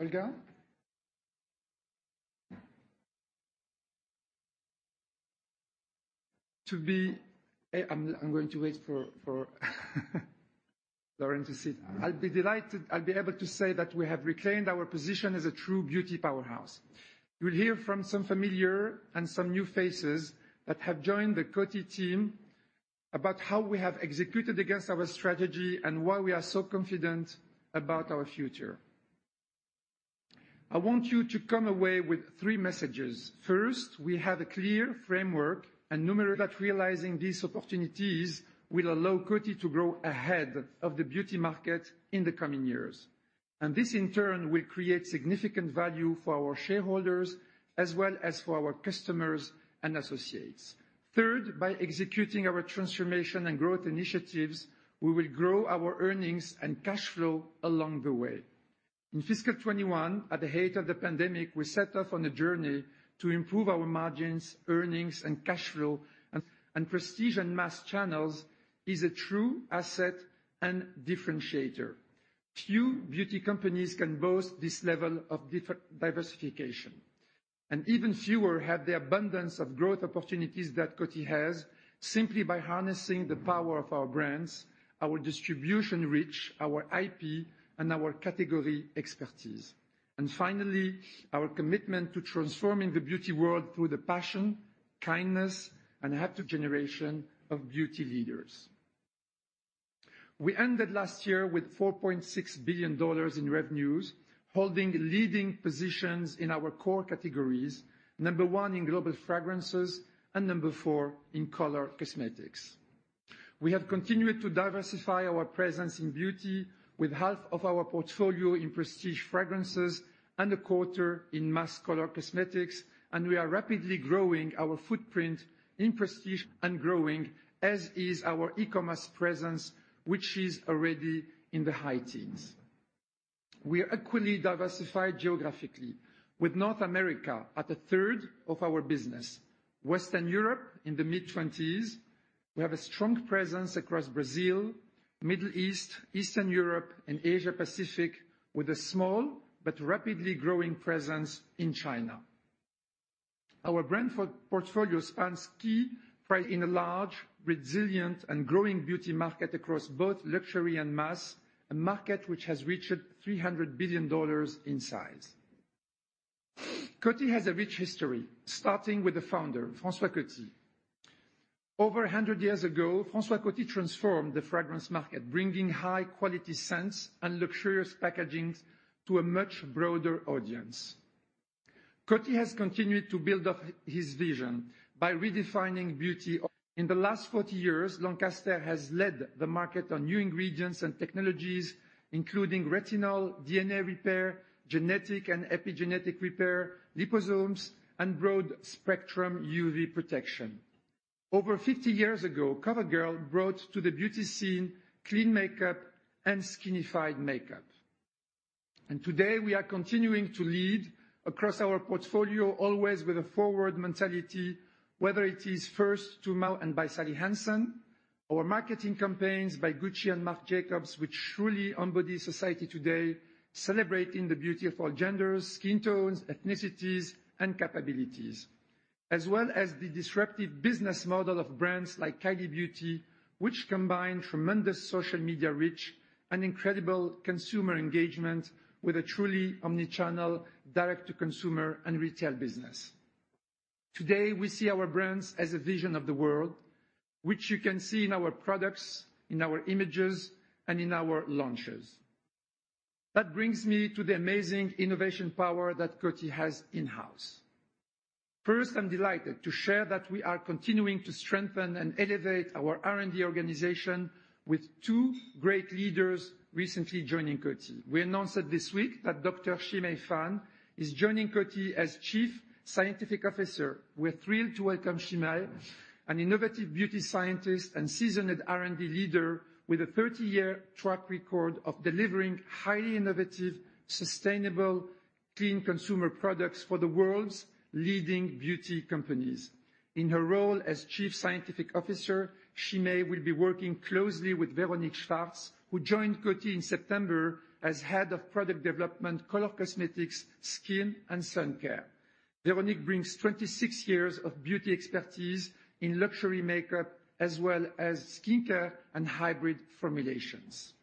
I'm going to wait for Laurent to sit. I'll be able to say that we have reclaimed our position as a true beauty powerhouse. You'll hear from some familiar and some new faces that have joined the Coty team about how we have executed against our strategy and why we are so confident about our future. I want you to come away with three messages. First, we have a clear framework and numerous opportunities. Realizing these opportunities will allow Coty to grow ahead of the beauty market in the coming years, and this, in turn, will create significant value for our shareholders as well as for our customers and associates. Third, by executing our transformation and growth initiatives, we will grow our earnings and cash flow along the way. In FY2021, at the height of the pandemic, we set off on a journey to improve our margins, earnings, and cash flow. Prestige and mass channels is a true asset and differentiator. Few beauty companies can boast this level of diversification, and even fewer have the abundance of growth opportunities that Coty has simply by harnessing the power of our brands, our distribution reach, our IP, and our category expertise. Finally, our commitment to transforming the beauty world through the passion, kindness, and the next generation of beauty leaders. We ended last year with $4.6 billion in revenues, holding leading positions in our core categories, number one in global fragrances and number four in color cosmetics. We have continued to diversify our presence in beauty with half of our portfolio in prestige fragrances and a quarter in mass color cosmetics, and we are rapidly growing our footprint in prestige and growing, as is our e-commerce presence, which is already in the high teens. We are equally diversified geographically with North America at a third of our business, Western Europe in the mid-twenties. We have a strong presence across Brazil, Middle East, Eastern Europe, and Asia-Pacific, with a small but rapidly growing presence in China. Our brand portfolio spans key in a large, resilient, and growing beauty market across both luxury and mass, a market which has reached $300 billion in size. Coty has a rich history, starting with the founder, François Coty. Over a hundred years ago, François Coty transformed the fragrance market, bringing high-quality scents and luxurious packagings to a much broader audience. Coty has continued to build off his vision by redefining beauty. In the last 40 years, Lancaster has led the market on new ingredients and technologies, including retinol, DNA repair, genetic and epigenetic repair, liposomes, and broad-spectrum UV protection. Over 50 years ago, CoverGirl brought to the beauty scene clean makeup and skinified makeup, and today we are continuing to lead across our portfolio, always with a forward mentality, whether it is first to nail and by Sally Hansen, our marketing campaigns by Gucci and Marc Jacobs, which truly embody society today, celebrating the beauty of all genders, skin tones, ethnicities, and capabilities. As well as the disruptive business model of brands like Kylie Beauty, which combine tremendous social media reach and incredible consumer engagement with a truly omni-channel direct to consumer and retail business. Today, we see our brands as a vision of the world, which you can see in our products, in our images, and in our launches. That brings me to the amazing innovation power that Coty has in-house. First, I'm delighted to share that we are continuing to strengthen and elevate our R&D organization with two great leaders recently joining Coty. We announced it this week that Dr. Shimei Fan is joining Coty as chief scientific officer. We're thrilled to welcome Shimei Fan, an innovative beauty scientist and seasoned R&D leader with a 30-year track record of delivering highly innovative, sustainable, clean consumer products for the world's leading beauty companies. In her role as chief scientific officer, Shimei will be working closely with Véronique Schwartz-Boshu, who joined Coty in September as head of product development, color cosmetics, skin, and sun care. Véronique brings 26 years of beauty expertise in luxury makeup as well as skincare and hybrid formulations.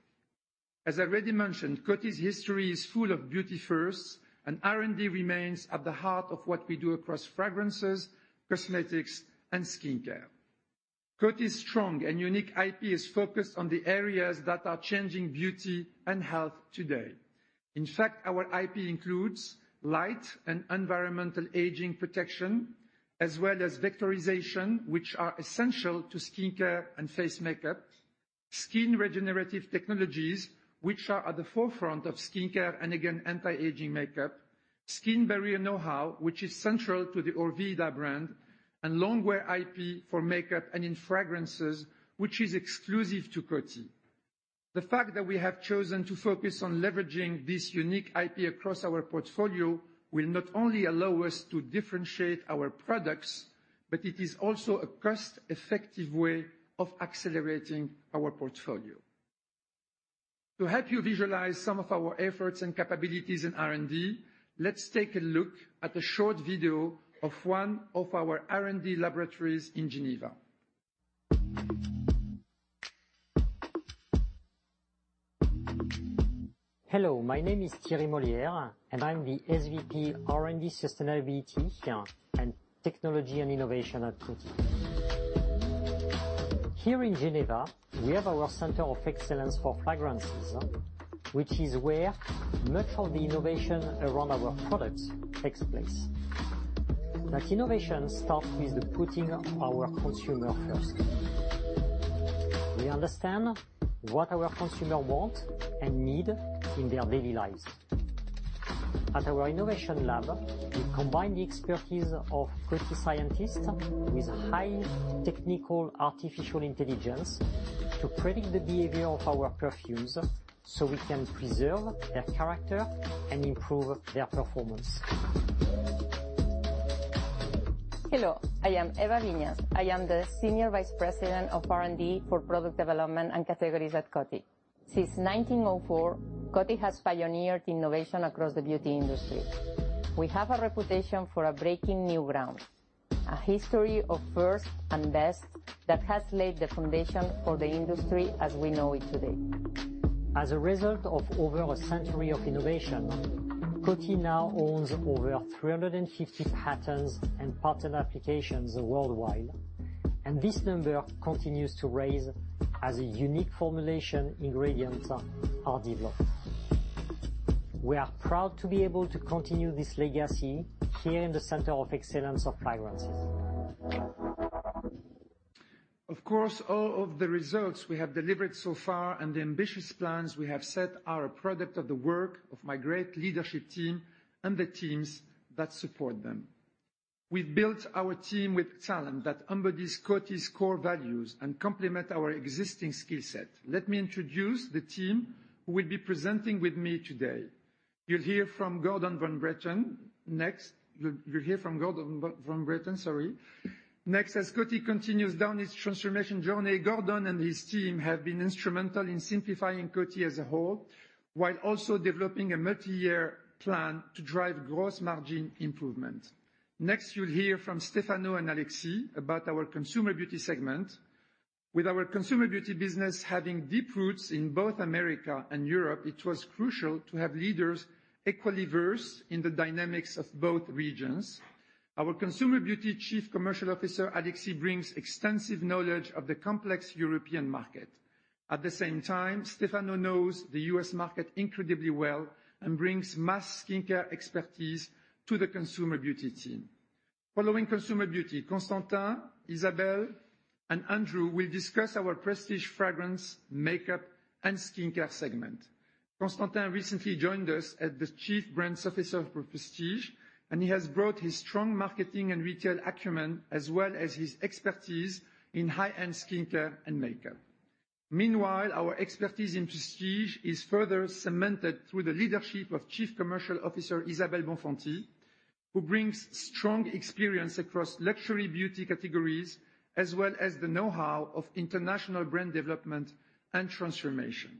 As I already mentioned, Coty's history is full of beauty firsts, and R&D remains at the heart of what we do across fragrances, cosmetics, and skincare. Coty's strong and unique IP is focused on the areas that are changing beauty and health today. In fact, our IP includes light and environmental aging protection as well as vectorization, which are essential to skincare and face makeup. Skin regenerative technologies, which are at the forefront of skincare and, again, anti-aging makeup. Skin barrier know-how, which is central to the Orveda brand, and long-wear IP for makeup and in fragrances, which is exclusive to Coty. The fact that we have chosen to focus on leveraging this unique IP across our portfolio will not only allow us to differentiate our products, but it is also a cost-effective way of accelerating our portfolio. To help you visualize some of our efforts and capabilities in R&D, let's take a look at a short video of one of our R&D laboratories in Geneva. Hello, my name is Thierry Molière, and I'm the SVP R&D Sustainability and Technology and Innovation at Coty. Here in Geneva, we have our center of excellence for fragrances, which is where much of the innovation around our products takes place. That innovation starts with putting our consumer first. We understand what our consumer want and need in their daily lives. At our innovation lab, we combine the expertise of Coty scientists with high technical artificial intelligence to predict the behavior of our perfumes, so we can preserve their character and improve their performance. Hello, I am Eva Viñas. I am the Senior Vice President of R&D for Product Development and Categories at Coty. Since 1904, Coty has pioneered innovation across the beauty industry. We have a reputation for breaking new ground. A history of first and best that has laid the foundation for the industry as we know it today. As a result of over a century of innovation, Coty now owns over 350 patents and patent applications worldwide, and this number continues to rise as unique formulation ingredients are developed. We are proud to be able to continue this legacy here in the center of excellence of fragrances. Of course, all of the results we have delivered so far and the ambitious plans we have set are a product of the work of my great leadership team and the teams that support them. We've built our team with talent that embodies Coty's core values and complement our existing skill set. Let me introduce the team who will be presenting with me today. You'll hear from Gordon von Bretten next. Next, as Coty continues down its transformation journey, Gordon and his team have been instrumental in simplifying Coty as a whole, while also developing a multi-year plan to drive gross margin improvement. Next, you'll hear from Stefano and Alexis about our Consumer Beauty segment. With our Consumer Beauty business having deep roots in both America and Europe, it was crucial to have leaders equally versed in the dynamics of both regions. Our Consumer Beauty Chief Commercial Officer, Alexis, brings extensive knowledge of the complex European market. At the same time, Stefano knows the U.S. market incredibly well and brings mass skincare expertise to the Consumer Beauty team. Following Consumer Beauty, Constantin, Isabelle, and Andrew will discuss our Prestige, fragrance, makeup, and skincare segment. Constantin recently joined us as the Chief Prestige Brands Officer, and he has brought his strong marketing and retail acumen, as well as his expertise in high-end skincare and makeup. Meanwhile, our expertise in Prestige is further cemented through the leadership of Chief Commercial Officer Isabelle Bonfanti, who brings strong experience across luxury beauty categories, as well as the know-how of international brand development and transformation.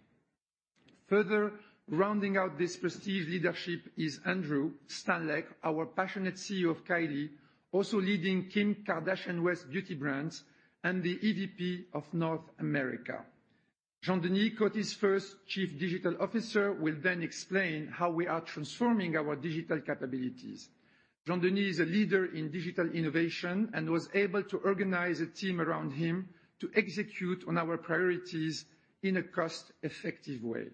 Further rounding out this prestige leadership is Andrew Stanick, our passionate CEO of Kylie, also leading Kim Kardashian West's beauty brands and the EVP of North America. Jean-Denis Mariani, Coty's first Chief Digital Officer, will then explain how we are transforming our digital capabilities. Jean-Denis Mariani is a leader in digital innovation and was able to organize a team around him to execute on our priorities in a cost-effective way.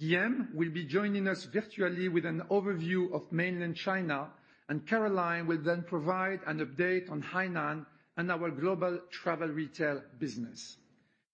Guilhem Souche will be joining us virtually with an overview of mainland China, and Caroline Andreotti will then provide an update on Hainan and our global travel retail business.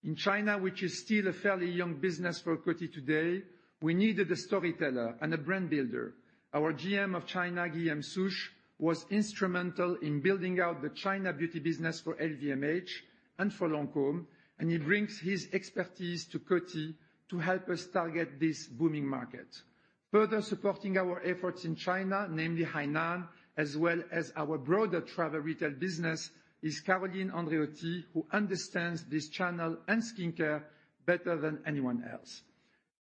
In China, which is still a fairly young business for Coty today, we needed a storyteller and a brand builder. Our GM of China, Guilhem Souche, was instrumental in building out the China beauty business for LVMH and for Lancôme, and he brings his expertise to Coty to help us target this booming market. Further supporting our efforts in China, namely Hainan, as well as our broader travel retail business, is Caroline Andreotti, who understands this channel and skincare better than anyone else.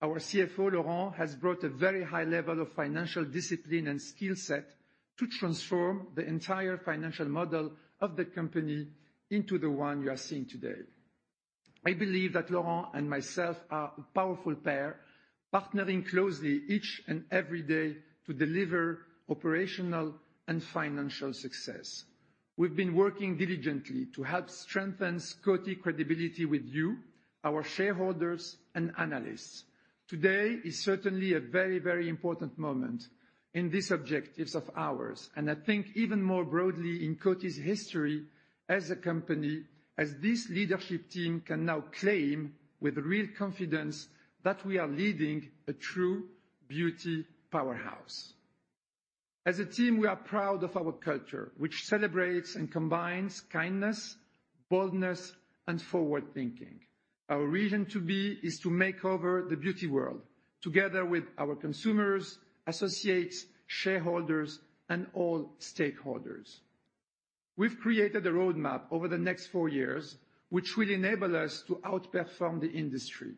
Our CFO, Laurent, has brought a very high level of financial discipline and skill set to transform the entire financial model of the company into the one you are seeing today. I believe that Laurent and myself are a powerful pair, partnering closely each and every day to deliver operational and financial success. We've been working diligently to help strengthen Coty credibility with you, our shareholders, and analysts. Today is certainly a very, very important moment in these objectives of ours, and I think even more broadly in Coty's history as a company, as this leadership team can now claim with real confidence that we are leading a true beauty powerhouse. As a team, we are proud of our culture, which celebrates and combines kindness, boldness, and forward-thinking. Our reason to be is to make over the beauty world together with our consumers, associates, shareholders, and all stakeholders. We've created a roadmap over the next four years, which will enable us to outperform the industry.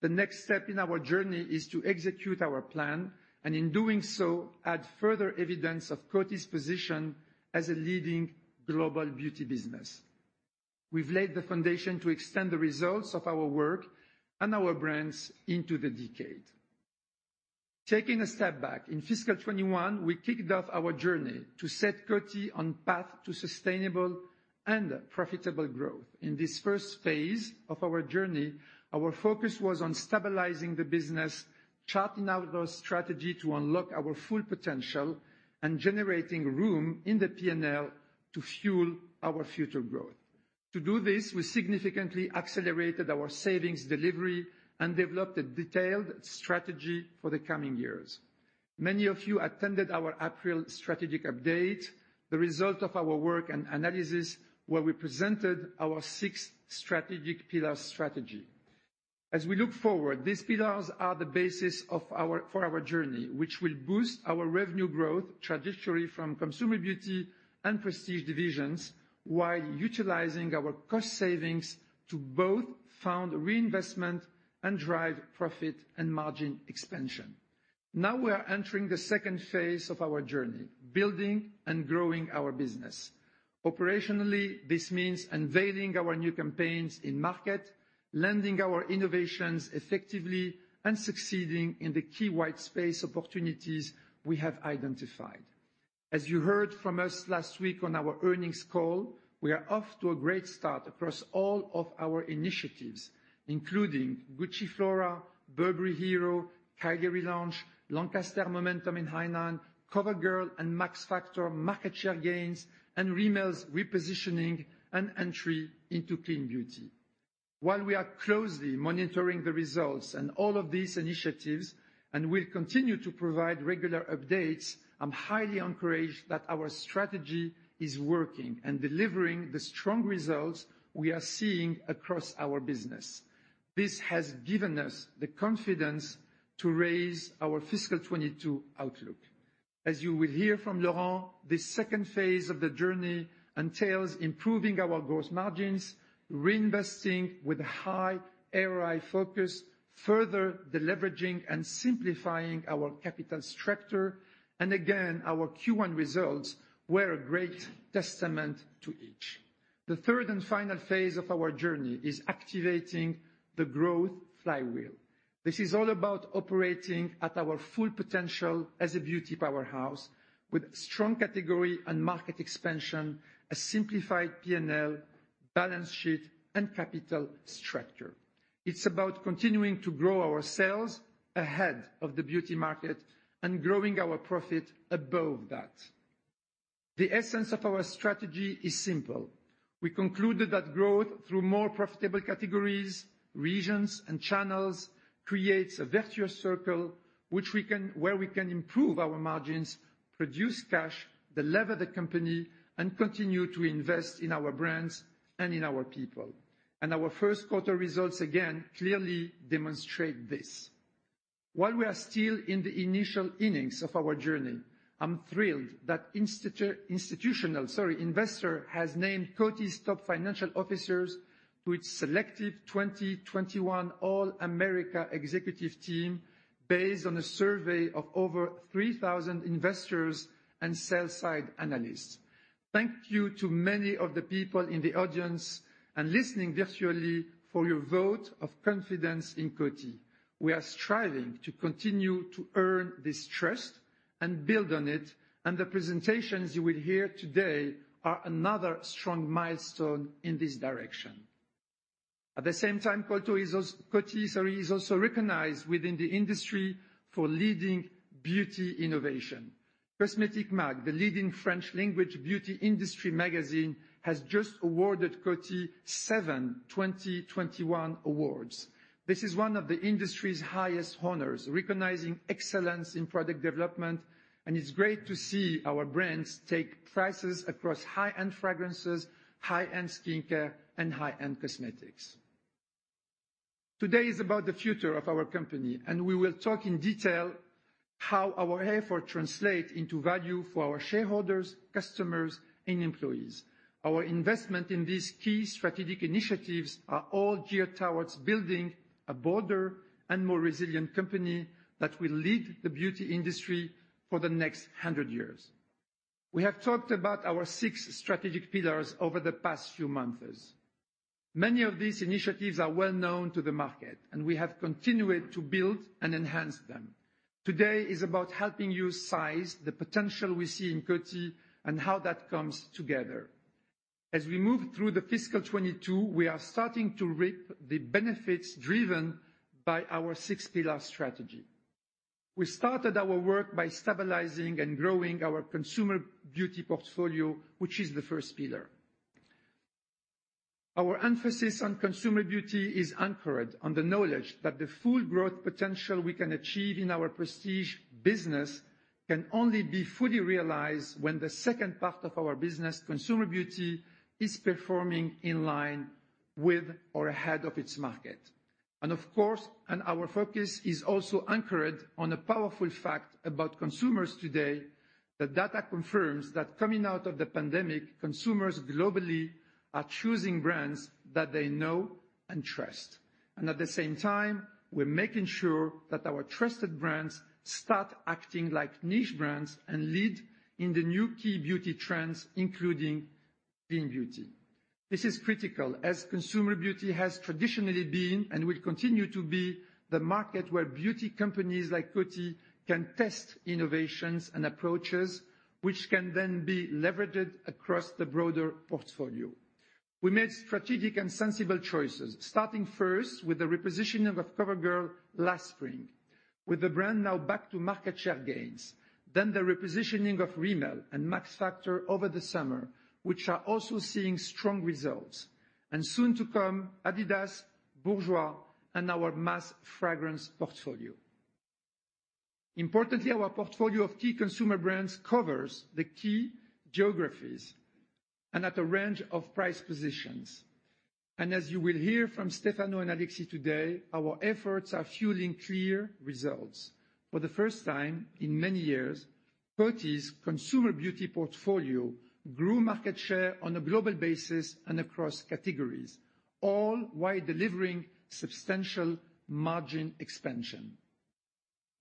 The next step in our journey is to execute our plan, and in doing so, add further evidence of Coty's position as a leading global beauty business. We've laid the foundation to extend the results of our work and our brands into the decade. Taking a step back, in FY2021, we kicked off our journey to set Coty on path to sustainable and profitable growth. In this first phase of our journey, our focus was on stabilizing the business, charting out our strategy to unlock our full potential, and generating room in the P&L to fuel our future growth. To do this, we significantly accelerated our savings delivery and developed a detailed strategy for the coming years. Many of you attended our April strategic update, the result of our work and analysis, where we presented our six strategic pillar strategy. As we look forward, these pillars are the basis for our journey, which will boost our revenue growth trajectory from Consumer Beauty and Prestige divisions while utilizing our cost savings to both fund reinvestment and drive profit and margin expansion. Now we are entering the second phase of our journey, building and growing our business. Operationally, this means unveiling our new campaigns in market, landing our innovations effectively, and succeeding in the key white space opportunities we have identified. As you heard from us last week on our earnings call, we are off to a great start across all of our initiatives, including Gucci Flora, Burberry Hero, Kylie relaunch, Lancaster Momentum in Hainan, CoverGirl and Max Factor market share gains, and Rimmel's repositioning and entry into clean beauty. While we are closely monitoring the results and all of these initiatives, and we'll continue to provide regular updates, I'm highly encouraged that our strategy is working and delivering the strong results we are seeing across our business. This has given us the confidence to raise our FY2022 outlook. As you will hear from Laurent, this second phase of the journey entails improving our gross margins, reinvesting with high ROI focus, further deleveraging and simplifying our capital structure. Again, our Q1 results were a great testament to each. The third and final phase of our journey is activating the growth flywheel. This is all about operating at our full potential as a beauty powerhouse with strong category and market expansion, a simplified P&L, balance sheet, and capital structure. It's about continuing to grow our sales ahead of the beauty market and growing our profit above that. The essence of our strategy is simple. We concluded that growth through more profitable categories, regions, and channels creates a virtuous circle where we can improve our margins, produce cash, delever the company, and continue to invest in our brands and in our people. Our Q1 results again clearly demonstrate this. While we are still in the initial innings of our journey, I'm thrilled that Institutional Investor has named Coty's top financial officers to its selected 2021 All-America Executive Team based on a survey of over 3,000 investors and sell-side analysts. Thank you to many of the people in the audience and listening virtually for your vote of confidence in Coty. We are striving to continue to earn this trust and build on it, and the presentations you will hear today are another strong milestone in this direction. At the same time, Coty is also recognized within the industry for leading beauty innovation. Cosmétique Mag, the leading French-language beauty industry magazine, has just awarded Coty seven 2021 awards. This is one of the industry's highest honors, recognizing excellence in product development, and it's great to see our brands take prizes across high-end fragrances, high-end skincare, and high-end cosmetics. Today is about the future of our company, and we will talk in detail how our effort translate into value for our shareholders, customers, and employees. Our investment in these key strategic initiatives are all geared towards building a bolder and more resilient company that will lead the beauty industry for the next hundred years. We have talked about our six strategic pillars over the past few months. Many of these initiatives are well known to the market, and we have continued to build and enhance them. Today is about helping you size the potential we see in Coty and how that comes together. As we move through the FY2022, we are starting to reap the benefits driven by our six-pillar strategy. We started our work by stabilizing and growing our Consumer Beauty portfolio, which is the first pillar. Our emphasis on Consumer Beauty is anchored on the knowledge that the full growth potential we can achieve in our Prestige business can only be fully realized when the second part of our business, Consumer Beauty, is performing in line with or ahead of its market. Of course, our focus is also anchored on a powerful fact about consumers today. The data confirms that coming out of the pandemic, consumers globally are choosing brands that they know and trust. At the same time, we're making sure that our trusted brands start acting like niche brands and lead in the new key beauty trends, including clean beauty. This is critical as consumer beauty has traditionally been and will continue to be the market where beauty companies like Coty can test innovations and approaches which can then be leveraged across the broader portfolio. We made strategic and sensible choices, starting first with the repositioning of CoverGirl last spring, with the brand now back to market share gains, then the repositioning of Rimmel and Max Factor over the summer, which are also seeing strong results. Soon to come, Adidas, Bourjois, and our mass fragrance portfolio. Importantly, our portfolio of key consumer brands covers the key geographies and at a range of price positions. As you will hear from Stefano and Alexis today, our efforts are fueling clear results. For the first time in many years, Coty's consumer beauty portfolio grew market share on a global basis and across categories, all while delivering substantial margin expansion.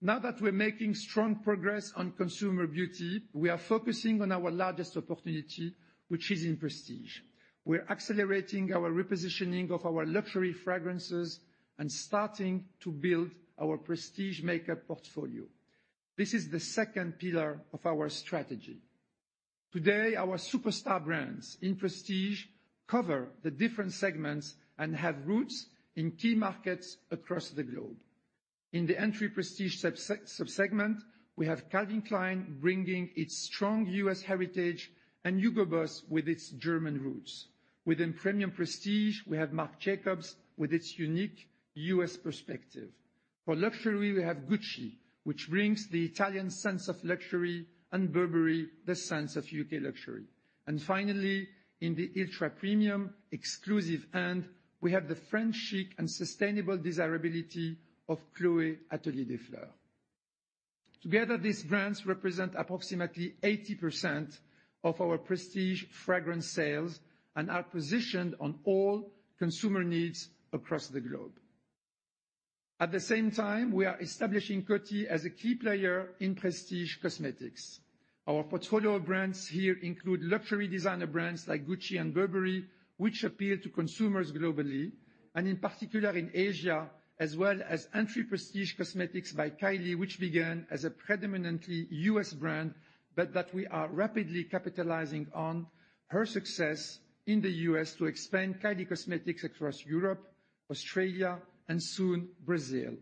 Now that we're making strong progress on consumer beauty, we are focusing on our largest opportunity, which is in prestige. We're accelerating our repositioning of our luxury fragrances and starting to build our prestige makeup portfolio. This is the second pillar of our strategy. Today, our superstar brands in prestige cover the different segments and have roots in key markets across the globe. In the entry prestige subsegment, we have Calvin Klein bringing its strong U.S. heritage, and Hugo Boss with its German roots. Within premium prestige, we have Marc Jacobs with its unique U.S. perspective. For luxury, we have Gucci, which brings the Italian sense of luxury, and Burberry, the sense of U.K. luxury. Finally, in the ultra-premium exclusive end, we have the French chic and sustainable desirability of Chloé Atelier des Fleurs. Together, these brands represent approximately 80% of our prestige fragrance sales and are positioned on all consumer needs across the globe. At the same time, we are establishing Coty as a key player in prestige cosmetics. Our portfolio of brands here include luxury designer brands like Gucci and Burberry, which appeal to consumers globally, and in particular in Asia, as well as entry prestige cosmetics by Kylie, which began as a predominantly U.S. brand, but that we are rapidly capitalizing on her success in the U.S. to expand Kylie Cosmetics across Europe, Australia, and soon Brazil.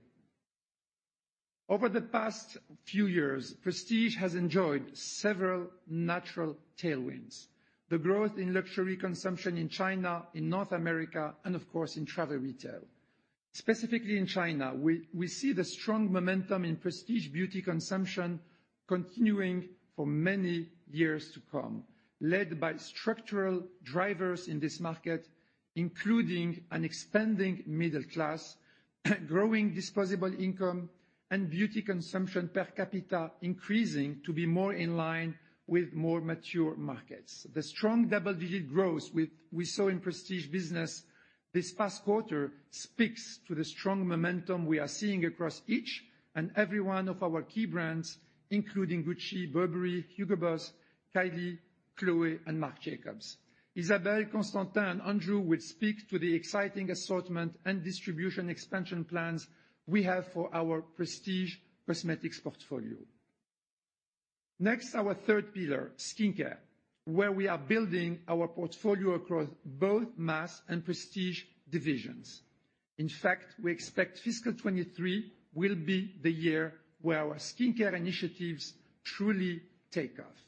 Over the past few years, prestige has enjoyed several natural tailwinds. The growth in luxury consumption in China, in North America, and of course, in travel retail. Specifically in China, we see the strong momentum in prestige beauty consumption continuing for many years to come, led by structural drivers in this market, including an expanding middle class, growing disposable income, and beauty consumption per capita increasing to be more in line with more mature markets. The strong double-digit growth we saw in prestige business this past quarter speaks to the strong momentum we are seeing across each and every one of our key brands, including Gucci, Burberry, Hugo Boss, Kylie, Chloé, and Marc Jacobs. Isabelle, Constantin, Andrew will speak to the exciting assortment and distribution expansion plans we have for our prestige cosmetics portfolio. Next, our third pillar, skincare, where we are building our portfolio across both mass and prestige divisions. In fact, we expect FY2023 will be the year where our skincare initiatives truly take off.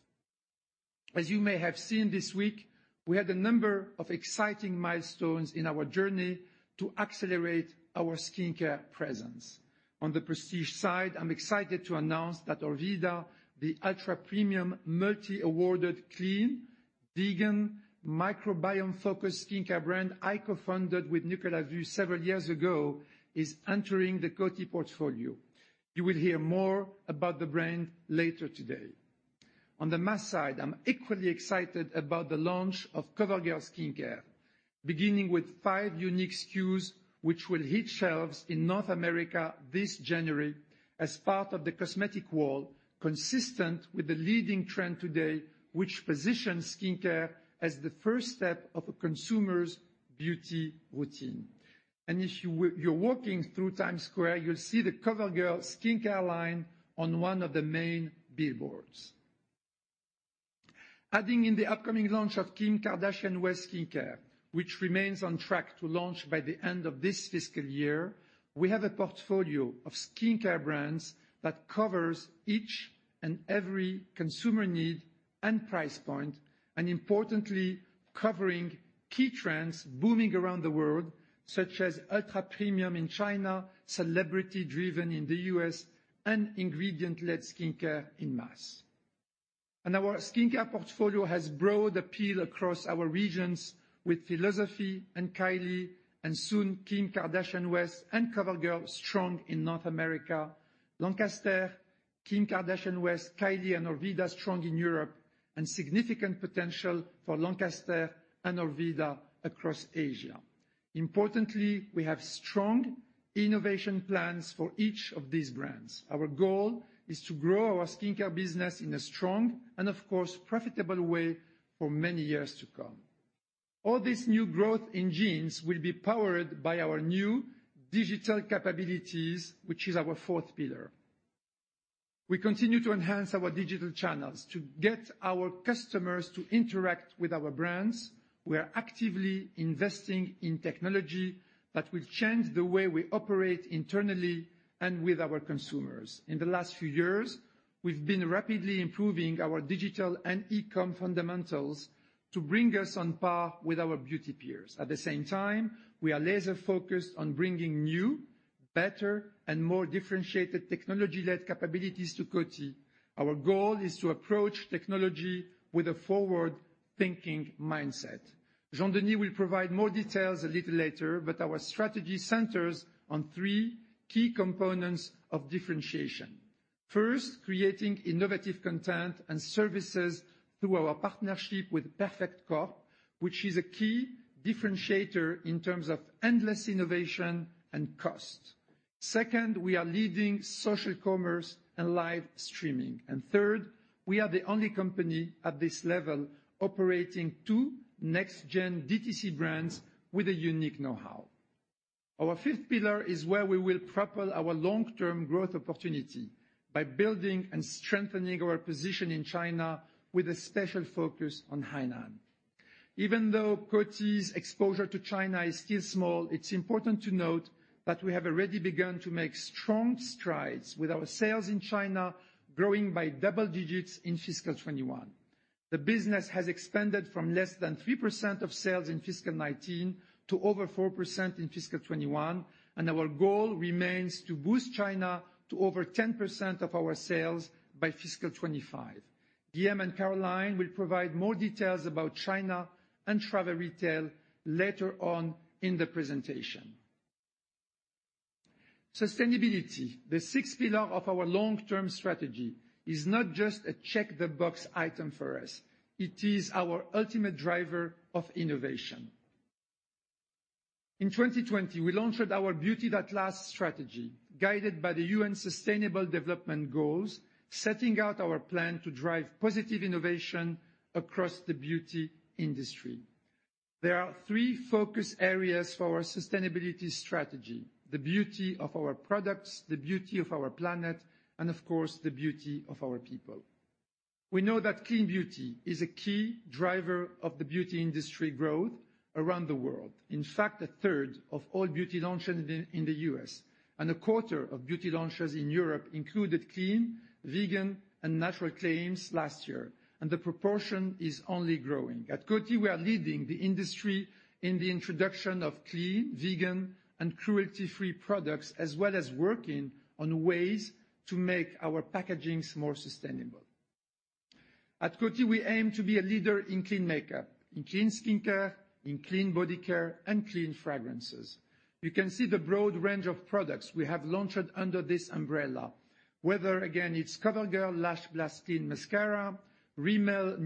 As you may have seen this week, we had a number of exciting milestones in our journey to accelerate our skincare presence. On the prestige side, I'm excited to announce that Orveda, the ultra-premium, multi-awarded, clean, vegan, microbiome-focused skincare brand I co-founded with Nicolas Vu several years ago, is entering the Coty portfolio. You will hear more about the brand later today. On the mass side, I'm equally excited about the launch of CoverGirl Skincare, beginning with five unique SKUs, which will hit shelves in North America this January as part of the cosmetic wall, consistent with the leading trend today, which positions skincare as the first step of a consumer's beauty routine. If you're walking through Times Square, you'll see the CoverGirl skincare line on one of the main billboards. Adding in the upcoming launch of Kim Kardashian West Skincare, which remains on track to launch by the end of this fiscal year, we have a portfolio of skincare brands that covers each and every consumer need and price point, and importantly, covering key trends booming around the world, such as ultra-premium in China, celebrity-driven in the U.S., and ingredient-led skincare in mass. Our skincare portfolio has broad appeal across our regions with Philosophy and Kylie and soon Kim Kardashian West and COVERGIRL strong in North America. Lancaster, Kim Kardashian West, Kylie, and Orveda strong in Europe, and significant potential for Lancaster and Orveda across Asia. Importantly, we have strong innovation plans for each of these brands. Our goal is to grow our skincare business in a strong and, of course, profitable way for many years to come. All these new growth engines will be powered by our new digital capabilities, which is our fourth pillar. We continue to enhance our digital channels to get our customers to interact with our brands. We are actively investing in technology that will change the way we operate internally and with our consumers. In the last few years, we've been rapidly improving our digital and e-com fundamentals to bring us on par with our beauty peers. At the same time, we are laser-focused on bringing new, better, and more differentiated technology-led capabilities to Coty. Our goal is to approach technology with a forward-thinking mindset. Jean-Denis will provide more details a little later, but our strategy centers on three key components of differentiation. First, creating innovative content and services through our partnership with Perfect Corp., which is a key differentiator in terms of endless innovation and cost. Second, we are leading social commerce and live streaming. Third, we are the only company at this level operating two next gen DTC brands with a unique know-how. Our fifth pillar is where we will propel our long-term growth opportunity by building and strengthening our position in China with a special focus on Hainan. Even though Coty's exposure to China is still small, it's important to note that we have already begun to make strong strides with our sales in China, growing by double digits in FY2021. The business has expanded from less than 3% of sales in FY2019 to over 4% in FY2021, and our goal remains to boost China to over 10% of our sales by FY2025. Guilhem and Caroline will provide more details about China and travel retail later on in the presentation. Sustainability, the sixth pillar of our long-term strategy, is not just a check-the-box item for us, it is our ultimate driver of innovation. In 2020, we launched our Beauty That Lasts strategy, guided by the UN sustainable development goals, setting out our plan to drive positive innovation across the beauty industry. There are three focus areas for our sustainability strategy, the beauty of our products, the beauty of our planet, and of course, the beauty of our people. We know that clean beauty is a key driver of the beauty industry growth around the world. In fact, a third of all beauty launches in the U.S. and a quarter of beauty launches in Europe included clean, vegan, and natural claims last year, and the proportion is only growing. At Coty, we are leading the industry in the introduction of clean, vegan, and cruelty-free products, as well as working on ways to make our packagings more sustainable. At Coty, we aim to be a leader in clean makeup, in clean skincare, in clean body care, and clean fragrances. You can see the broad range of products we have launched under this umbrella. Whether, again, it's COVERGIRL Lash Blast Clean Volume Mascara, Rimmel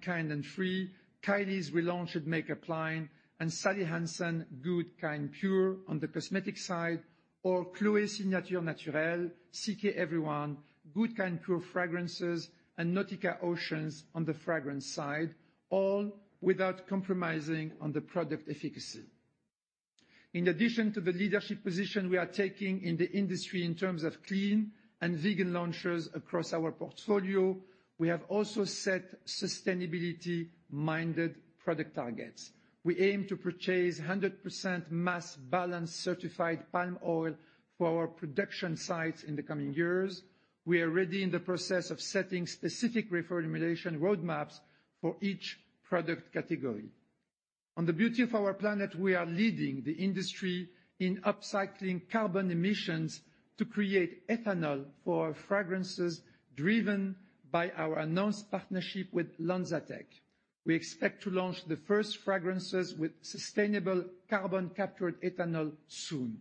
Kind & Free(new line), Kylie's relaunched makeup line, and Sally Hansen Good. Kind. Pure. on the cosmetic side, or Chloé Signature Naturelle, CK Everyone, Good. Kind. Pure. fragrances, and Nautica Oceans on the fragrance side, all without compromising on the product efficacy. In addition to the leadership position we are taking in the industry in terms of clean and vegan launches across our portfolio, we have also set sustainability-minded product targets. We aim to purchase 100% Mass Balance certified palm oil for our production sites in the coming years. We are already in the process of setting specific reformulation roadmaps for each product category. On the beauty of our planet, we are leading the industry in upcycling carbon emissions to create ethanol for fragrances driven by our announced partnership with LanzaTech. We expect to launch the first fragrances with sustainable carbon captured ethanol soon.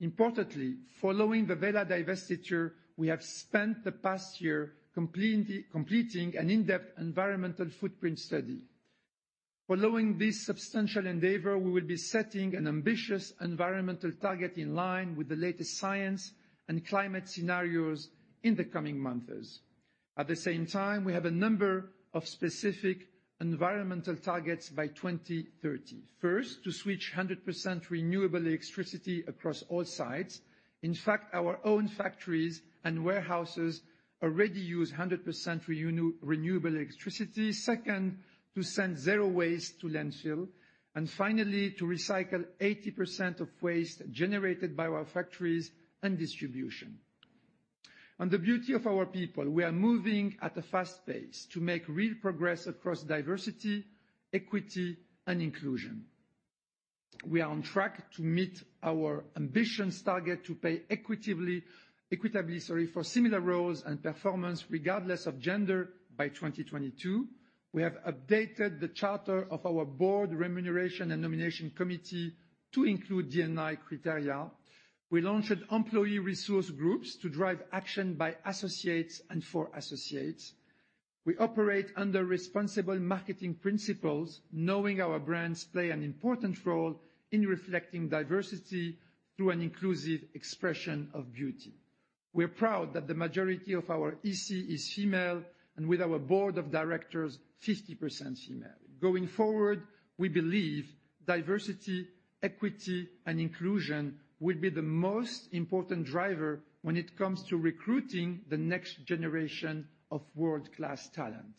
Importantly, following the Wella divestiture, we have spent the past year completing an in-depth environmental footprint study. Following this substantial endeavor, we will be setting an ambitious environmental target in line with the latest science and climate scenarios in the coming months. At the same time, we have a number of specific environmental targets by 2030. First, to switch 100% renewable electricity across all sites. In fact, our own factories and warehouses already use 100% renewable electricity. Second, to send zero waste to landfill. Finally, to recycle 80% of waste generated by our factories and distribution. On the beauty of our people, we are moving at a fast pace to make real progress across diversity, equity, and inclusion. We are on track to meet our ambitious target to pay equitably, sorry, for similar roles and performance regardless of gender by 2022. We have updated the charter of our board remuneration and nomination committee to include DEI criteria. We launched employee resource groups to drive action by associates and for associates. We operate under responsible marketing principles, knowing our brands play an important role in reflecting diversity through an inclusive expression of beauty. We're proud that the majority of our EC is female, and with our board of directors, 50% female. Going forward, we believe diversity, equity, and inclusion will be the most important driver when it comes to recruiting the next generation of world-class talent.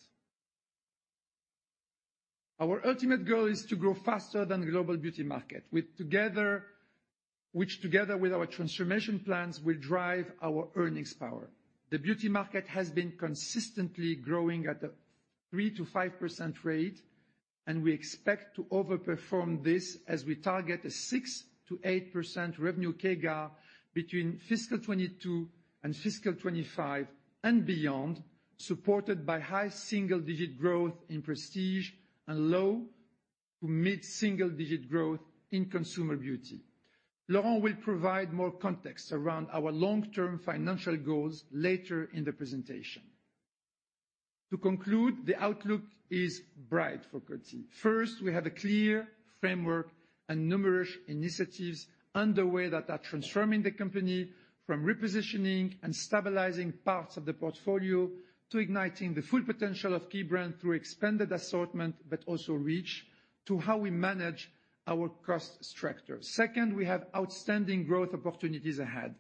Our ultimate goal is to grow faster than the global beauty market, which together with our transformation plans will drive our earnings power. The beauty market has been consistently growing at a 3%-5% rate, and we expect to outperform this as we target a 6%-8% revenue CAGR between fiscal 2022 and fiscal 2025 and beyond, supported by high single-digit growth in Prestige and low to mid-single digit growth in Consumer Beauty. Laurent will provide more context around our long-term financial goals later in the presentation. To conclude, the outlook is bright for Coty. First, we have a clear framework and numerous initiatives underway that are transforming the company from repositioning and stabilizing parts of the portfolio to igniting the full potential of key brand through expanded assortment, but also reach to how we manage our cost structure. Second, we have outstanding growth opportunities ahead,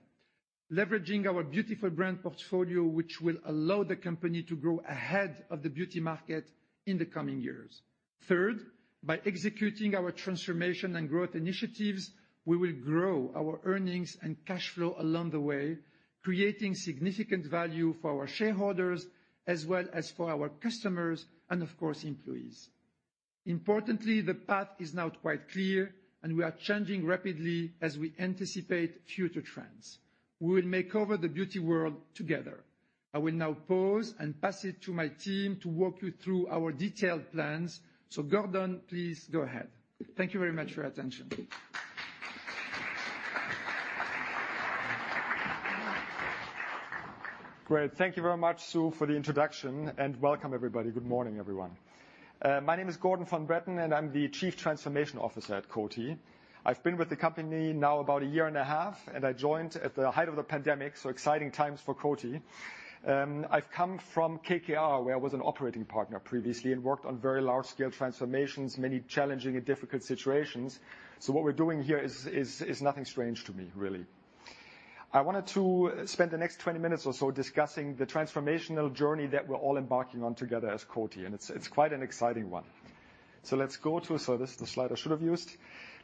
leveraging our beautiful brand portfolio, which will allow the company to grow ahead of the beauty market in the coming years. Third, by executing our transformation and growth initiatives, we will grow our earnings and cash flow along the way, creating significant value for our shareholders as well as for our customers and, of course, employees. Importantly, the path is now quite clear, and we are changing rapidly as we anticipate future trends. We will make over the beauty world together. I will now pause and pass it to my team to walk you through our detailed plans. Gordon, please go ahead. Thank you very much for your attention. Great. Thank you very much, Sue, for the introduction, and welcome everybody. Good morning, everyone. My name is Gordon von Bretten, and I'm the Chief Transformation Officer at Coty. I've been with the company now about a year and a half, and I joined at the height of the pandemic, so exciting times for Coty. I've come from KKR, where I was an operating partner previously and worked on very large-scale transformations, many challenging and difficult situations. What we're doing here is nothing strange to me, really. I wanted to spend the next 20 minutes or so discussing the transformational journey that we're all embarking on together as Coty, and it's quite an exciting one. This is the slide I should have used.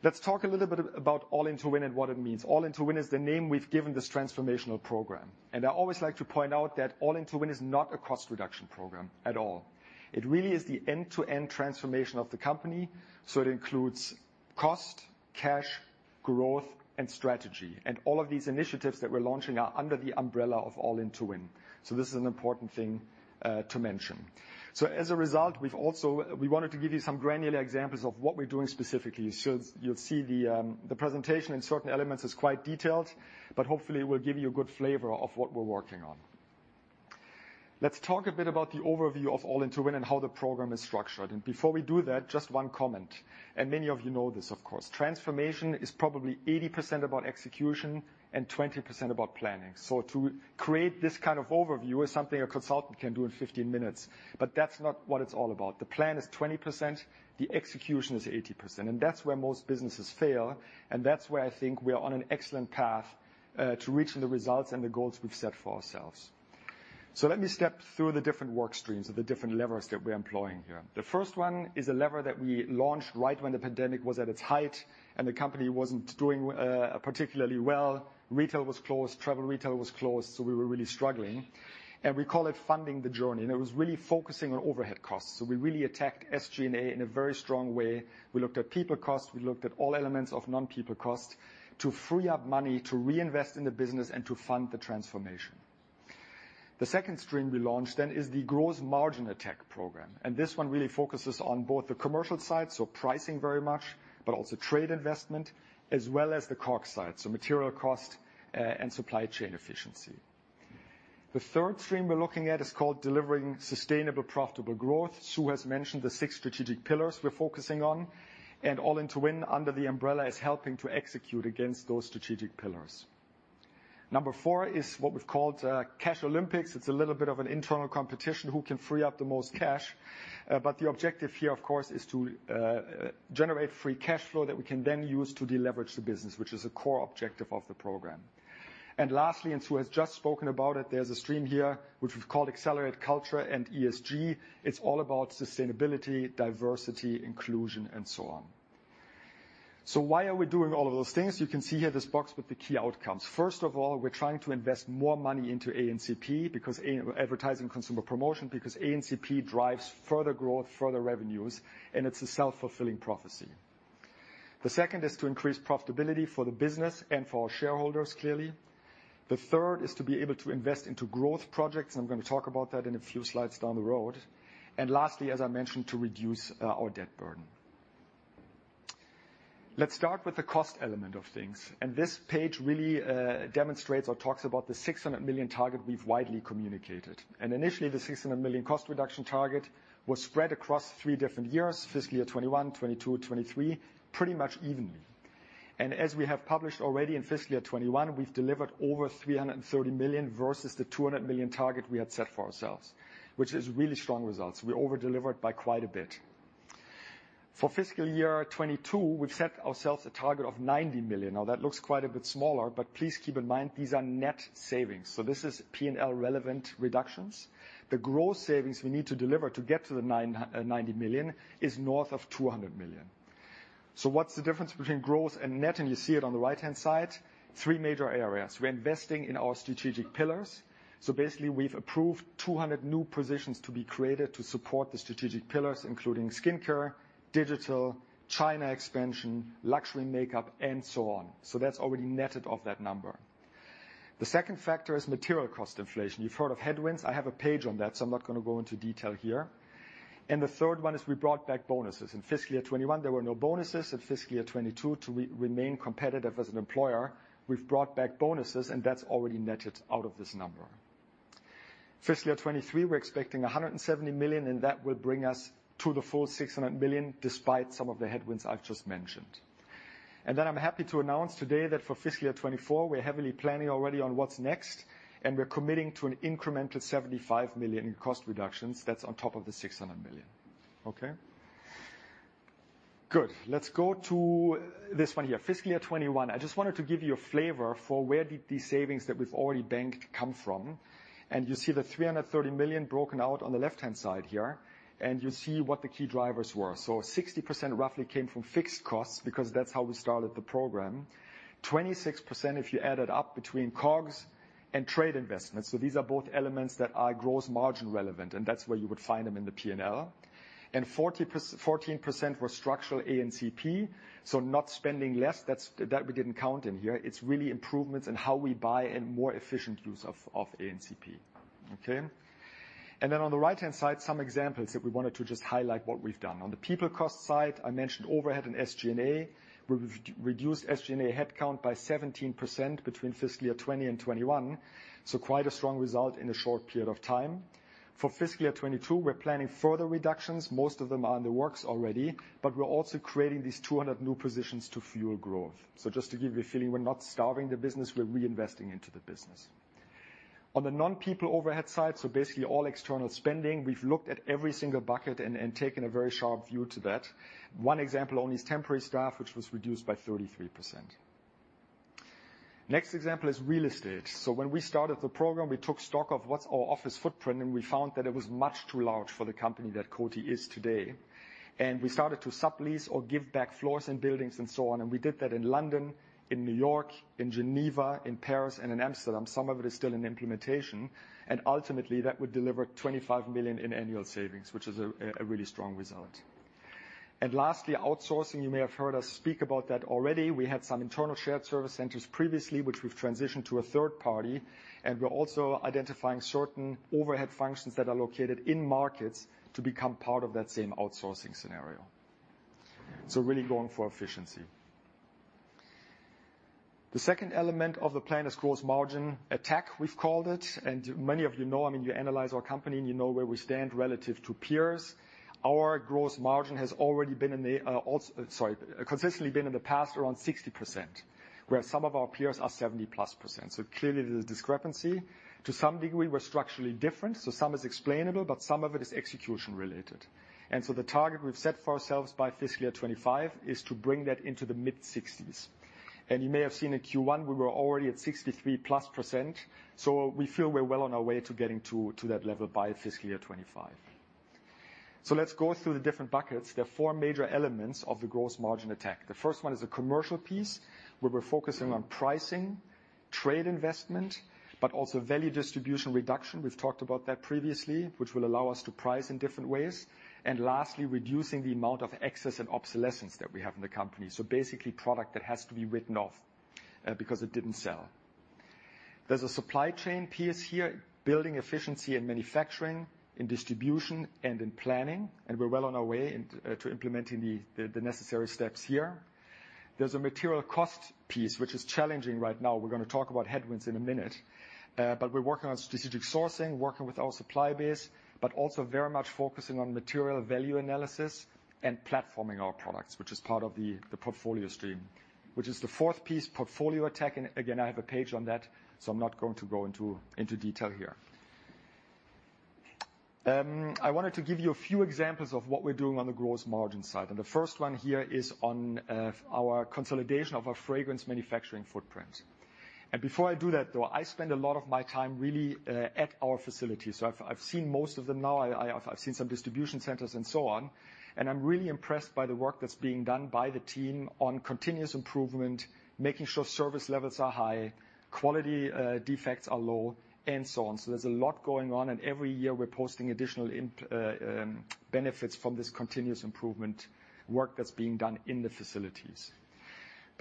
Let's talk a little bit about All-in to Win and what it means. All-in to Win is the name we've given this transformational program. I always like to point out that All-in to Win is not a cost reduction program at all. It really is the end-to-end transformation of the company. It includes cost, cash, growth, and strategy. All of these initiatives that we're launching are under the umbrella of All-in to Win. This is an important thing to mention. As a result, we wanted to give you some granular examples of what we're doing specifically. You'll see the presentation in certain elements is quite detailed, but hopefully it will give you a good flavor of what we're working on. Let's talk a bit about the overview of All-in to Win and how the program is structured. Before we do that, just one comment, and many of you know this, of course. Transformation is probably 80% about execution and 20% about planning. To create this kind of overview is something a consultant can do in 15 minutes, but that's not what it's all about. The plan is 20%, the execution is 80%, and that's where most businesses fail, and that's where I think we are on an excellent path to reaching the results and the goals we've set for ourselves. Let me step through the different work streams or the different levers that we're employing here. The first one is a lever that we launched right when the pandemic was at its height and the company wasn't doing particularly well. Retail was closed, travel retail was closed, so we were really struggling, and we call it funding the journey. It was really focusing on overhead costs. We really attacked SG&A in a very strong way. We looked at people cost, we looked at all elements of non-people cost to free up money to reinvest in the business and to fund the transformation. The second stream we launched then is the gross margin attack program, and this one really focuses on both the commercial side, so pricing very much, but also trade investment, as well as the COGS side, so material cost, and supply chain efficiency. The third stream we're looking at is called delivering sustainable, profitable growth. Sue has mentioned the six strategic pillars we're focusing on, and All-in to Win under the umbrella is helping to execute against those strategic pillars. Number 4 is what we've called Cash Olympics. It's a little bit of an internal competition, who can free up the most cash. But the objective here, of course, is to generate free cash flow that we can then use to deleverage the business, which is a core objective of the program. Lastly, Sue has just spoken about it, there's a stream here which we've called Accelerate Culture and ESG. It's all about sustainability, diversity, inclusion, and so on. Why are we doing all of those things? You can see here this box with the key outcomes. First of all, we're trying to invest more money into ANCP, advertising consumer promotion, because ANCP drives further growth, further revenues, and it's a self-fulfilling prophecy. The second is to increase profitability for the business and for our shareholders, clearly. The third is to be able to invest into growth projects. I'm gonna talk about that in a few slides down the road. Lastly, as I mentioned, to reduce our debt burden. Let's start with the cost element of things, and this page really demonstrates or talks about the $600 million target we've widely communicated. Initially, the $600 million cost reduction target was spread across three different years, fiscal year 2021, 2022, 2023, pretty much evenly. As we have published already in fiscal year 2021, we've delivered over $330 million versus the $200 million target we had set for ourselves, which is really strong results. We over-delivered by quite a bit. For fiscal year 2022, we've set ourselves a target of $90 million. Now that looks quite a bit smaller, but please keep in mind these are net savings, so this is P&L-relevant reductions. The growth savings we need to deliver to get to the 90 million is north of $200 million. What's the difference between growth and net? You see it on the right-hand side. Three major areas. We're investing in our strategic pillars, so basically we've approved 200 new positions to be created to support the strategic pillars, including skincare, digital, China expansion, luxury makeup, and so on. That's already netted off that number. The second factor is material cost inflation. You've heard of headwinds, I have a page on that, so I'm not gonna go into detail here. The third one is we brought back bonuses. In fiscal year 2021, there were no bonuses. In fiscal year 2022, to re-remain competitive as an employer, we've brought back bonuses, and that's already netted out of this number. Fiscal year 2023, we're expecting $170 million, and that will bring us to the full $600 million, despite some of the headwinds I've just mentioned. Then I'm happy to announce today that for fiscal year 2024, we're heavily planning already on what's next, and we're committing to an incremental $75 million in cost reductions. That's on top of the $600 million. Okay? Good. Let's go to this one here, fiscal year 2021. I just wanted to give you a flavor for where did these savings that we've already banked come from. You see the $330 million broken out on the left-hand side here, and you see what the key drivers were. 60% roughly came from fixed costs because that's how we started the program. 26% if you add it up between COGS and trade investments, so these are both elements that are gross margin relevant, and that's where you would find them in the P&L. Fourteen percent were structural ANCP, so not spending less, that we didn't count in here. It's really improvements in how we buy and more efficient use of ANCP. Okay? On the right-hand side, some examples that we wanted to just highlight what we've done. On the people cost side, I mentioned overhead and SG&A. We've reduced SG&A headcount by 17% between fiscal year 2020 and 2021, so quite a strong result in a short period of time. For fiscal year 2022, we're planning further reductions. Most of them are in the works already. We're also creating these 200 new positions to fuel growth. Just to give you a feeling, we're not starving the business, we're reinvesting into the business. On the non-people overhead side, so basically all external spending, we've looked at every single bucket and taken a very sharp view to that. One example only is temporary staff, which was reduced by 33%. Next example is real estate. When we started the program, we took stock of what's our office footprint, and we found that it was much too large for the company that Coty is today. We started to sublease or give back floors and buildings and so on, and we did that in London, in New York, in Geneva, in Paris, and in Amsterdam. Some of it is still in implementation. Ultimately that would deliver $25 million in annual savings, which is a really strong result. Lastly, outsourcing. You may have heard us speak about that already. We had some internal shared service centers previously, which we've transitioned to a third party, and we're also identifying certain overhead functions that are located in markets to become part of that same outsourcing scenario. Really going for efficiency. The second element of the plan is gross margin attack, we've called it. Many of you know, I mean, you analyze our company, and you know where we stand relative to peers. Our gross margin has already been consistently in the past around 60%, where some of our peers are 70%+. Clearly there's a discrepancy. To some degree, we're structurally different, so some is explainable, but some of it is execution related. The target we've set for ourselves by FY2025 is to bring that into the mid-60%. You may have seen in Q1 we were already at 63+%, so we feel we're well on our way to getting to that level by FY 2025. Let's go through the different buckets. There are four major elements of the gross margin attack. The first one is the commercial piece, where we're focusing on pricing, trade investment, but also value distribution reduction. We've talked about that previously, which will allow us to price in different ways. Lastly, reducing the amount of excess and obsolescence that we have in the company, so basically product that has to be written off because it didn't sell. There's a supply chain piece here, building efficiency in manufacturing, in distribution, and in planning, and we're well on our way in to implementing the necessary steps here. There's a material cost piece, which is challenging right now. We're gonna talk about headwinds in a minute. We're working on strategic sourcing, working with our supply base, but also very much focusing on material value analysis and platforming our products, which is part of the portfolio stream. Which is the fourth piece, portfolio attack, and again, I have a page on that, so I'm not going to go into detail here. I wanted to give you a few examples of what we're doing on the gross margin side, and the first one here is on our consolidation of our fragrance manufacturing footprint. Before I do that though, I spend a lot of my time really at our facilities. I've seen most of them now. I've seen some distribution centers and so on, and I'm really impressed by the work that's being done by the team on continuous improvement, making sure service levels are high, quality defects are low, and so on. There's a lot going on, and every year we're posting additional benefits from this continuous improvement work that's being done in the facilities.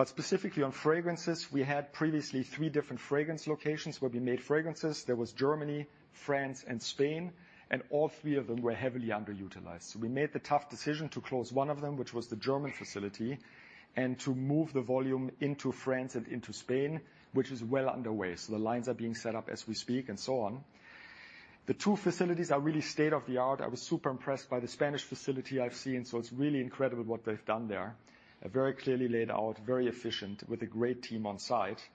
Specifically on fragrances, we had previously three different fragrance locations where we made fragrances. There was Germany, France, and Spain, and all three of them were heavily underutilized. We made the tough decision to close one of them, which was the German facility, and to move the volume into France and into Spain, which is well underway. The lines are being set up as we speak and so on. The two facilities are really state-of-the-art. I was super impressed by the Spanish facility I've seen, so it's really incredible what they've done there. Very clearly laid out, very efficient, with a great team on site.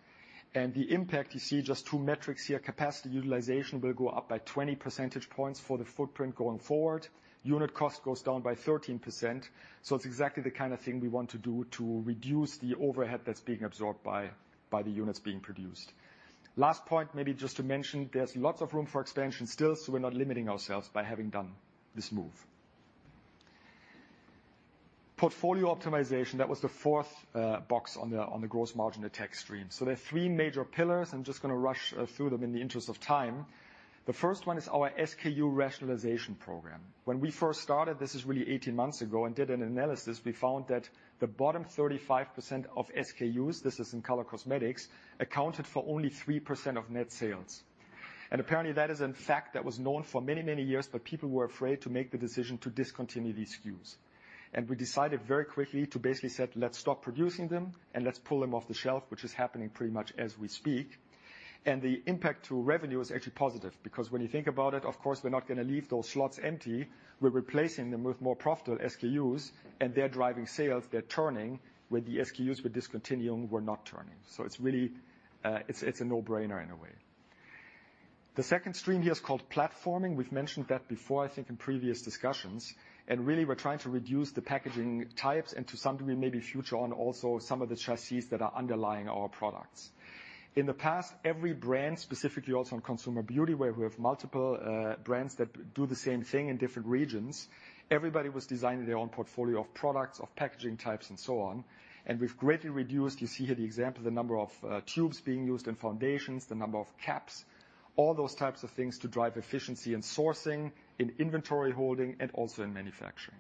The impact, you see just two metrics here. Capacity utilization will go up by 20% for the footprint going forward. Unit cost goes down by 13%. It's exactly the kind of thing we want to do to reduce the overhead that's being absorbed by the units being produced. Last point maybe just to mention, there's lots of room for expansion still, so we're not limiting ourselves by having done this move. Portfolio optimization, that was the fourth box on the gross margin attack stream. So there are three major pillars. I'm just gonna rush through them in the interest of time. The first one is our SKU rationalization program. When we first started, this is really 18 months ago, and did an analysis, we found that the bottom 35% of SKUs, this is in color cosmetics, accounted for only 3% of net sales. Apparently, that is a fact that was known for many, many years, but people were afraid to make the decision to discontinue these SKUs. We decided very quickly to basically say, "Let's stop producing them, and let's pull them off the shelf," which is happening pretty much as we speak. The impact to revenue is actually positive, because when you think about it, of course, we're not gonna leave those slots empty. We're replacing them with more profitable SKUs, and they're driving sales. They're turning, where the SKUs we're discontinuing were not turning. So it's really, it's a no-brainer in a way. The second stream here is called platforming. We've mentioned that before, I think, in previous discussions. Really we're trying to reduce the packaging types and to some degree, maybe further on also some of the chassis that are underlying our products. In the past, every brand, specifically also in Consumer Beauty, where we have multiple, brands that do the same thing in different regions, everybody was designing their own portfolio of products, of packaging types and so on. We've greatly reduced, you see here the example, the number of, tubes being used in foundations, the number of caps, all those types of things to drive efficiency in sourcing, in inventory holding, and also in manufacturing.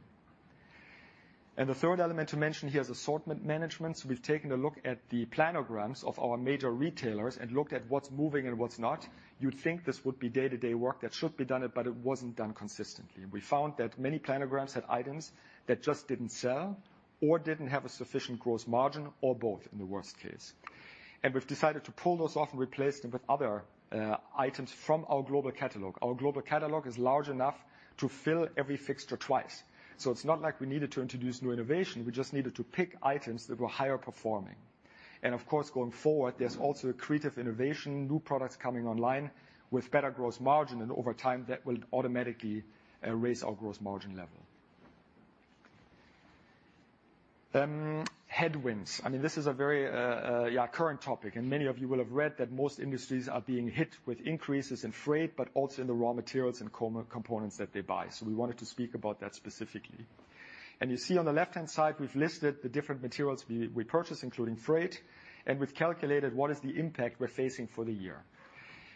The third element to mention here is assortment management. We've taken a look at the planograms of our major retailers and looked at what's moving and what's not. You'd think this would be day-to-day work that should be done, but it wasn't done consistently. We found that many planograms had items that just didn't sell or didn't have a sufficient gross margin or both in the worst case. We've decided to pull those off and replace them with other items from our global catalog. Our global catalog is large enough to fill every fixture twice. It's not like we needed to introduce new innovation, we just needed to pick items that were higher performing. Of course, going forward, there's also creative innovation, new products coming online with better gross margin, and over time, that will automatically raise our gross margin level. Headwinds. I mean, this is a very current topic, and many of you will have read that most industries are being hit with increases in freight, but also in the raw materials and components that they buy. We wanted to speak about that specifically. You see on the left-hand side, we've listed the different materials we purchase, including freight, and we've calculated what is the impact we're facing for the year.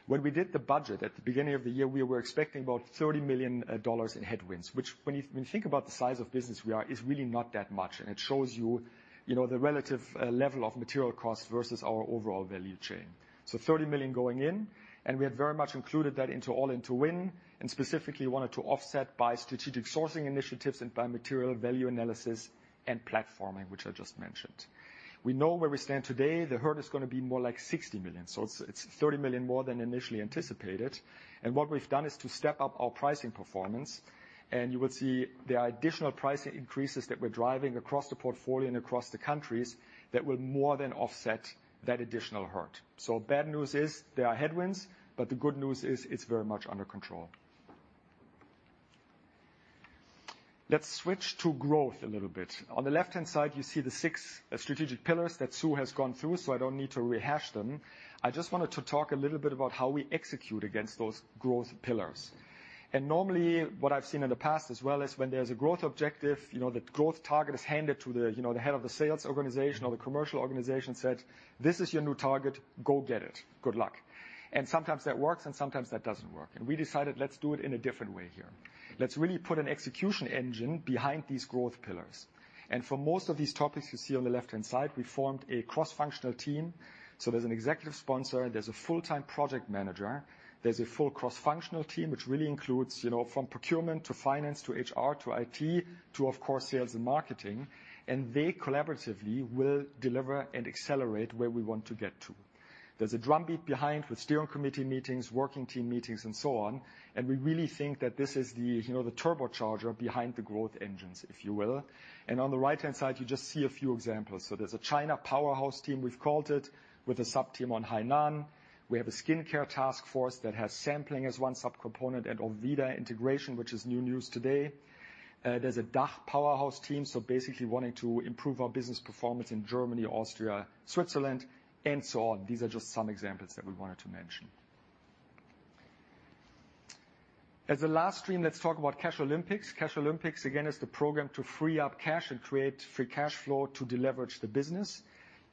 When we did the budget at the beginning of the year, we were expecting about $30 million in headwinds, which when you think about the size of business we are, is really not that much. It shows you know, the relative level of material costs versus our overall value chain. $30 million going in, and we have very much included that into All-in to Win, and specifically wanted to offset by strategic sourcing initiatives and by material value analysis and platforming, which I just mentioned. We know where we stand today. The hurt is gonna be more like $60 million. It's $30 million more than initially anticipated. What we've done is to step up our pricing performance. You will see there are additional pricing increases that we're driving across the portfolio and across the countries that will more than offset that additional hurt. Bad news is there are headwinds, but the good news is it's very much under control. Let's switch to growth a little bit. On the left-hand side, you see the six strategic pillars that Sue has gone through, so I don't need to rehash them. I just wanted to talk a little bit about how we execute against those growth pillars. Normally, what I've seen in the past as well is when there's a growth objective, you know, the growth target is handed to the, you know, the head of the sales organization or the commercial organization said, "This is your new target. Go get it. Good luck." Sometimes that works, and sometimes that doesn't work. We decided, let's do it in a different way here. Let's really put an execution engine behind these growth pillars. For most of these topics you see on the left-hand side, we formed a cross-functional team. There's an executive sponsor, there's a full-time project manager, there's a full cross-functional team, which really includes, you know, from procurement to finance to HR to IT to, of course, sales and marketing, and they collaboratively will deliver and accelerate where we want to get to. There's a drumbeat behind with steering committee meetings, working team meetings, and so on, and we really think that this is the, you know, the turbocharger behind the growth engines, if you will. On the right-hand side, you just see a few examples. There's a China powerhouse team, we've called it, with a subteam on Hainan. We have a skincare task force that has sampling as one sub-component and Orveda integration, which is new news today. There's a DACH powerhouse team, so basically wanting to improve our business performance in Germany, Austria, Switzerland, and so on. These are just some examples that we wanted to mention. As the last stream, let's talk about Cash Olympics. Cash Olympics, again, is the program to free up cash and create free cash flow to deleverage the business.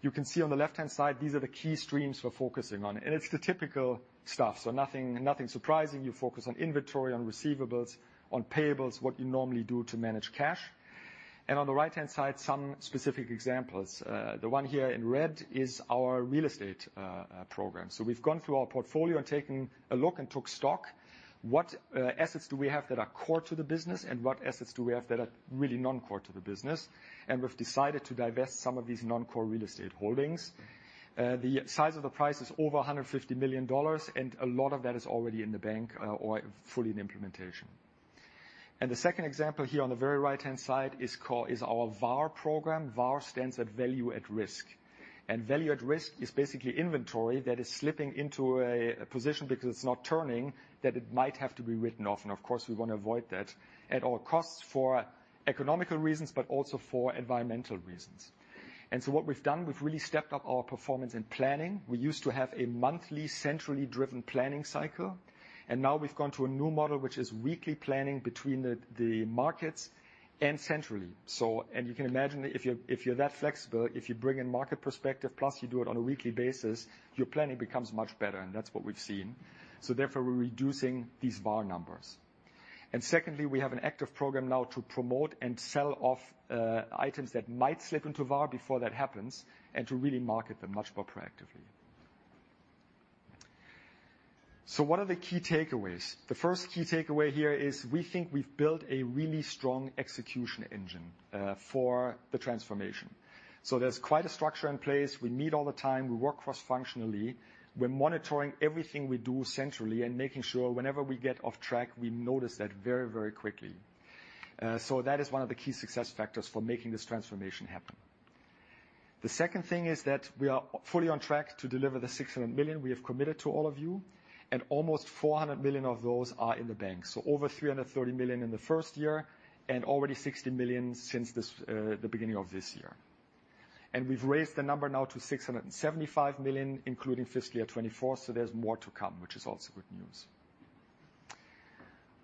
You can see on the left-hand side, these are the key streams we're focusing on, and it's the typical stuff, so nothing surprising. You focus on inventory, on receivables, on payables, what you normally do to manage cash. On the right-hand side, some specific examples. The one here in red is our real estate program. We've gone through our portfolio and taken a look and took stock. What assets do we have that are core to the business, and what assets do we have that are really non-core to the business? We've decided to divest some of these non-core real estate holdings. The size of the price is over $150 million, and a lot of that is already in the bank or fully in implementation. The second example here on the very right-hand side is our VAR program. VAR stands for value at risk, and value at risk is basically inventory that is slipping into a position because it's not turning, that it might have to be written off. Of course, we wanna avoid that at all costs for economical reasons, but also for environmental reasons. What we've done, we've really stepped up our performance in planning. We used to have a monthly centrally driven planning cycle, and now we've gone to a new model, which is weekly planning between the markets and centrally. You can imagine if you're that flexible, if you bring in market perspective, plus you do it on a weekly basis, your planning becomes much better, and that's what we've seen. Therefore, we're reducing these VAR numbers. Secondly, we have an active program now to promote and sell off items that might slip into VAR before that happens and to really market them much more proactively. What are the key takeaways? The first key takeaway here is we think we've built a really strong execution engine for the transformation. There's quite a structure in place. We meet all the time. We work cross-functionally. We're monitoring everything we do centrally and making sure whenever we get off track, we notice that very, very quickly. That is one of the key success factors for making this transformation happen. The second thing is that we are fully on track to deliver the $600 million we have committed to all of you, and almost $400 million of those are in the bank. Over $330 million in the first year and already $60 million since the beginning of this year. We've raised the number now to $675 million, including FY2024, so there's more to come, which is also good news.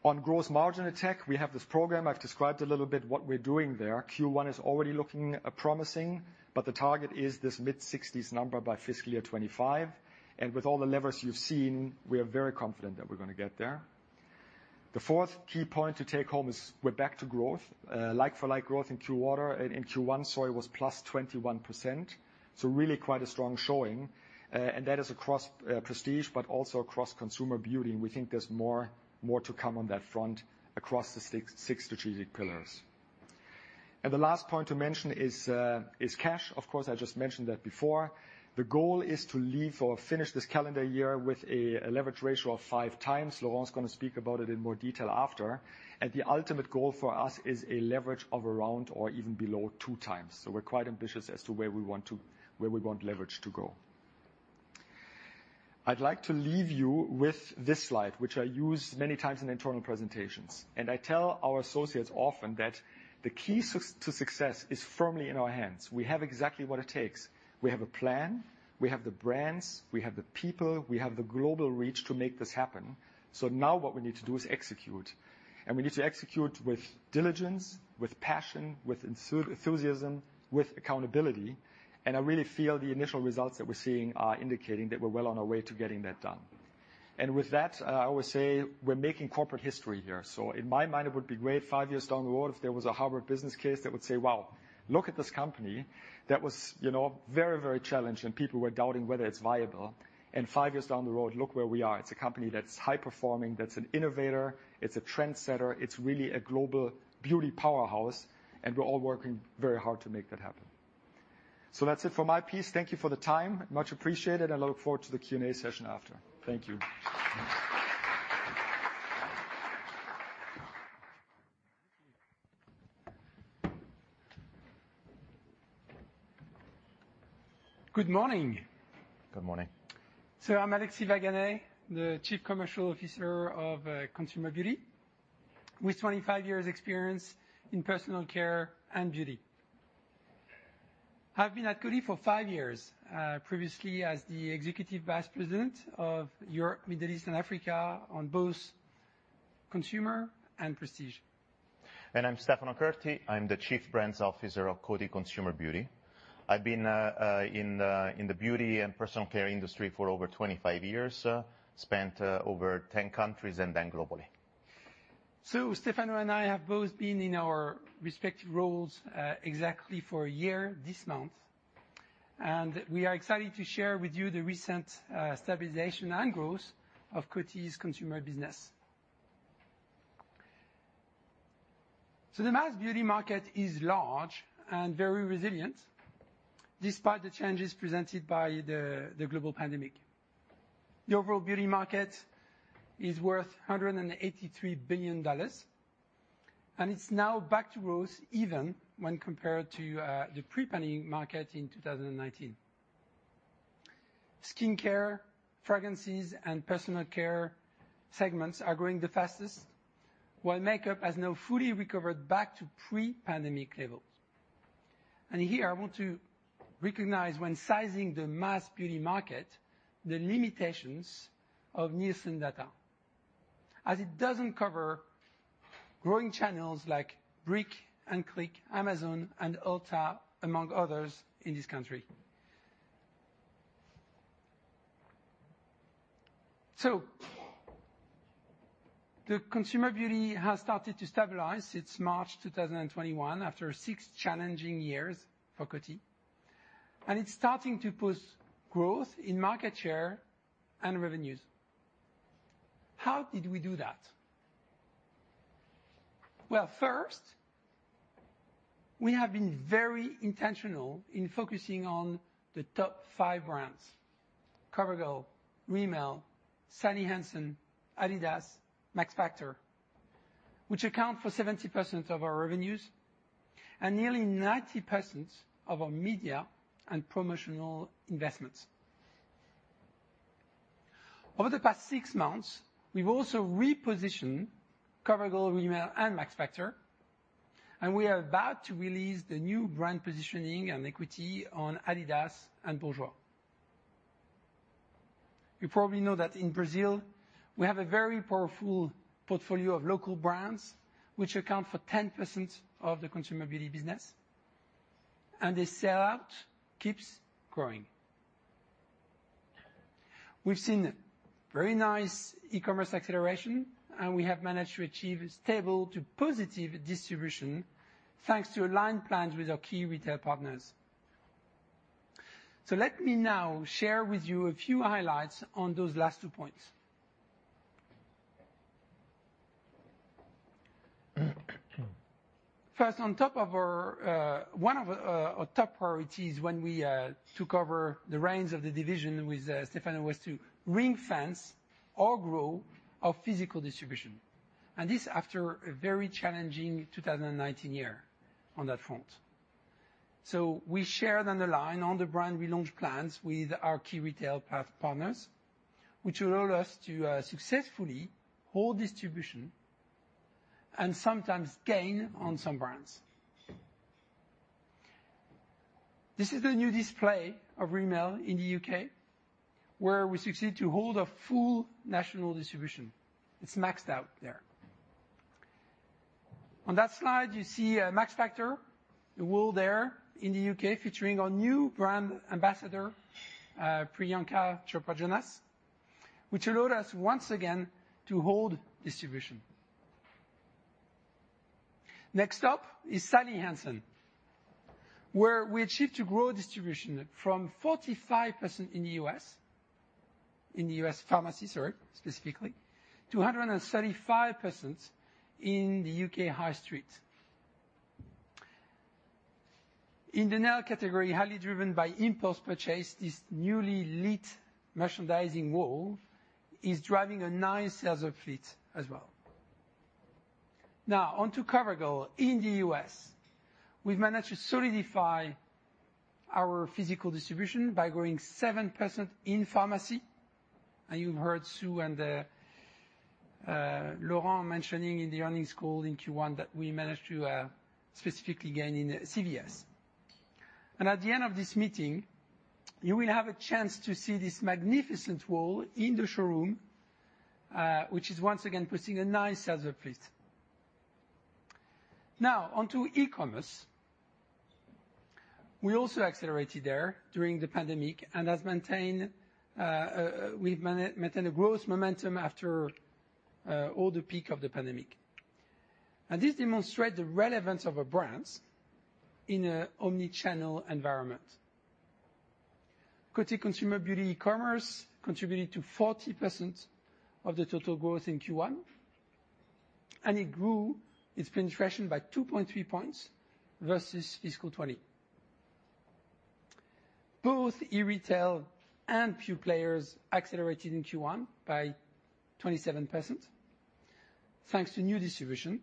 On gross margin attack, we have this program. I've described a little bit what we're doing there. Q1 is already looking promising, but the target is this mid-60% number by FY2025. With all the levers you've seen, we are very confident that we're gonna get there. The fourth key point to take home is we're back to growth. Like-for-like growth in Q1 was positive 21%. So really quite a strong showing. That is across prestige, but also across consumer beauty, and we think there's more to come on that front across the six strategic pillars. The last point to mention is cash. Of course, I just mentioned that before. The goal is to leave or finish this calendar year with a leverage ratio of 5.0x. Laurent's gonna speak about it in more detail after. The ultimate goal for us is a leverage of around or even below 2.0x. We're quite ambitious as to where we want leverage to go. I'd like to leave you with this slide, which I use many times in internal presentations. I tell our associates often that the key to success is firmly in our hands. We have exactly what it takes. We have a plan, we have the brands, we have the people, we have the global reach to make this happen. Now what we need to do is execute, and we need to execute with diligence, with passion, with enthusiasm, with accountability. I really feel the initial results that we're seeing are indicating that we're well on our way to getting that done. With that, I always say we're making corporate history here. In my mind, it would be great five years down the road if there was a Harvard business case that would say, "Wow, look at this company that was, you know, very, very challenged, and people were doubting whether it's viable. Five years down the road, look where we are. It's a company that's high-performing, that's an innovator. It's a trendsetter. It's really a global beauty powerhouse," and we're all working very hard to make that happen. That's it for my piece. Thank you for the time. Much appreciated, and I look forward to the Q&A session after. Thank you. Good morning. Good morning. I'm Alexis Vaganay, the Chief Commercial Officer of Consumer Beauty, with 25 years experience in personal care and beauty. I've been at Coty for five years, previously as the Executive Vice President of Europe, Middle East, and Africa on both consumer and prestige. I'm Stefano Curti. I'm the Chief Brands Officer of Coty Consumer Beauty. I've been in the beauty and personal care industry for over 25 years, spent over 10 countries and then globally. Stefano and I have both been in our respective roles exactly for a year this month, and we are excited to share with you the recent stabilization and growth of Coty's consumer business. The mass beauty market is large and very resilient, despite the challenges presented by the global pandemic. The overall beauty market is worth $183 billion. It's now back to growth even when compared to the pre-pandemic market in 2019. Skincare, fragrances, and personal care segments are growing the fastest, while makeup has now fully recovered back to pre-pandemic levels. Here, I want to recognize when sizing the mass beauty market, the limitations of Nielsen data, as it doesn't cover growing channels like brick and click, Amazon and Ulta, among others in this country. The Consumer Beauty has started to stabilize since March 2021 after six challenging years for Coty, and it's starting to push growth in market share and revenues. How did we do that? Well, first, we have been very intentional in focusing on the top fve brands, CoverGirl, Rimmel, Sally Hansen, Adidas, Max Factor, which account for 70% of our revenues and nearly 90% of our media and promotional investments. Over the past six months, we've also repositioned CoverGirl, Rimmel, and Max Factor, and we are about to release the new brand positioning and equity on Adidas and Bourjois. You probably know that in Brazil we have a very powerful portfolio of local brands which account for 10% of the Consumer Beauty business, and the sell out keeps growing. We've seen very nice e-commerce acceleration, and we have managed to achieve stable to positive distribution thanks to aligned plans with our key retail partners. Let me now share with you a few highlights on those last two points. First, one of our top priorities when we took over the reins of the division with Stefano was to ring-fence or grow our physical distribution. This after a very challenging 2019 year on that front. We shared online the brand relaunch plans with our key retail partners, which allowed us to successfully hold distribution and sometimes gain on some brands. This is the new display of Rimmel in the U.K., where we succeed to hold a full national distribution. It's maxed out there. On that slide you see, Max Factor, the wall there in the U.K., featuring our new brand ambassador, Priyanka Chopra Jonas, which allowed us once again to hold distribution. Next up is Sally Hansen, where we achieved to grow distribution from 45% in the U.S., in the U.S. pharmacy, sorry, specifically, to 135% in the U.K. high street. In the nail category, highly driven by impulse purchase, this newly lit merchandising wall is driving a nice sales uplift as well. Now on to CoverGirl. In the U.S., we've managed to solidify our physical distribution by growing 7% in pharmacy, and you heard Sue and Lauren mentioning in the earnings call in Q1 that we managed to specifically gain in CVS. At the end of this meeting, you will have a chance to see this magnificent wall in the showroom, which is once again pushing a nice sales uplift. Now on to e-commerce. We also accelerated there during the pandemic and we've maintained a growth momentum after all the peak of the pandemic. This demonstrate the relevance of our brands in a omni-channel environment. Coty Consumer Beauty e-commerce contributed to 40% of the total growth in Q1, and it grew its penetration by 2.3% versus FY2020. Both e-retail and pure players accelerated in Q1 by 27%, thanks to new distribution.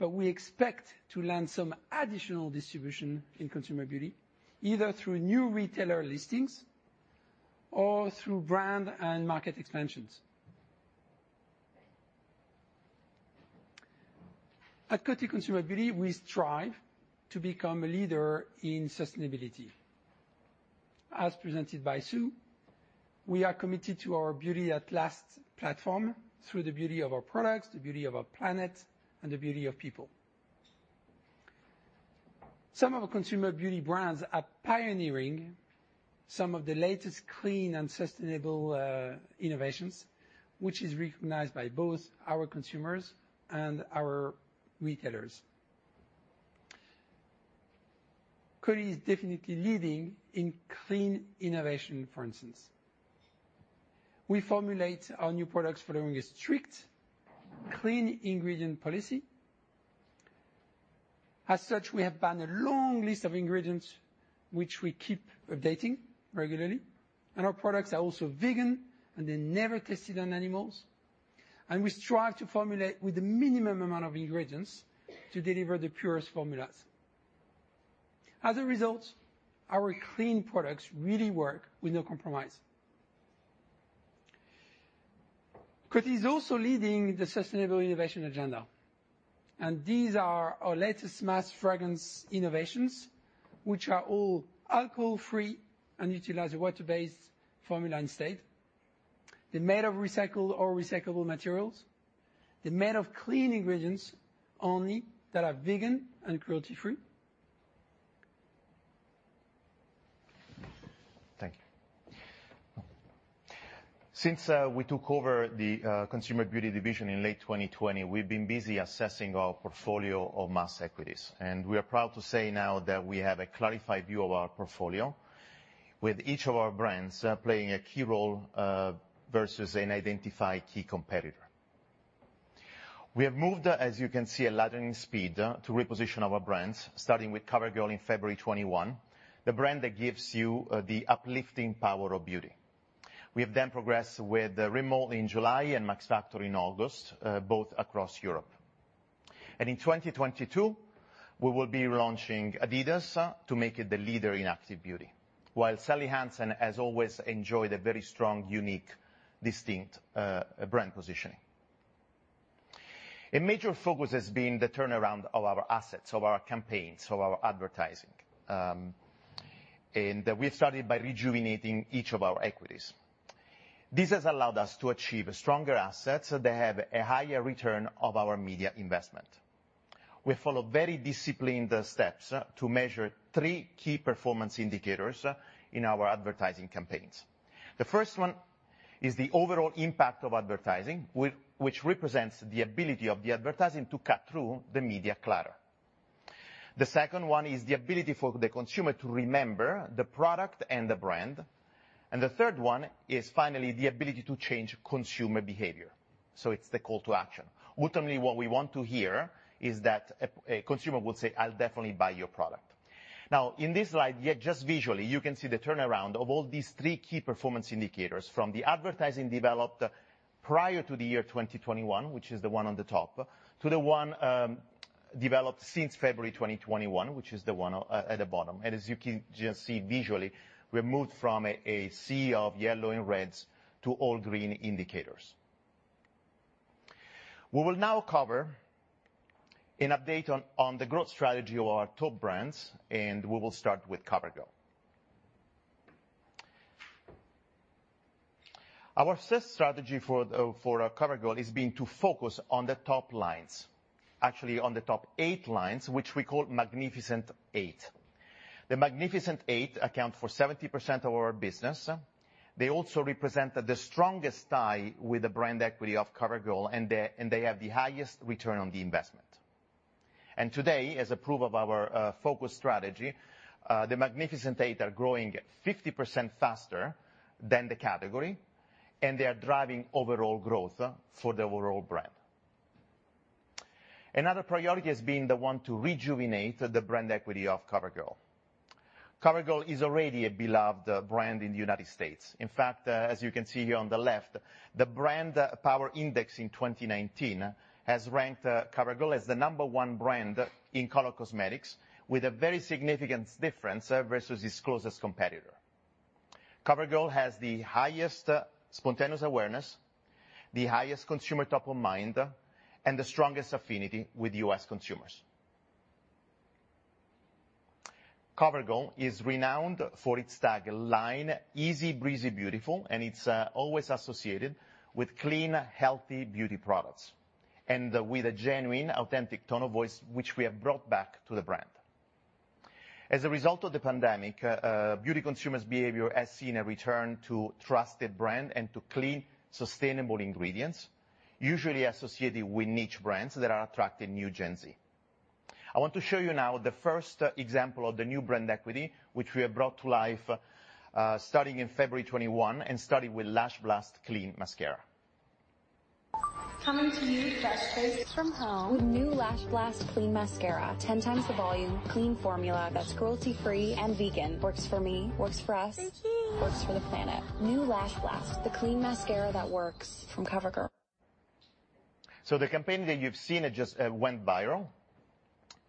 We expect to land some additional distribution in Consumer Beauty, either through new retailer listings or through brand and market expansions. At Coty Consumer Beauty, we strive to become a leader in sustainability. As presented by Sue, we are committed to our Beauty That Lasts platform through the beauty of our products, the beauty of our planet, and the beauty of people. Some of our Consumer Beauty brands are pioneering some of the latest clean and sustainable innovations, which is recognized by both our consumers and our retailers. Coty is definitely leading in clean innovation, for instance. We formulate our new products following a strict clean ingredient policy. As such, we have banned a long list of ingredients, which we keep updating regularly, and our products are also vegan, and they're never tested on animals. We strive to formulate with the minimum amount of ingredients to deliver the purest formulas. As a result, our clean products really work with no compromise. Coty is also leading the sustainable innovation agenda, and these are our latest mass fragrance innovations, which are all alcohol-free and utilize a water-based formula instead. They're made of recycled or recyclable materials. They're made of clean ingredients only that are vegan and cruelty-free. Thank you. Since we took over the Consumer Beauty division in late 2020, we've been busy assessing our portfolio of mass equities, and we are proud to say now that we have a clarified view of our portfolio, with each of our brands playing a key role versus an identified key competitor. We have moved, as you can see, at lightning speed to reposition our brands, starting with CoverGirl in February 2021, the brand that gives you the uplifting power of beauty. We have then progressed with Rimmel in July and Max Factor in August, both across Europe. In 2022, we will be launching Adidas to make it the leader in active beauty, while Sally Hansen has always enjoyed a very strong, unique, distinct brand positioning. A major focus has been the turnaround of our assets, of our campaigns, of our advertising, and we have started by rejuvenating each of our equities. This has allowed us to achieve stronger assets that have a higher return of our media investment. We follow very disciplined steps to measure three key performance indicators in our advertising campaigns. The first one is the overall impact of advertising, which represents the ability of the advertising to cut through the media clutter. The second one is the ability for the consumer to remember the product and the brand, and the third one is finally the ability to change consumer behavior, so it's the call to action. Ultimately, what we want to hear is that a consumer will say, "I'll definitely buy your product." Now, in this slide here, just visually, you can see the turnaround of all these three key performance indicators from the advertising developed prior to the year 2021, which is the one on the top, to the one developed since February 2021, which is the one at the bottom. As you can just see visually, we have moved from a sea of yellow and reds to all green indicators. We will now cover an update on the growth strategy of our top brands, and we will start with CoverGirl. Our sales strategy for CoverGirl is going to focus on the top lines, actually on the top eight lines, which we call Magnificent Eight. The Magnificent Eight account for 70% of our business. They also represent the strongest tie with the brand equity of CoverGirl, and they have the highest return on the investment. Today, as a proof of our focus strategy, the Magnificent Eight are growing 50% faster than the category, and they are driving overall growth for the overall brand. Another priority has been to rejuvenate the brand equity of CoverGirl. CoverGirl is already a beloved brand in the United States. In fact, as you can see here on the left, the BrandPower in 2019 has ranked CoverGirl as the number one brand in color cosmetics with a very significant difference versus its closest competitor. CoverGirl has the highest spontaneous awareness, the highest consumer top of mind, and the strongest affinity with U.S. consumers. CoverGirl is renowned for its tagline, "Easy, breezy, beautiful," and it's always associated with clean, healthy beauty products and with a genuine, authentic tone of voice which we have brought back to the brand. As a result of the pandemic, beauty consumers' behavior has seen a return to trusted brand and to clean, sustainable ingredients usually associated with niche brands that are attracting new Gen Z. I want to show you now the first example of the new brand equity, which we have brought to life, starting in February 2021 and starting with Lash Blast Clean Mascara. Coming to you fresh-faced from home with new Lash Blast Clean Volume Mascara, 10.0x. The volume, clean formula that's cruelty-free and vegan. Works for me. Works for us. Thank you. Works for the planet. New Lash Blast, the clean mascara that works from CoverGirl. The campaign that you've seen, it just went viral,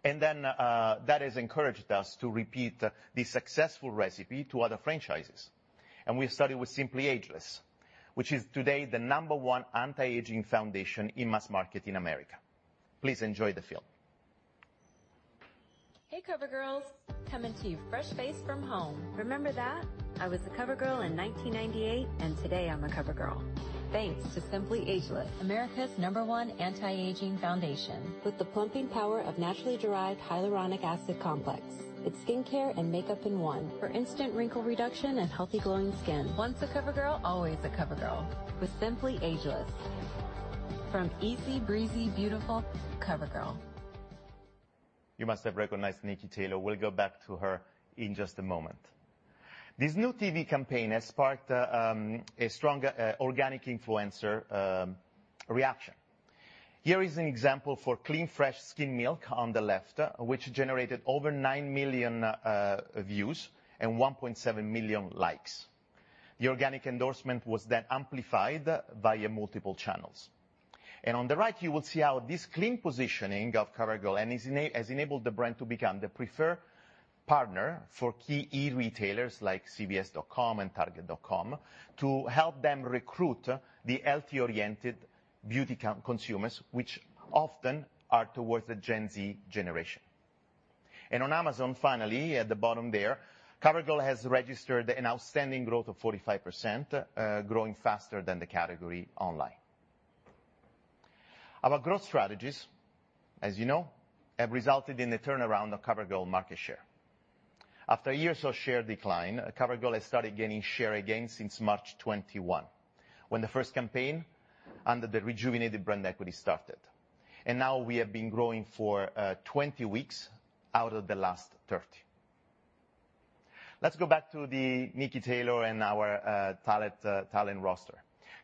and then that has encouraged us to repeat the successful recipe to other franchises. We have started with Simply Ageless, which is today the number one anti-aging foundation in mass market in America. Please enjoy the film. Hey, CoverGirls. Coming to you fresh-faced from home. Remember that? I was a CoverGirl in 1998, and today I'm a CoverGirl, thanks to Simply Ageless, America's number 1 anti-aging foundation with the plumping power of naturally derived hyaluronic acid complex. It's skincare and makeup in one for instant wrinkle reduction and healthy, glowing skin. Once a CoverGirl, always a CoverGirl with Simply Ageless from easy, breezy, beautiful CoverGirl. You must have recognized Niki Taylor. We'll go back to her in just a moment. This new TV campaign has sparked a strong organic influencer reaction. Here is an example for Clean Fresh Skin Milk on the left, which generated over 9 million views and 1.7 million likes. The organic endorsement was then amplified via multiple channels. On the right you will see how this clean positioning of COVERGIRL has enabled the brand to become the preferred partner for key e-retailers like CVS.com and target.com to help them recruit the healthy-oriented beauty consumers, which often are towards the Gen Z generation. On Amazon, finally, at the bottom there, COVERGIRL has registered an outstanding growth of 45%, growing faster than the category online. Our growth strategies, as you know, have resulted in the turnaround of COVERGIRL market share. After years of share decline, CoverGirl has started gaining share again since March 2021 when the first campaign under the rejuvenated brand equity started. Now we have been growing for 20 weeks out of the last 30. Let's go back to the Niki Taylor and our talent roster.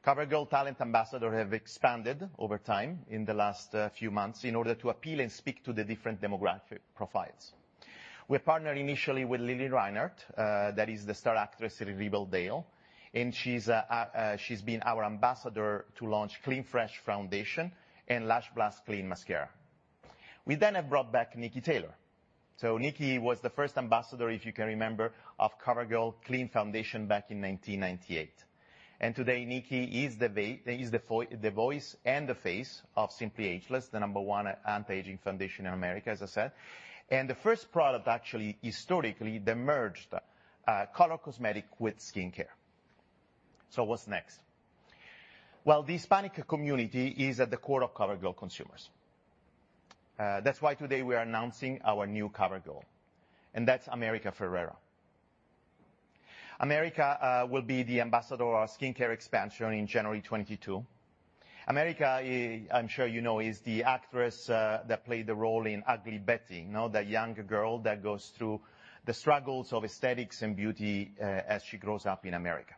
CoverGirl talent ambassador have expanded over time in the last few months in order to appeal and speak to the different demographic profiles. We partnered initially with Lili Reinhart, that is the star actress in Riverdale, and she's been our ambassador to launch Clean Fresh Foundation and Lash Blast Clean Mascara. We then have brought back Niki Taylor. Niki was the first ambassador, if you can remember, of CoverGirl Clean Foundation back in 1998. Today Niki is the voice and the face of Simply Ageless, the number one anti-aging foundation in America, as I said. The first product actually historically that merged color cosmetic with skincare. What's next? Well, the Hispanic community is at the core of COVERGIRL consumers. That's why today we are announcing our new COVERGIRL, and that's America Ferrera. America will be the ambassador of our skincare expansion in January 2022. America, I'm sure you know, is the actress that played the role in Ugly Betty, no? The young girl that goes through the struggles of aesthetics and beauty as she grows up in America.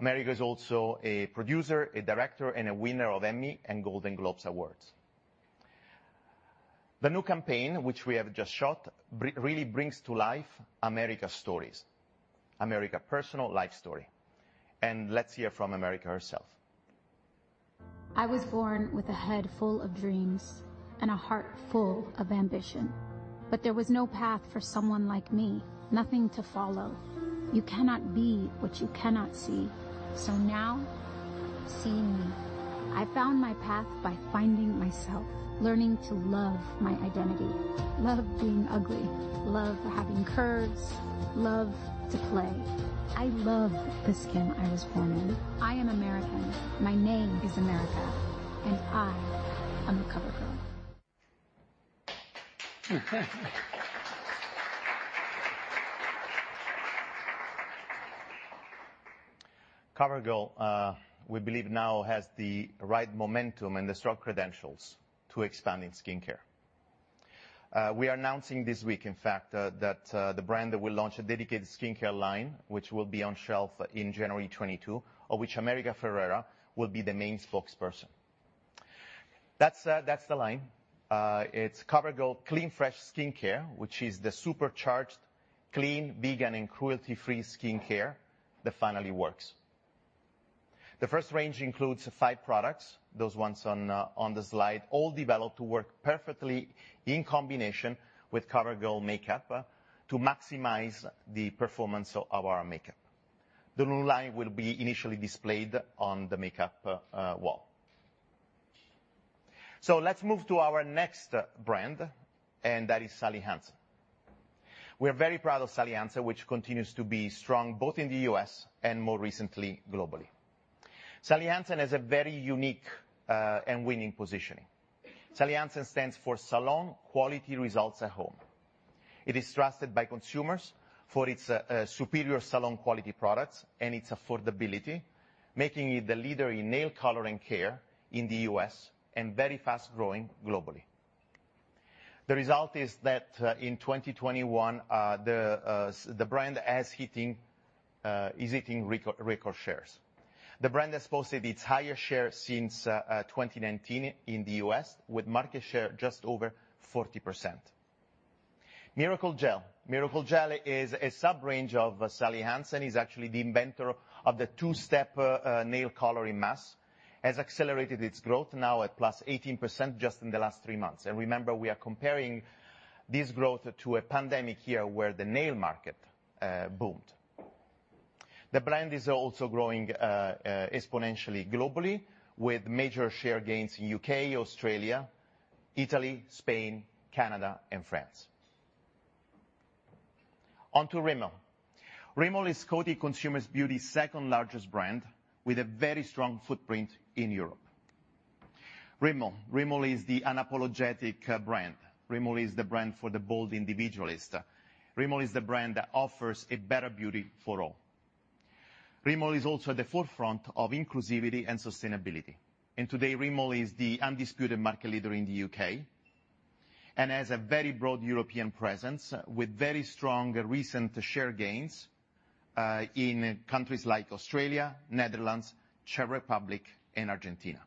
America is also a producer, a director, and a winner of Emmy and Golden Globe Awards. The new campaign, which we have just shot, really brings to life America Ferrera's stories, America Ferrera's personal life story, and let's hear from America Ferrera herself. I was born with a head full of dreams and a heart full of ambition, but there was no path for someone like me. Nothing to follow. You cannot be what you cannot see. Now see me. I found my path by finding myself, learning to love my identity, love being ugly, love having curves, love to play. I love the skin I was born in. I am American. My name is America, and I am a CoverGirl. CoverGirl, we believe now has the right momentum and the strong credentials to expand in skincare. We are announcing this week, in fact, that the brand will launch a dedicated skincare line, which will be on shelf in January 2022. Of which America Ferrera will be the main spokesperson. That's the line. It's CoverGirl Clean Fresh skincare, which is the supercharged clean, vegan, and cruelty-free skincare that finally works. The first range includes five products, those ones on the slide, all developed to work perfectly in combination with CoverGirl makeup to maximize the performance of our makeup. The new line will be initially displayed on the makeup wall. Let's move to our next brand, and that is Sally Hansen. We're very proud of Sally Hansen, which continues to be strong both in the U.S. and more recently globally. Sally Hansen has a very unique and winning positioning. Sally Hansen stands for salon quality results at home. It is trusted by consumers for its superior salon quality products and its affordability, making it the leader in nail color and care in the U.S. and very fast-growing globally. The result is that in 2021 the brand is hitting record shares. The brand has posted its highest shares since 2019 in the U.S. with market share just over 40%. Miracle Gel. Miracle Gel is a sub-range of Sally Hansen, is actually the inventor of the two-step nail color in mass, has accelerated its growth now at +18% just in the last three months. Remember, we are comparing this growth to a pandemic year where the nail market boomed. The brand is also growing exponentially globally with major share gains in U.K., Australia, Italy, Spain, Canada, and France. On to Rimmel. Rimmel is Coty Consumer Beauty's second largest brand with a very strong footprint in Europe. Rimmel is the unapologetic brand. Rimmel is the brand for the bold individualist. Rimmel is the brand that offers a better beauty for all. Rimmel is also at the forefront of inclusivity and sustainability. Today, Rimmel is the undisputed market leader in the U.K. and has a very broad European presence with very strong recent share gains in countries like Australia, Netherlands, Czech Republic, and Argentina.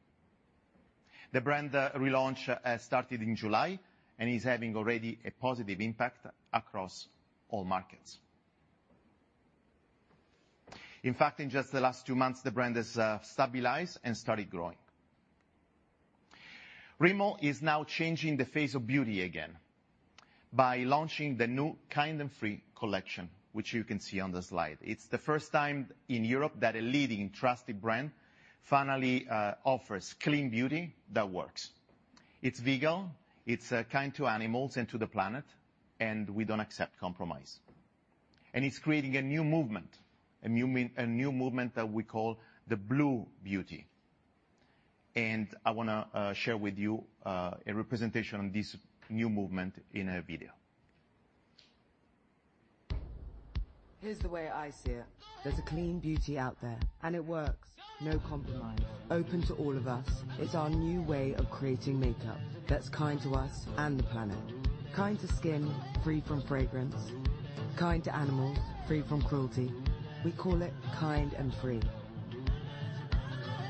The brand relaunch started in July and is having already a positive impact across all markets. In fact, in just the last two months the brand has stabilized and started growing. Rimmel is now changing the face of beauty again by launching the new Kind & Free collection, which you can see on the slide. It's the first time in Europe that a leading trusted brand finally offers clean beauty that works. It's vegan, it's kind to animals and to the planet, and we don't accept compromise. It's creating a new movement that we call the Blue Beauty. I wanna share with you a representation on this new movement in a video. Here's the way I see it. There's a clean beauty out there, and it works. No compromise. Open to all of us. It's our new way of creating makeup that's kind to us and the planet. Kind to skin, free from fragrance. Kind to animals, free from cruelty. We call it Kind & Free.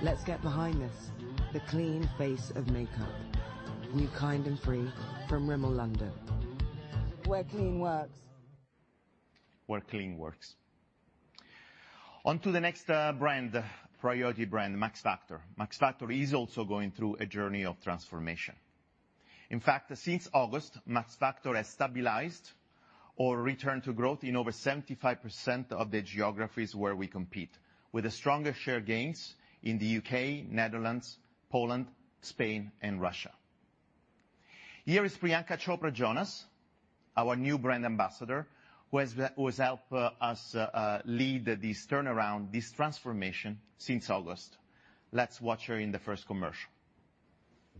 Let's get behind this, the clean face of makeup. New Kind & Free from Rimmel London. Where clean works. Where clean works. On to the next brand, priority brand, Max Factor. Max Factor is also going through a journey of transformation. In fact, since August, Max Factor has stabilized or returned to growth in over 75% of the geographies where we compete, with the strongest share gains in the U.K., Netherlands, Poland, Spain, and Russia. Here is Priyanka Chopra Jonas, our new brand ambassador, who has helped us lead this turnaround, this transformation since August. Let's watch her in the first commercial.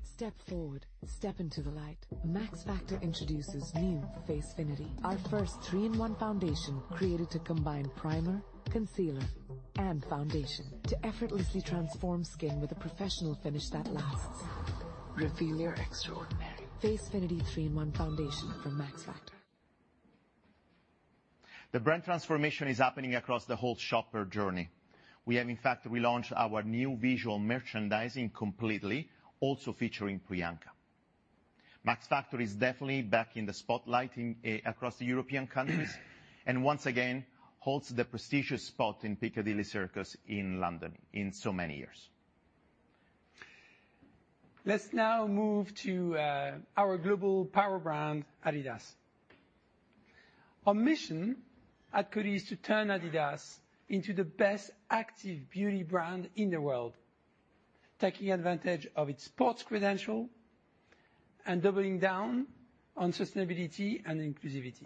Step forward. Step into the light. Max Factor introduces new Facefinity, our first three-in-one foundation created to combine primer, concealer, and foundation to effortlessly transform skin with a professional finish that lasts. Reveal your extraordinary. Facefinity three-in-one foundation from Max Factor. The brand transformation is happening across the whole shopper journey. We have, in fact, relaunched our new visual merchandising completely, also featuring Priyanka. Max Factor is definitely back in the spotlight in across the European countries, and once again holds the prestigious spot in Piccadilly Circus in London in so many years. Let's now move to our global power brand, Adidas. Our mission at Coty is to turn Adidas into the best active beauty brand in the world, taking advantage of its sports credential and doubling down on sustainability and inclusivity.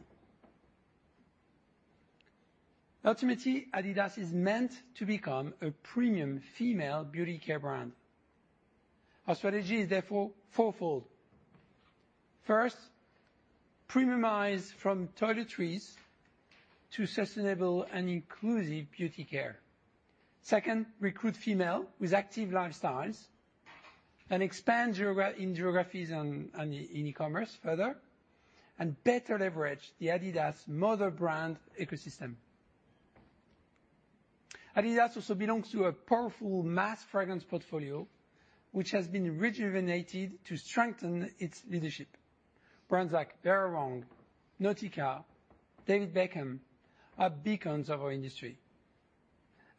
Ultimately, Adidas is meant to become a premium female beauty care brand. Our strategy is therefore fourfold. First, premiumize from toiletries to sustainable and inclusive beauty care. Second, recruit female with active lifestyles and expand in geographies and in e-commerce further, and better leverage the Adidas mother brand ecosystem. Adidas also belongs to a powerful mass fragrance portfolio, which has been rejuvenated to strengthen its leadership. Brands like Vera Wang, Nautica, David Beckham are beacons of our industry,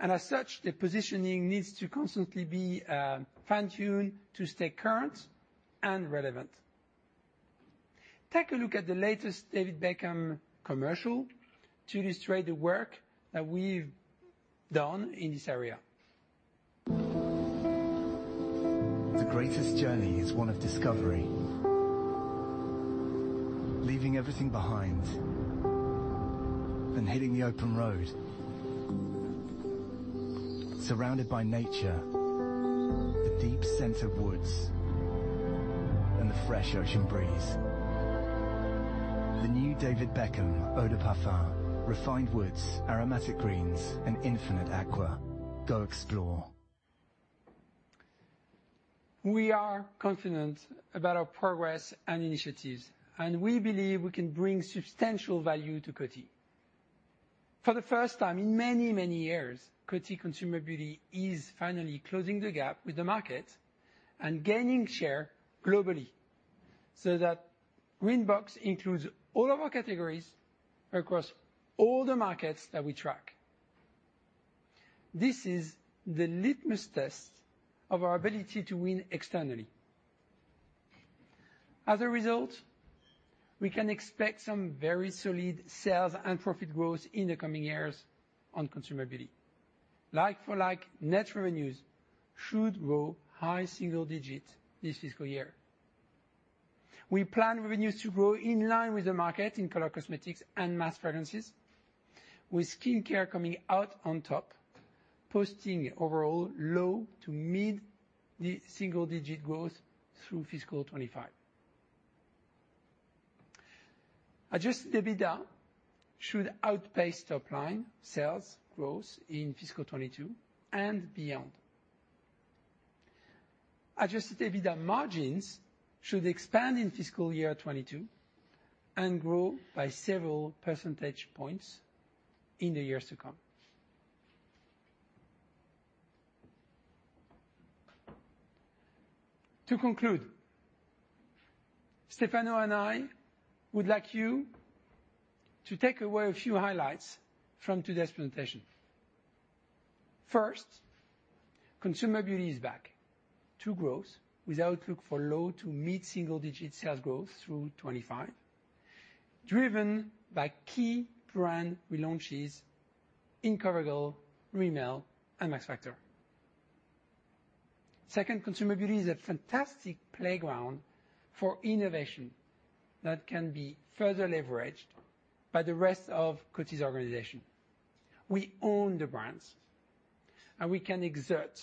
and as such, the positioning needs to constantly be fine-tuned to stay current and relevant. Take a look at the latest David Beckham commercial to illustrate the work that we've done in this area. The greatest journey is one of discovery. Leaving everything behind and hitting the open road, surrounded by nature, the deep scent of woods and the fresh ocean breeze. The new David Beckham eau de parfum. Refined woods, aromatic greens and infinite aqua. Go explore. We are confident about our progress and initiatives, and we believe we can bring substantial value to Coty. For the first time in many, many years, Coty Consumer Beauty is finally closing the gap with the market and gaining share globally, so that green box includes all of our categories across all the markets that we track. This is the litmus test of our ability to win externally. As a result, we can expect some very solid sales and profit growth in the coming years on Consumer Beauty. Like-for-like, net revenues should grow high single-digit% this fiscal year. We plan revenues to grow in line with the market in color cosmetics and mass fragrances, with skincare coming out on top, posting overall low- to mid-single-digit% growth through FY2025. Adjusted EBITDA should outpace top line sales growth in FY 2022 and beyond. Adjusted EBITDA margins should expand in FY2022 and grow by several percentage points in the years to come. To conclude, Stefano and I would like you to take away a few highlights from today's presentation. First, Consumer Beauty is back to growth with outlook for low- to mid-single-digit sales growth through 2025, driven by key brand relaunches in CoverGirl, Rimmel, and Max Factor. Second, Consumer Beauty is a fantastic playground for innovation that can be further leveraged by the rest of Coty's organization. We own the brands, and we can exert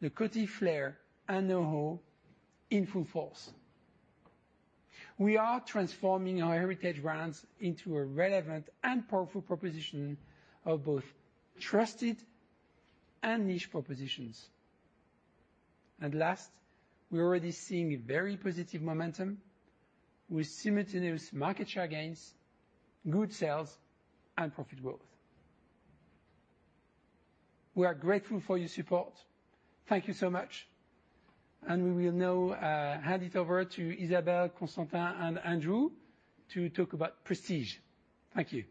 the Coty flair and knowhow in full force. We are transforming our heritage brands into a relevant and powerful proposition of both trusted and niche propositions. Last, we're already seeing very positive momentum with simultaneous market share gains, good sales, and profit growth. We are grateful for your support. Thank you so much, and we will now hand it over to Isabelle, Constantin, and Andrew to talk about prestige. Thank you.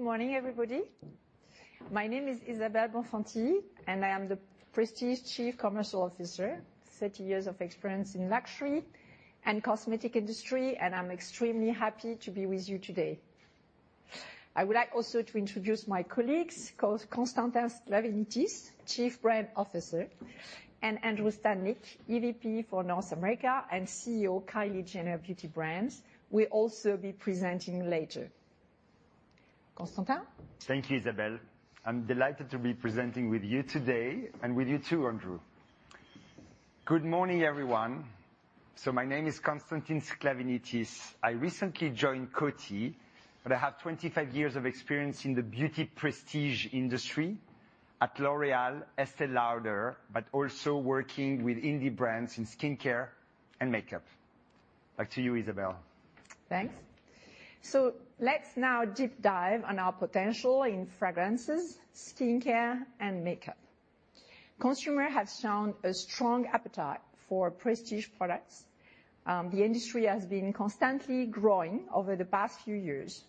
I think let's go out from there. Good morning, everybody. My name is Isabelle Bonfanti, and I am the Prestige Chief Commercial Officer. Thirty years of experience in luxury and cosmetic industry, and I'm extremely happy to be with you today. I would like also to introduce my colleagues, Constantin Sklavenitis, Chief Brand Officer, and Andrew Stanick, EVP for North America and CEO Kylie Jenner Beauty Brands, will also be presenting later. Constantin? Thank you, Isabelle. I'm delighted to be presenting with you today, and with you too, Andrew. Good morning, everyone. My name is Constantin Sklavenitis. I recently joined Coty, but I have 25 years of experience in the beauty prestige industry at L'Oréal, Estée Lauder, but also working with indie brands in skincare and makeup. Back to you, Isabelle. Thanks. Let's now deep dive on our potential in fragrances, skincare, and makeup. Consumer has shown a strong appetite for prestige products. The industry has been constantly growing over the past few years.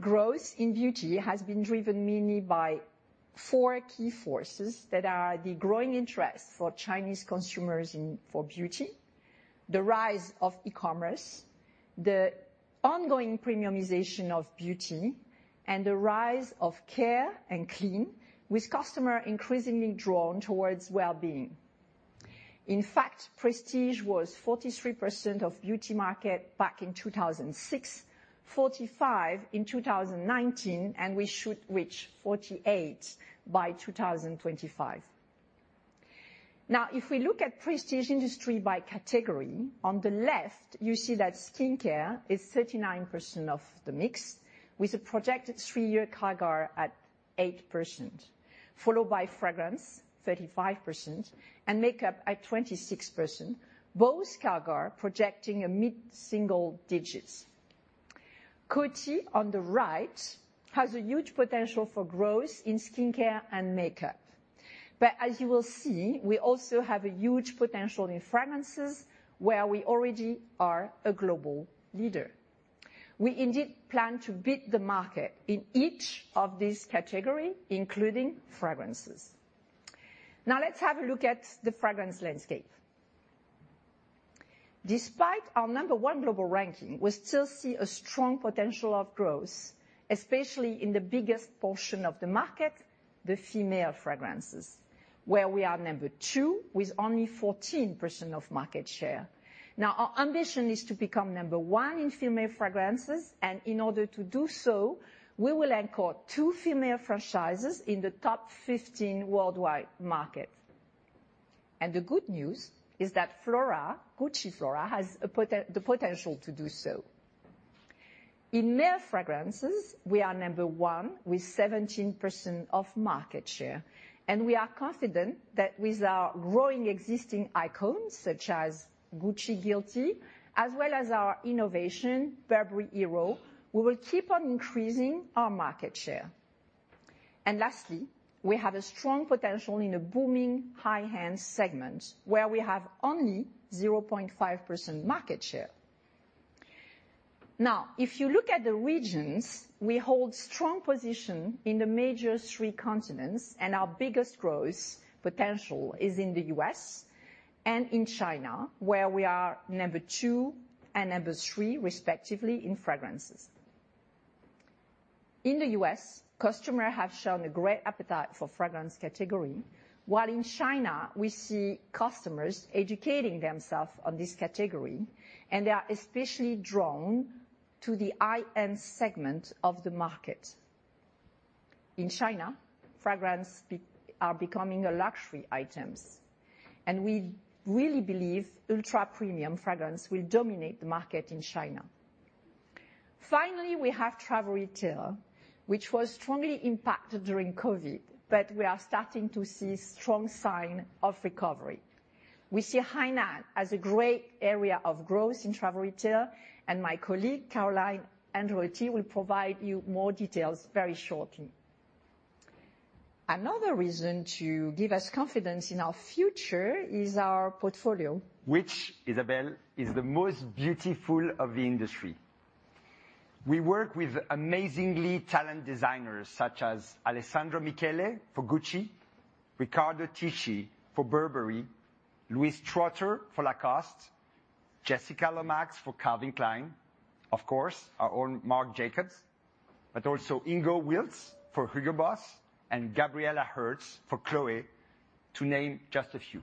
Growth in beauty has been driven mainly by four key forces that are the growing interest for Chinese consumers in beauty, the rise of e-commerce, the ongoing premiumization of beauty, and the rise of care and clean, with customers increasingly drawn towards well-being. In fact, prestige was 43% of beauty market back in 2006, 45% in 2019, and we should reach 48% by 2025. Now, if we look at prestige industry by category, on the left you see that skincare is 39% of the mix, with a projected three-year CAGR at 8%, followed by fragrance, 35%, and makeup at 26%, both CAGR projecting a mid-single digits. Coty, on the right, has a huge potential for growth in skincare and makeup. As you will see, we also have a huge potential in fragrances, where we already are a global leader. We indeed plan to beat the market in each of these category, including fragrances. Now let's have a look at the fragrance landscape. Despite our number one global ranking, we still see a strong potential of growth, especially in the biggest portion of the market, the female fragrances, where we are number two with only 14% of market share. Now, our ambition is to become number one in female fragrances, and in order to do so, we will anchor two female franchises in the top 15 worldwide markets. The good news is that Gucci Flora has the potential to do so. In male fragrances, we are number one with 17% of market share, and we are confident that with our growing existing icons, such as Gucci Guilty, as well as our innovation, Burberry Hero, we will keep on increasing our market share. Lastly, we have a strong potential in a booming high-end segment where we have only 0.5% market share. Now, if you look at the regions, we hold strong position in the major three continents, and our biggest growth potential is in the U.S. and in China, where we are number two and number three respectively in fragrances. In the U.S., customers have shown a great appetite for fragrance category, while in China, we see customers educating themselves on this category, and they are especially drawn to the high-end segment of the market. In China, fragrances are becoming luxury items, and we really believe ultra-premium fragrance will dominate the market in China. Finally, we have travel retail, which was strongly impacted during COVID-19, but we are starting to see strong signs of recovery. We see Hainan as a great area of growth in travel retail, and my colleague, Caroline Andreotti, she will provide you more details very shortly. Another reason to give us confidence in our future is our portfolio. Isabelle is the most beautiful in the industry. We work with amazingly talented designers such as Alessandro Michele for Gucci, Riccardo Tisci for Burberry, Louise Trotter for Lacoste, Jessica Lomax for Calvin Klein, of course, our own Marc Jacobs, but also Ingo Wilts for Hugo Boss, and Gabriela Hearst for Chloé, to name just a few.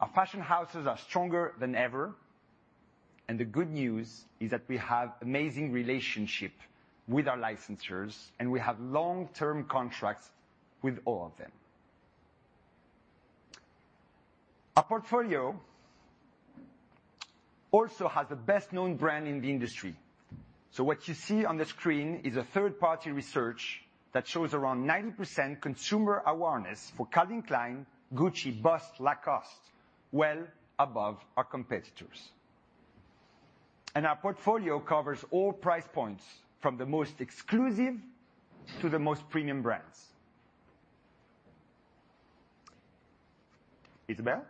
Our fashion houses are stronger than ever, and the good news is that we have amazing relationships with our licensors, and we have long-term contracts with all of them. Our portfolio also has the best-known brands in the industry. What you see on the screen is a third-party research that shows around 90% consumer awareness for Calvin Klein, Gucci, Boss, Lacoste, well above our competitors. Our portfolio covers all price points from the most exclusive to the most premium brands. Isabelle?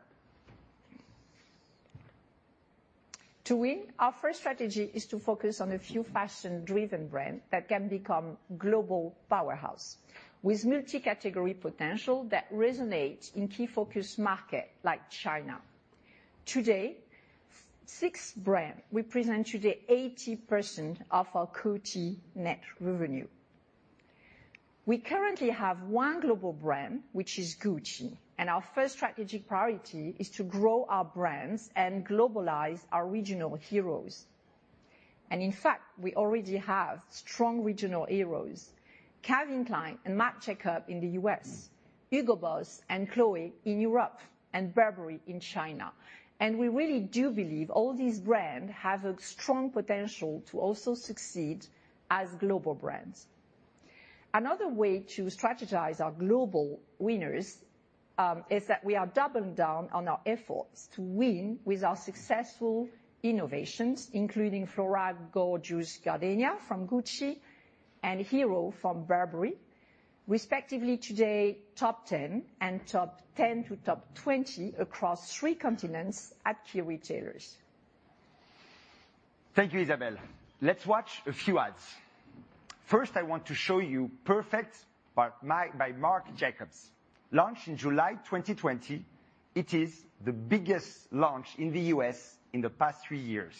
To win, our first strategy is to focus on a few fashion-driven brands that can become global powerhouses, with multi-category potential that resonates in key focus markets like China. Today, six brands represent 80% of our K-beauty net revenue. We currently have one global brand, which is Gucci, and our first strategic priority is to grow our brands and globalize our regional heroes. In fact, we already have strong regional heroes, Calvin Klein and Marc Jacobs in the U.S., Hugo Boss and Chloé in Europe, and Burberry in China. We really do believe all these brands have a strong potential to also succeed as global brands. Another way to strategize our global winners is that we are doubling down on our efforts to win with our successful innovations, including Flora Gorgeous Gardenia from Gucci and Hero from Burberry, respectively today top 10 and top 10 to top 20 across three continents at key retailers. Thank you, Isabelle. Let's watch a few ads. First, I want to show you Perfect by Marc Jacobs. Launched in July 2020, it is the biggest launch in the U.S. in the past three years.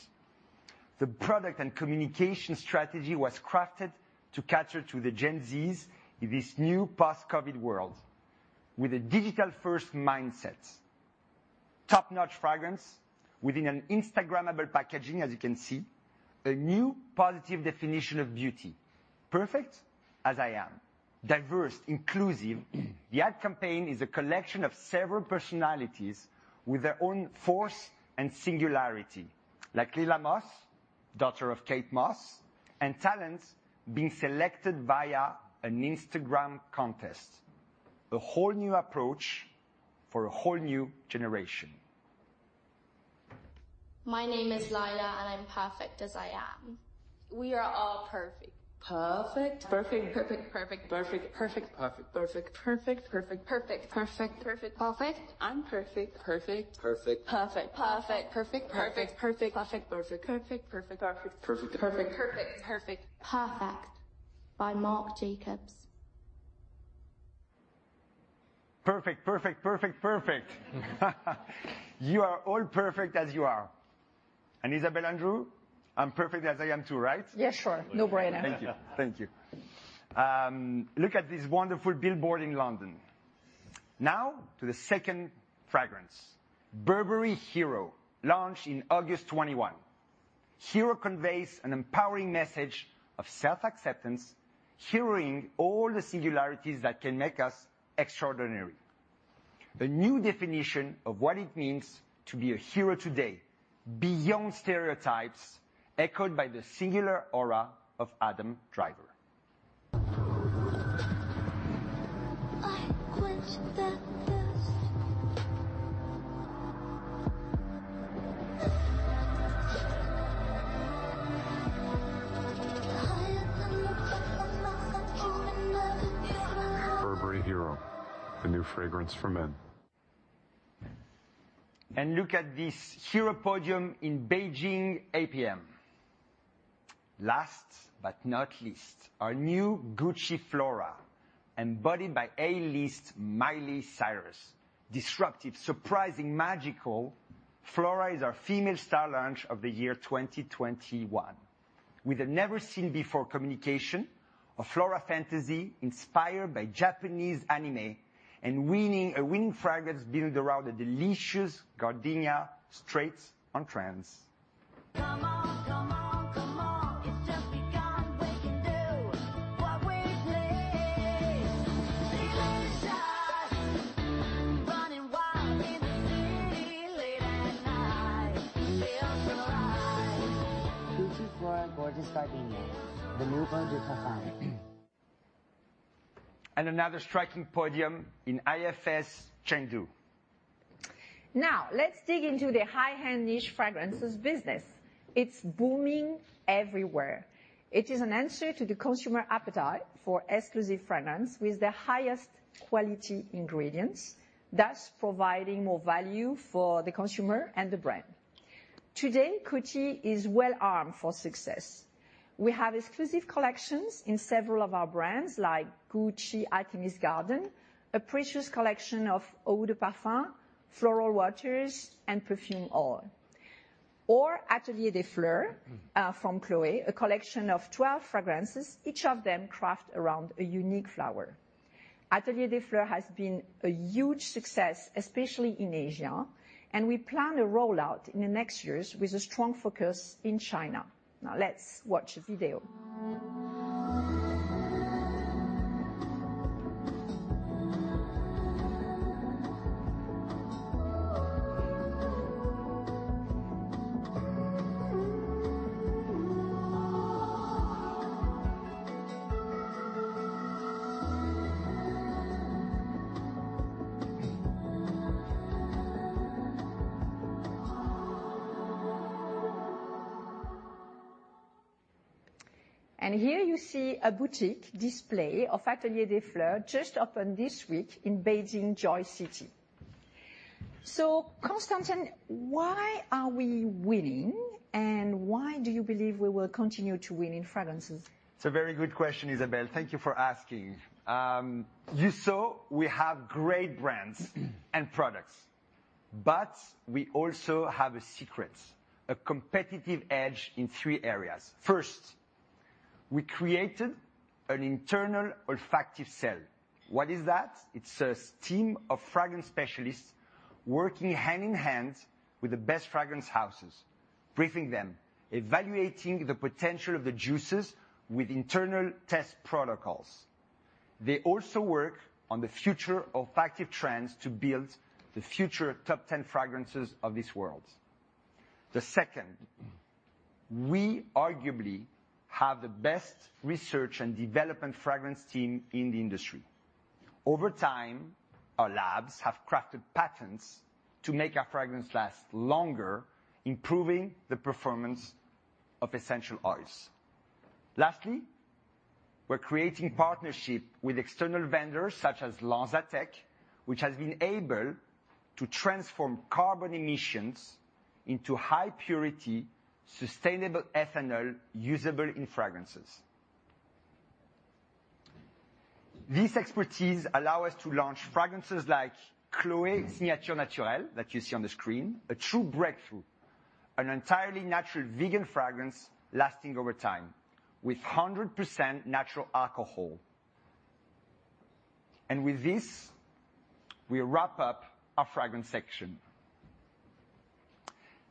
The product and communication strategy was crafted to cater to the Gen Z in this new post-COVID world with a digital-first mindset. Top-notch fragrance within an Instagrammable packaging, as you can see, a new positive definition of beauty, perfect as I am, diverse, inclusive. The ad campaign is a collection of several personalities with their own force and singularity, like Lila Moss, daughter of Kate Moss, and talents being selected via an Instagram contest. A whole new approach for a whole new generation. My name is Lila, and I'm perfect as I am. We are all perfect. Perfect. Perfect. Perfect. Perfect. Perfect. Perfect. Perfect. Perfect. Perfect. Perfect. Perfect. Perfect. Perfect. I'm perfect. Perfect. Perfect. Perfect. Perfect. Perfect. Perfect. Perfect. Perfect. Perfect. Perfect. Perfect. Perfect. Perfect. Perfect. Perfect. Perfect. Perfect by Marc Jacobs. Perfect. You are all perfect as you are. Isabelle Andrew, I'm perfect as I am too, right? Yeah, sure. No-brainer. Thank you. Look at this wonderful billboard in London. Now to the second fragrance, Burberry Hero, launched in August 2021. Hero conveys an empowering message of self-acceptance, honoring all the singularities that can make us extraordinary. The new definition of what it means to be a hero today, beyond stereotypes echoed by the singular aura of Adam Driver. I quench that thirst. Higher than the top of the mountain, deeper than the sea. Burberry Hero, the new fragrance for men. Look at this Hero podium in Beijing APM. Last but not least, our new Gucci Flora, embodied by A-list Miley Cyrus. Disruptive, surprising, magical. Flora is our female star launch of the year 2021. With a never-seen-before communication of Flora fantasy inspired by Japanese anime and a winning fragrance built around a delicious gardenia straight on trends. Come on. It's just begun. We can do what we please. Delicious. Running wild in the city late at night. Feel so right. Gucci Flora Gorgeous Gardenia, the new eau de parfum. Another striking podium in IFS Chengdu. Now let's dig into the high-end niche fragrances business. It's booming everywhere. It is an answer to the consumer appetite for exclusive fragrance with the highest quality ingredients, thus providing more value for the consumer and the brand. Today, Coty is well-armed for success. We have exclusive collections in several of our brands, like Gucci Artemisia Garden, a precious collection of eau de parfum, floral waters, and perfume oil. Atelier des Fleurs from Chloé, a collection of 12 fragrances, each of them crafted around a unique flower. Atelier des Fleurs has been a huge success, especially in Asia, and we plan a rollout in the next years with a strong focus in China. Now let's watch a video. Here you see a boutique display of Atelier des Fleurs just opened this week in Beijing Joy City. Constantin, why are we winning, and why do you believe we will continue to win in fragrances? It's a very good question, Isabelle. Thank you for asking. You saw we have great brands and products, but we also have a secret, a competitive edge in three areas. First, we created an internal olfactive cell. What is that? It's a team of fragrance specialists working hand in hand with the best fragrance houses, briefing them, evaluating the potential of the juices with internal test protocols. They also work on the future olfactive trends to build the future top ten fragrances of this world. The second, we arguably have the best research and development fragrance team in the industry. Over time, our labs have crafted patents to make our fragrance last longer, improving the performance of essential oils. Lastly, we're creating partnership with external vendors such as LanzaTech, which has been able to transform carbon emissions into high-purity, sustainable ethanol usable in fragrances. This expertise allow us to launch fragrances like Chloé Signature Naturelle, that you see on the screen, a true breakthrough, an entirely natural vegan fragrance lasting over time with 100% natural alcohol. With this, we wrap up our fragrance section.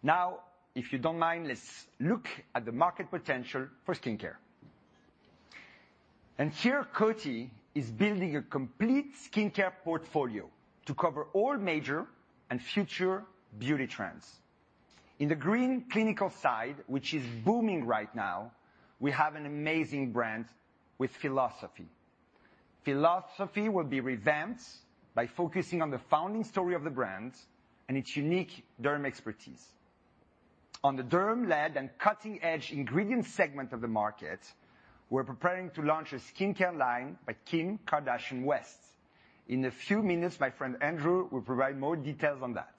Now, if you don't mind, let's look at the market potential for skincare. Here, Coty is building a complete skincare portfolio to cover all major and future beauty trends. In the green clinical side, which is booming right now, we have an amazing brand with Philosophy. Philosophy will be revamped by focusing on the founding story of the brand and its unique derm expertise. On the derm-led and cutting-edge ingredient segment of the market, we're preparing to launch a skincare line by Kim Kardashian West. In a few minutes, my friend Andrew will provide more details on that.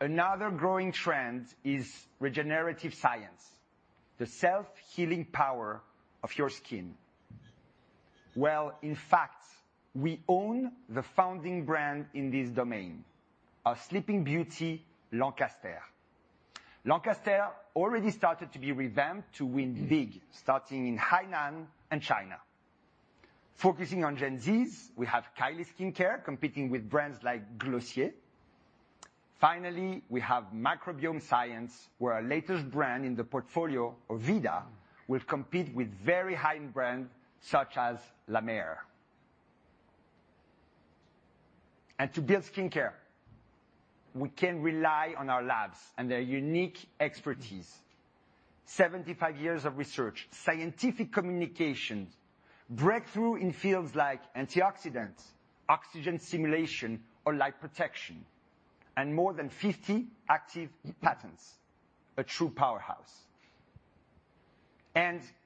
Another growing trend is regenerative science, the self-healing power of your skin. Well, in fact, we own the founding brand in this domain, our Sleeping Beauty Lancaster. Lancaster already started to be revamped to win big, starting in Hainan and China. Focusing on Gen Z's, we have Kylie Skin care, competing with brands like Glossier. Finally, we have microbiome science, where our latest brand in the portfolio, Orveda, will compete with very high-end brand such as La Mer. To build skincare, we can rely on our labs and their unique expertise. 75 years of research, scientific communications, breakthrough in fields like antioxidants, oxygen stimulation or light protection, and more than 50 active patents, a true powerhouse.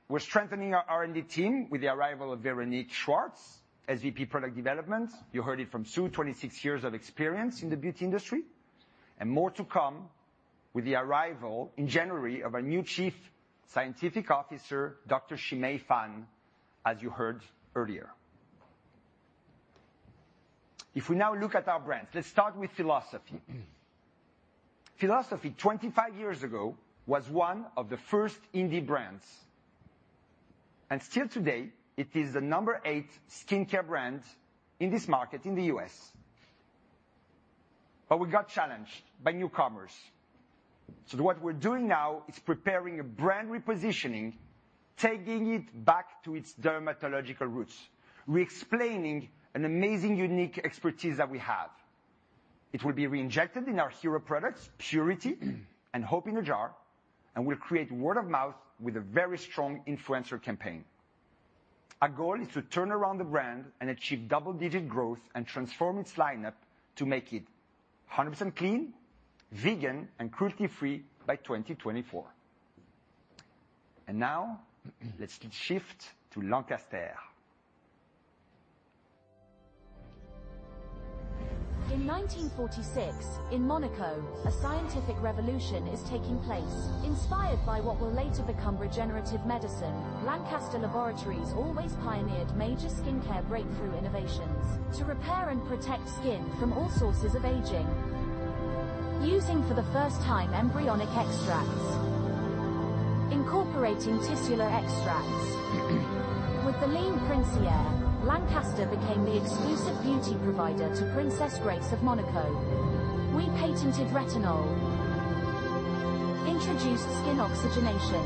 We're strengthening our R&D team with the arrival of Véronique Schwartz as VP Product Development. You heard it from Sue, 26 years of experience in the beauty industry. More to come with the arrival in January of our new Chief Scientific Officer, Dr. Shimei Fan, as you heard earlier. If we now look at our brands, let's start with Philosophy. Philosophy, 25 years ago, was one of the first indie brands, and still today it is the number 8 skincare brand in this market in the U.S. But we got challenged by newcomers, so what we're doing now is preparing a brand repositioning, taking it back to its dermatological roots, re-explaining an amazing unique expertise that we have. It will be reinjected in our hero products, Purity, and Hope in a Jar, and will create word of mouth with a very strong influencer campaign. Our goal is to turn around the brand and achieve double-digit growth and transform its lineup to make it 100% clean, vegan, and cruelty-free by 2024. Now let's shift to Lancaster. In 1946, in Monaco, a scientific revolution is taking place. Inspired by what will later become regenerative medicine, Lancaster Laboratories always pioneered major skincare breakthrough innovations to repair and protect skin from all sources of aging, using for the first time embryonic extracts, incorporating tissular extracts. With the late Prince Rainier, Lancaster became the exclusive beauty provider to Princess Grace of Monaco. We patented retinol, introduced skin oxygenation,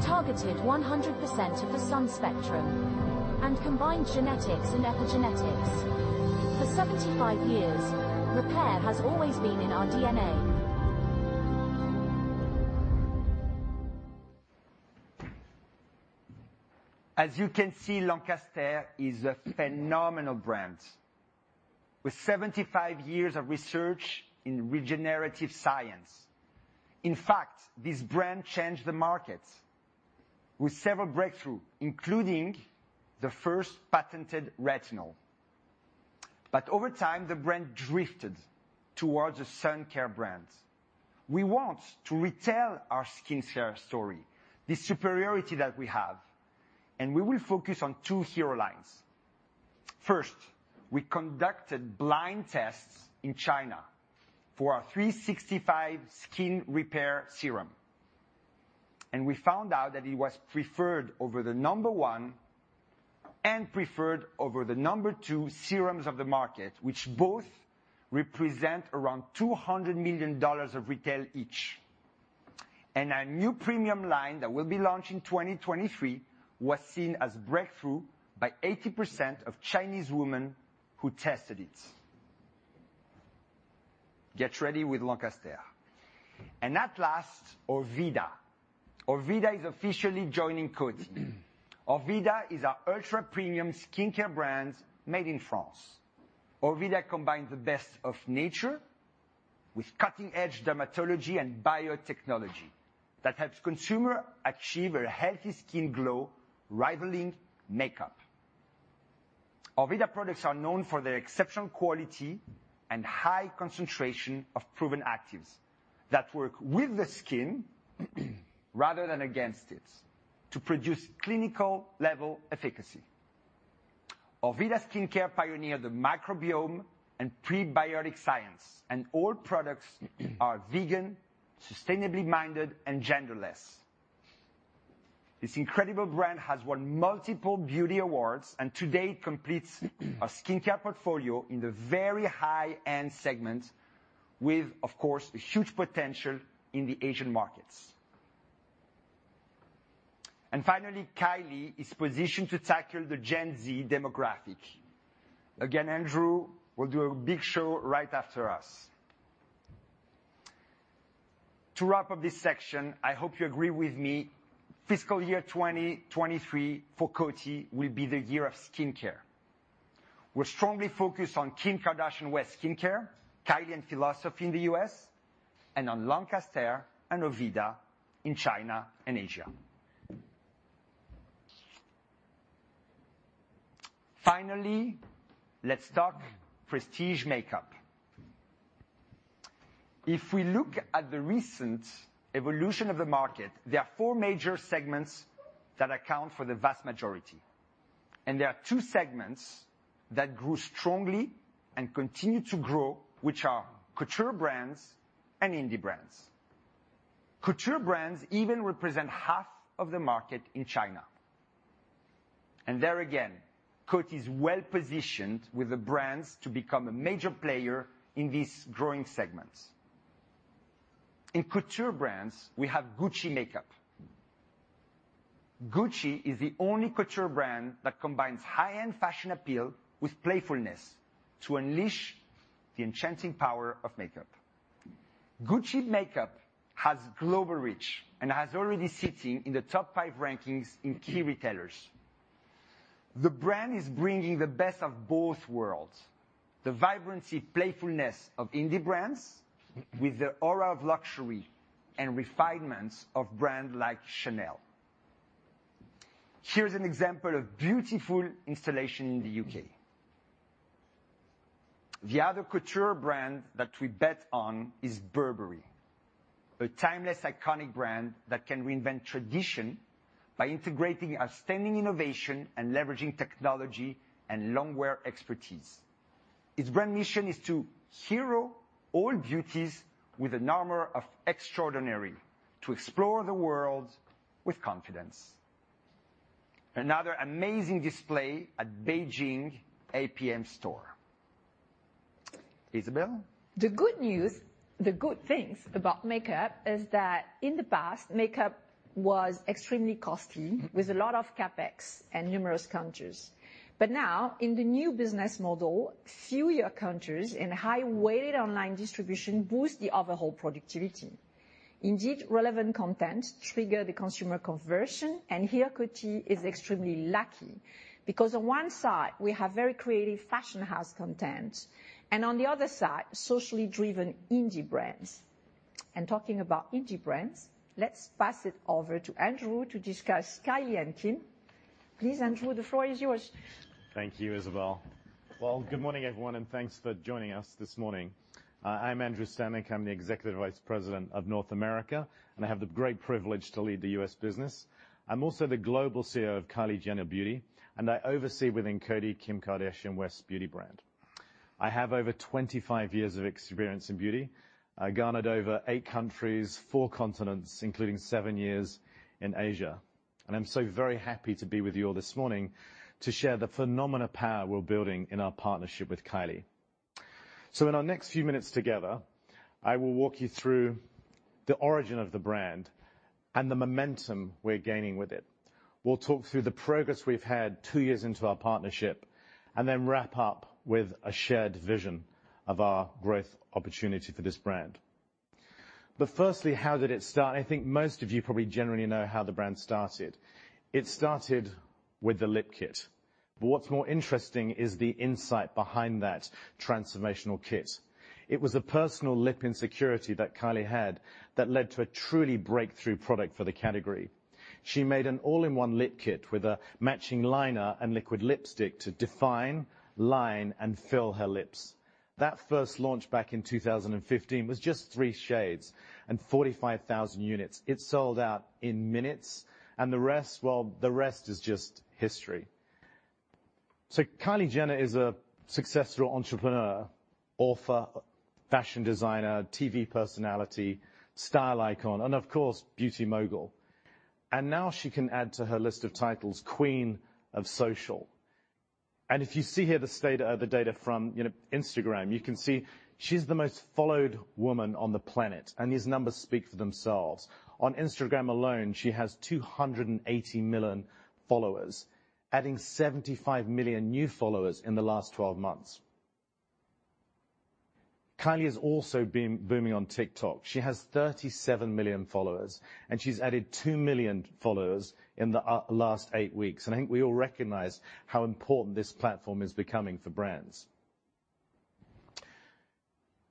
targeted 100% of the sun spectrum, and combined genetics and epigenetics. For 75 years, repair has always been in our DNA. As you can see, Lancaster is a phenomenal brand with 75 years of research in regenerative science. In fact, this brand changed the market with several breakthroughs, including the first patented retinol. Over time, the brand drifted towards a sun care brand. We want to retell our skincare story, the superiority that we have, and we will focus on two hero lines. First, we conducted blind tests in China for our 365 Skin Repair Serum, and we found out that it was preferred over the number one and preferred over the number two serums of the market, which both represent around $200 million of retail each. Our new premium line that we'll be launching 2023 was seen as a breakthrough by 80% of Chinese women who tested it. Get ready with Lancaster. At last, Orveda. Orveda is officially joining Coty. Orveda is our ultra-premium skincare brand made in France. Orveda combines the best of nature with cutting-edge dermatology and biotechnology that helps consumer achieve a healthy skin glow rivaling makeup. Orveda products are known for their exceptional quality and high concentration of proven actives that work with the skin rather than against it, to produce clinical-level efficacy. Orveda Skincare pioneered the microbiome and prebiotic science, and all products are vegan, sustainably minded, and genderless. This incredible brand has won multiple beauty awards, and today it completes our skincare portfolio in the very high-end segment with, of course, a huge potential in the Asian markets. Finally, Kylie is positioned to tackle the Gen Z demographic. Again, Andrew will do a big show right after us. To wrap up this section, I hope you agree with me, FY2023 for Coty will be the year of skincare. We're strongly focused on Kim Kardashian West Skincare, Kylie and Philosophy in the US, and on Lancaster and Orveda in China and Asia. Finally, let's talk prestige makeup. If we look at the recent evolution of the market, there are four major segments that account for the vast majority, and there are two segments that grew strongly and continue to grow, which are couture brands and indie brands. Couture brands even represent half of the market in China. There again, Coty is well-positioned with the brands to become a major player in these growing segments. In couture brands, we have Gucci Makeup. Gucci is the only couture brand that combines high-end fashion appeal with playfulness to unleash the enchanting power of makeup. Gucci Makeup has global reach and is already sitting in the top five rankings in key retailers. The brand is bringing the best of both worlds, the vibrancy, playfulness of indie brands with the aura of luxury and refinements of brands like Chanel. Here's an example of beautiful installation in the U.K. The other couture brand that we bet on is Burberry. A timeless, iconic brand that can reinvent tradition by integrating outstanding innovation and leveraging technology and longwear expertise. Its brand mission is to hero all beauties with an aura of extraordinary, to explore the world with confidence. Another amazing display at Beijing APM store. Isabelle? The good news, the good things about makeup is that in the past, makeup was extremely costly. Mm-hmm ...with a lot of CapEx in numerous countries. Now, in the new business model, fewer countries and high-weighted online distribution boost the overall productivity. Indeed, relevant content trigger the consumer conversion, and here, Coty is extremely lucky because on one side, we have very creative fashion house content, and on the other side, socially driven indie brands. Talking about indie brands, let's pass it over to Andrew to discuss Kylie and Kim. Please, Andrew, the floor is yours. Thank you, Isabelle. Well, good morning, everyone, and thanks for joining us this morning. I'm Andrew Stanick, I'm the Executive Vice President of North America, and I have the great privilege to lead the U.S. business. I'm also the Global CEO of Kylie Jenner Beauty, and I oversee within Coty Kim Kardashian West's beauty brand. I have over 25 years of experience in beauty. I garnered over eight countries, four continents, including seven years in Asia, and I'm so very happy to be with you all this morning to share the phenomenal power we're building in our partnership with Kylie. In our next few minutes together, I will walk you through the origin of the brand and the momentum we're gaining with it. We'll talk through the progress we've had two years into our partnership, and then wrap up with a shared vision of our growth opportunity for this brand. Firstly, how did it start? I think most of you probably generally know how the brand started. It started with the lip kit. What's more interesting is the insight behind that transformational kit. It was the personal lip insecurity that Kylie had that led to a truly breakthrough product for the category. She made an all-in-one lip kit with a matching liner and liquid lipstick to define, line, and fill her lips. That first launch back in 2015 was just three shades and 45,000 units. It sold out in minutes, and the rest, well, the rest is just history. Kylie Jenner is a successful entrepreneur, author, fashion designer, TV personality, style icon, and of course, beauty mogul. Now she can add to her list of titles, Queen of Social. If you see here the data from, you know, Instagram, you can see she's the most followed woman on the planet, and these numbers speak for themselves. On Instagram alone, she has 280 million followers, adding 75 million new followers in the last 12 months. Kylie is also booming on TikTok. She has 37 million followers, and she's added 2 million followers in the last 8 weeks. I think we all recognize how important this platform is becoming for brands.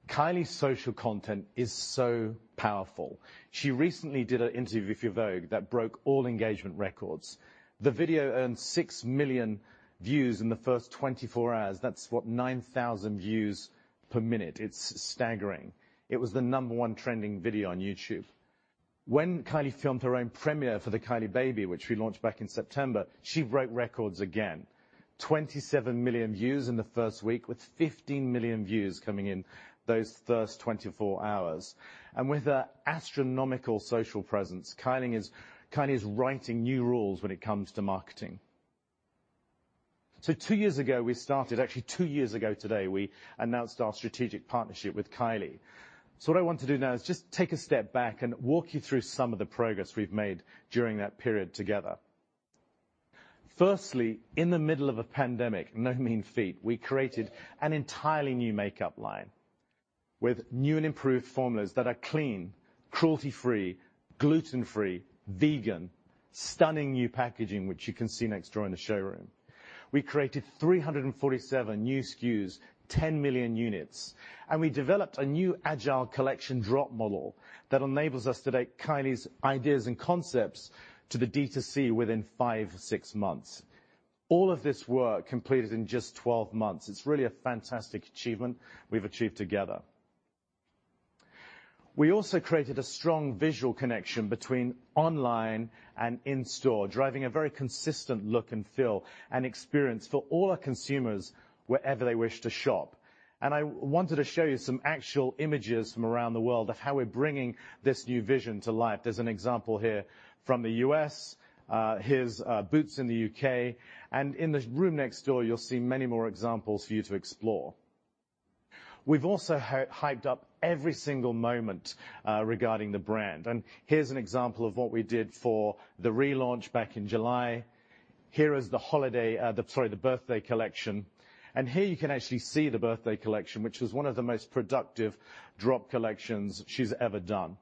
Kylie's social content is so powerful. She recently did an interview for Vogue that broke all engagement records. The video earned 6 million views in the first 24 hours. That's what? 9,000 views per minute. It's staggering. It was the number one trending video on YouTube. When Kylie filmed her own premiere for the Kylie Baby, which we launched back in September, she broke records again. 27 million views in the first week, with 15 million views coming in those first 24 hours. And with an astronomical social presence, Kylie is writing new rules when it comes to marketing. Actually, two years ago today, we announced our strategic partnership with Kylie. What I want to do now is just take a step back and walk you through some of the progress we've made during that period together. Firstly, in the middle of a pandemic, no mean feat, we created an entirely new makeup line with new and improved formulas that are clean, cruelty-free, gluten-free, vegan, stunning new packaging, which you can see next door in the showroom. We created 347 new SKUs, 10 million units, and we developed a new agile collection drop model that enables us to take Kylie's ideas and concepts to the D2C within 5-6 months. All of this work completed in just 12 months. It's really a fantastic achievement we've achieved together. We also created a strong visual connection between online and in-store, driving a very consistent look and feel and experience for all our consumers wherever they wish to shop. I wanted to show you some actual images from around the world of how we're bringing this new vision to life. There's an example here from the US, here's Boots in the U.K., and in the room next door, you'll see many more examples for you to explore. We've also hyped up every single moment regarding the brand, and here's an example of what we did for the relaunch back in July. Sorry, the Birthday collection. Here you can actually see the Birthday collection, which was one of the most productive drop collections she's ever done.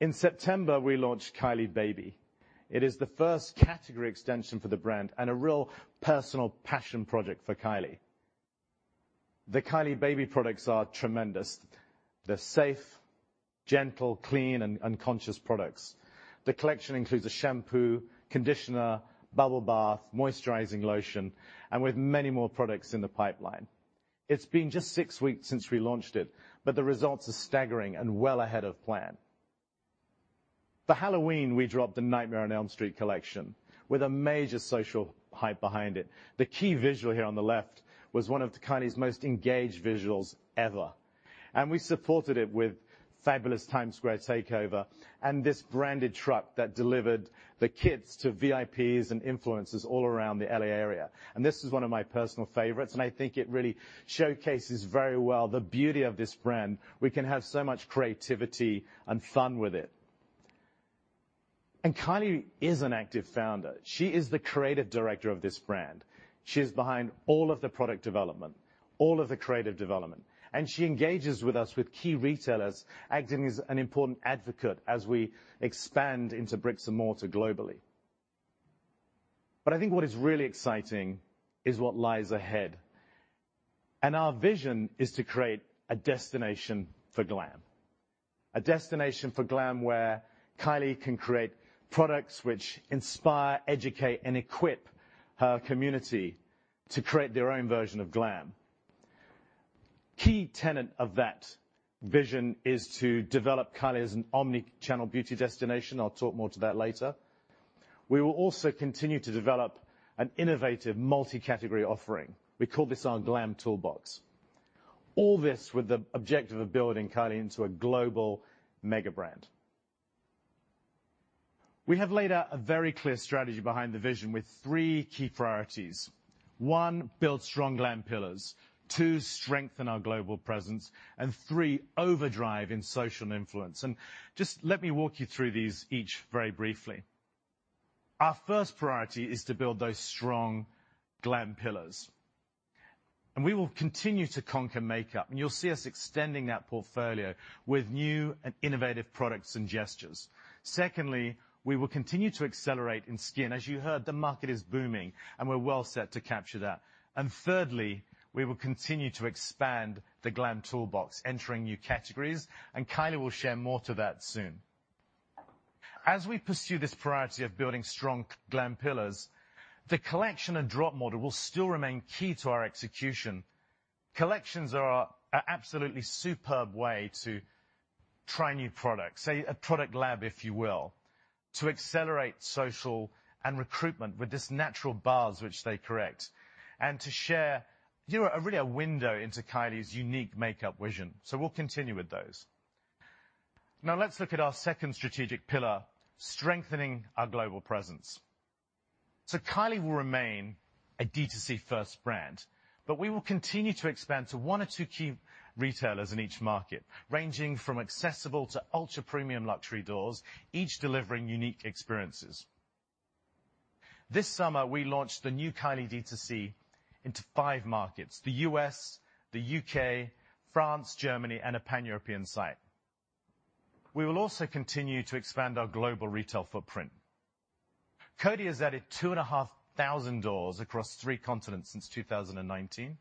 In September, we launched Kylie Baby. It is the first category extension for the brand and a real personal passion project for Kylie. The Kylie Baby products are tremendous. They're safe, gentle, clean, and conscious products. The collection includes a shampoo, conditioner, bubble bath, moisturizing lotion, and with many more products in the pipeline. It's been just six weeks since we launched it, but the results are staggering and well ahead of plan. For Halloween, we dropped the Nightmare on Elm Street collection with a major social hype behind it. The key visual here on the left was one of the Kylie's most engaged visuals ever, and we supported it with fabulous Times Square takeover and this branded truck that delivered the kits to VIPs and influencers all around the L.A. area. This is one of my personal favorites, and I think it really showcases very well the beauty of this brand. We can have so much creativity and fun with it. Kylie is an active founder. She is the creative director of this brand. She is behind all of the product development, all of the creative development, and she engages with us with key retailers, acting as an important advocate as we expand into bricks and mortar globally. I think what is really exciting is what lies ahead. Our vision is to create a destination for glam. A destination for glam, where Kylie can create products which inspire, educate, and equip her community to create their own version of glam. Key tenet of that vision is to develop Kylie as an omni-channel beauty destination. I'll talk more to that later. We will also continue to develop an innovative multi-category offering. We call this our glam toolbox. All this with the objective of building Kylie into a global mega brand. We have laid out a very clear strategy behind the vision with three key priorities. One, build strong glam pillars. Two, strengthen our global presence. Three, overdrive in social influence. Just let me walk you through these each very briefly. Our first priority is to build those strong glam pillars, and we will continue to conquer makeup, and you'll see us extending that portfolio with new and innovative products and gestures. Secondly, we will continue to accelerate in skin. As you heard, the market is booming, and we're well set to capture that. Thirdly, we will continue to expand the glam toolbox, entering new categories, and Kylie will share more to that soon. As we pursue this priority of building strong glam pillars, the collection and drop model will still remain key to our execution. Collections are absolutely superb way to try new products, say a product lab, if you will, to accelerate social and recruitment with this natural buzz which they create and to share, you know, really a window into Kylie's unique makeup vision. We'll continue with those. Now let's look at our second strategic pillar, strengthening our global presence. Kylie will remain a D2C first brand, but we will continue to expand to one or two key retailers in each market, ranging from accessible to ultra-premium luxury doors, each delivering unique experiences. This summer we launched the new Kylie D2C into five markets, the U.S., the U.K., France, Germany, and a pan-European site. We will also continue to expand our global retail footprint. Coty has added 2,500 doors across three continents since 2019,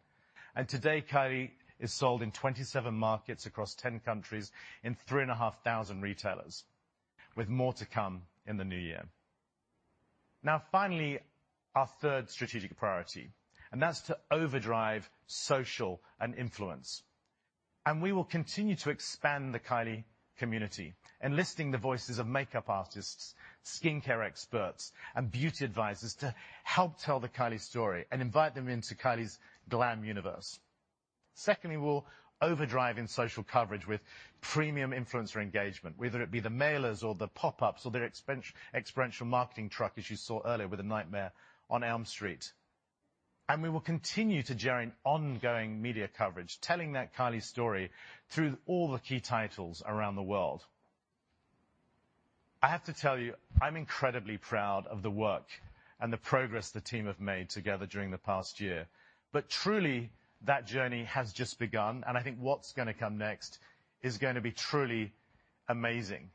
and today, Kylie is sold in 27 markets across 10 countries in 3,500 retailers, with more to come in the new year. Now finally, our third strategic priority, that's to overdrive social and influencer. We will continue to expand the Kylie community, enlisting the voices of makeup artists, skincare experts, and beauty advisors to help tell the Kylie story and invite them into Kylie's glam universe. Secondly, we'll overdrive in social coverage with premium influencer engagement, whether it be the mailers or the pop-ups or their experiential marketing truck, as you saw earlier with the Nightmare on Elm Street. We will continue to generate ongoing media coverage, telling that Kylie story through all the key titles around the world. I have to tell you, I'm incredibly proud of the work and the progress the team have made together during the past year. Truly, that journey has just begun, and I think what's gonna come next is gonna be truly amazing.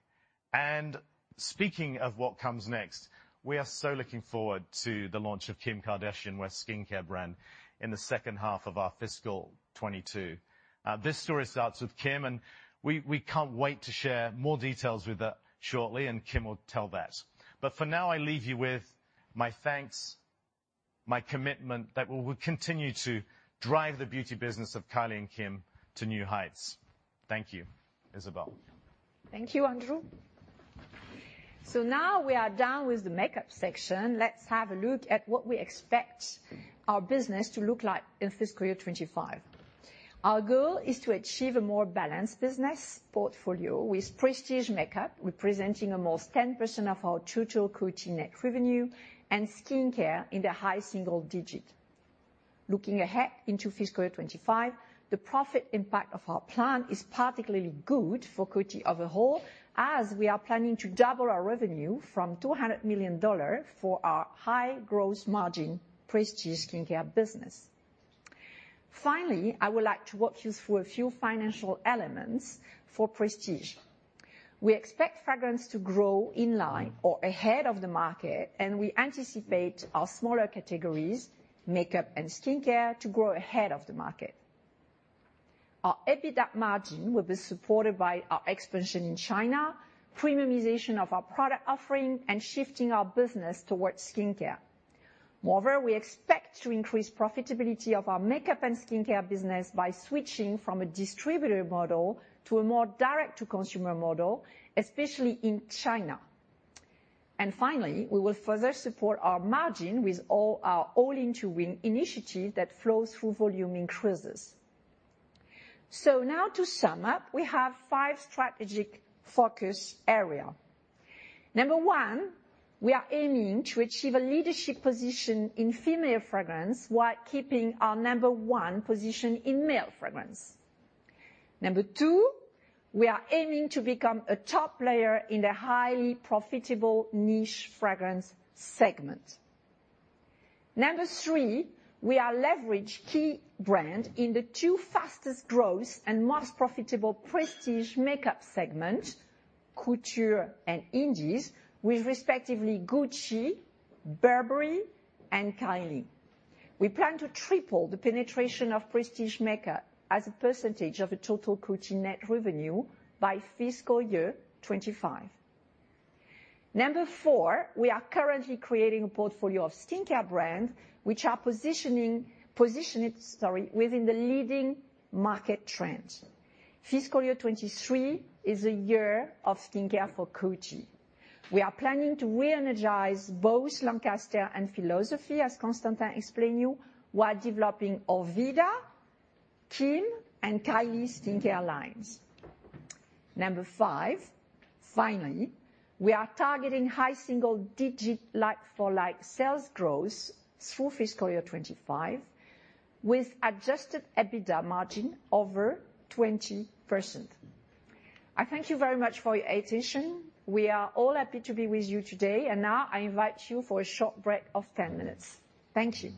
Speaking of what comes next, we are so looking forward to the launch of Kim Kardashian West skincare brand in the second half of our FY2022. This story starts with Kim, and we can't wait to share more details about that shortly, and Kim will tell that. For now, I leave you with my thanks, my commitment that we will continue to drive the beauty business of Kylie and Kim to new heights. Thank you. Isabelle? Thank you, Andrew. Now we are done with the makeup section. Let's have a look at what we expect our business to look like in fiscal year 2025. Our goal is to achieve a more balanced business portfolio with prestige makeup, representing almost 10% of our total Coty net revenue and skincare in the high single-digit %. Looking ahead into fiscal 2025, the profit impact of our plan is particularly good for Coty overall, as we are planning to double our revenue from $200 million for our high growth margin prestige skincare business. Finally, I would like to walk you through a few financial elements for prestige. We expect fragrance to grow in line or ahead of the market, and we anticipate our smaller categories, makeup and skincare, to grow ahead of the market. Our EBITDA margin will be supported by our expansion in China, premiumization of our product offering, and shifting our business towards skincare. Moreover, we expect to increase profitability of our makeup and skincare business by switching from a distributor model to a more direct-to-consumer model, especially in China. Finally, we will further support our margin with all our All-in to Win initiative that flows through volume increases. Now to sum up, we have five strategic focus area. Number one, we are aiming to achieve a leadership position in female fragrance while keeping our number one position in male fragrance. Number two, we are aiming to become a top player in the highly profitable niche fragrance segment. Number three, we are leverage key brand in the two fastest growth and most profitable prestige makeup segment, couture and indies, with respectively Gucci, Burberry, and Kylie. We plan to triple the penetration of prestige makeup as a percentage of total Coty net revenue by fiscal year 2025. Number four, we are currently creating a portfolio of skincare brands which are positioned within the leading market trends. FY2023 is a year of skincare for Coty. We are planning to re-energize both Lancaster and Philosophy, as Constantin explained to you, while developing Orveda, them, and Kylie skincare lines. Number five, finally, we are targeting high single-digit like-for-like sales growth through fiscal year 2025 with adjusted EBITDA margin over 20%. I thank you very much for your attention. We are all happy to be with you today, and now I invite you for a short break of 10 minutes. Thank you.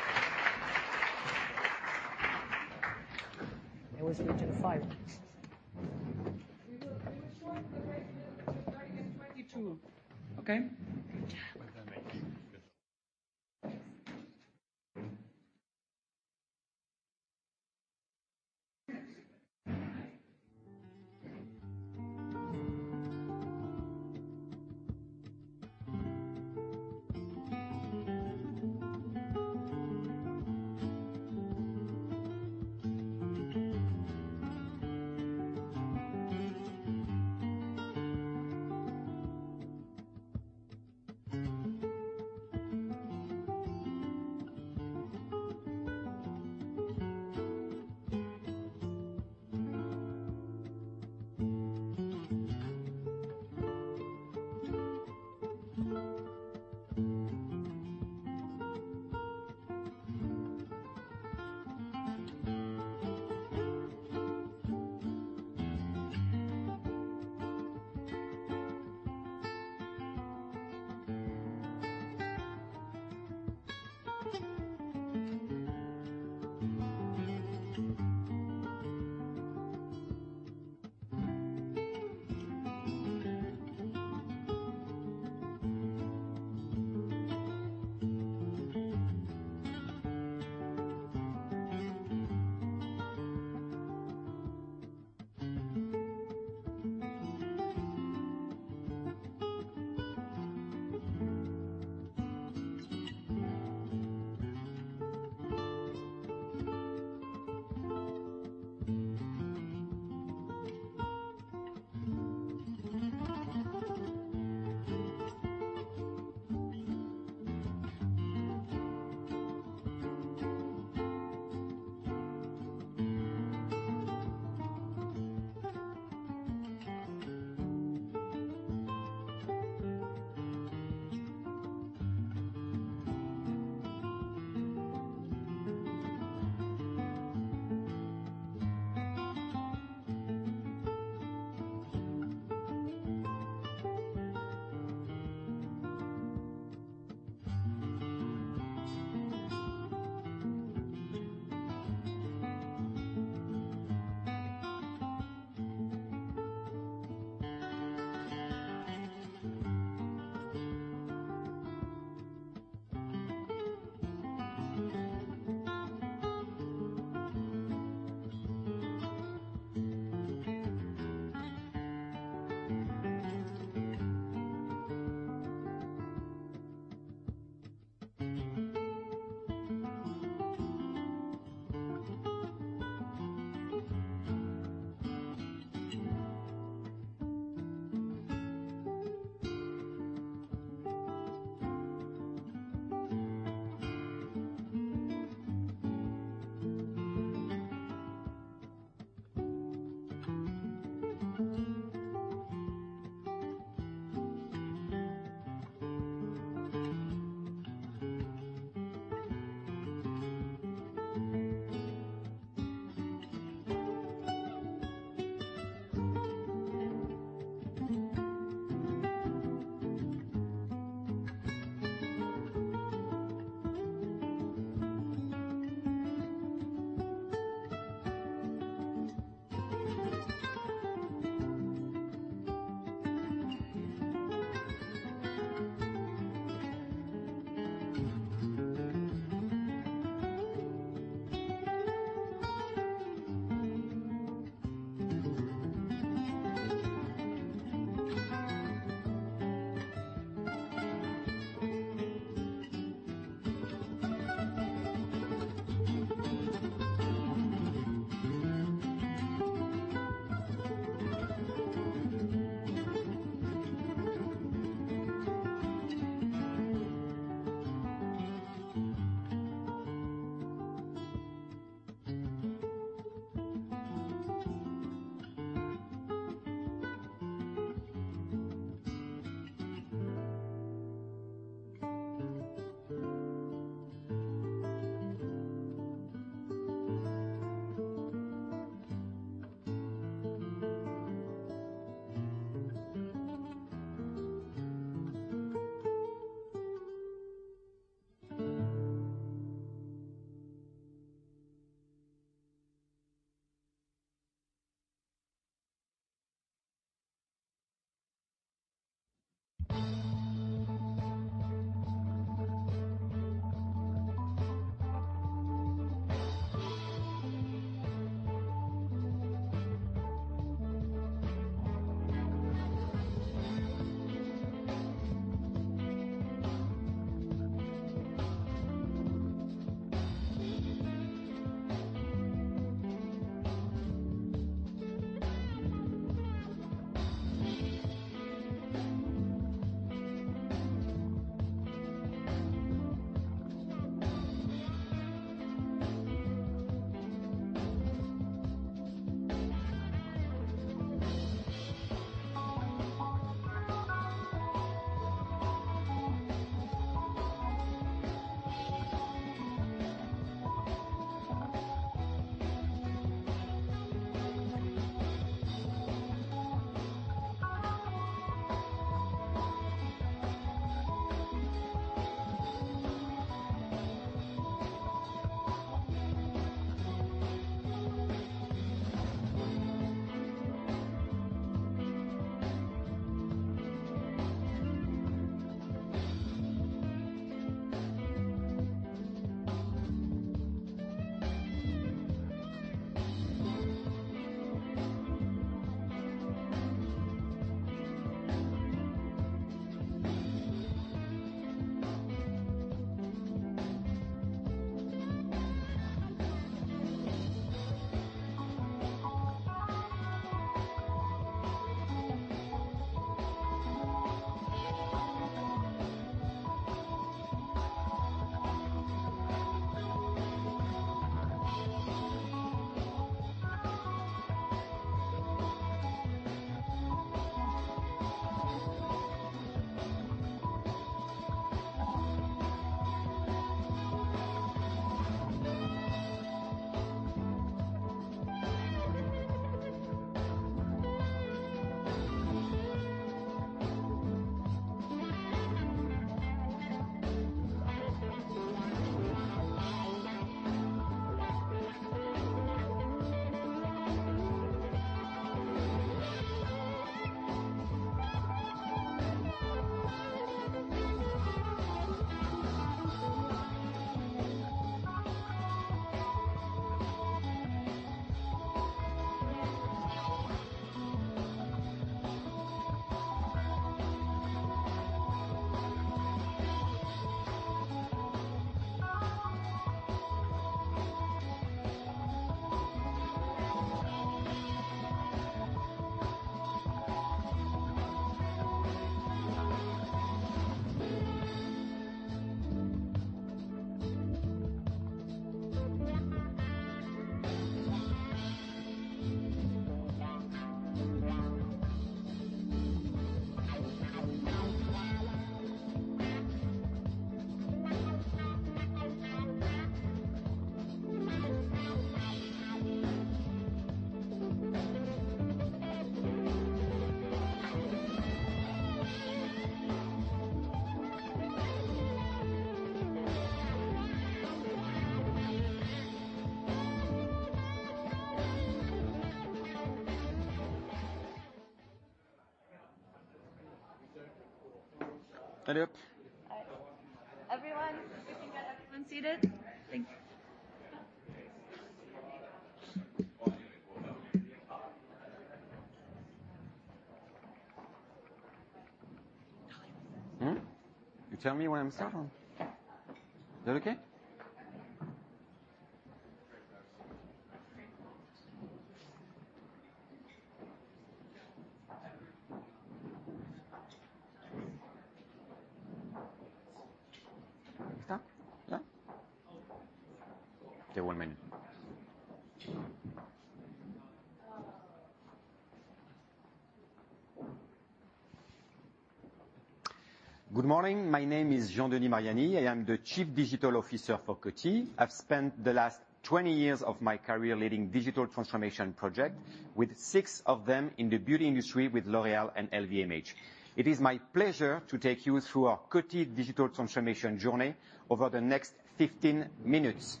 My name is Jean-Denis Mariani. I am the Chief Digital Officer for Coty. I've spent the last 20 years of my career leading digital transformation projects, with 6 of them in the beauty industry with L'Oréal and LVMH. It is my pleasure to take you through our Coty digital transformation journey over the next 15 minutes.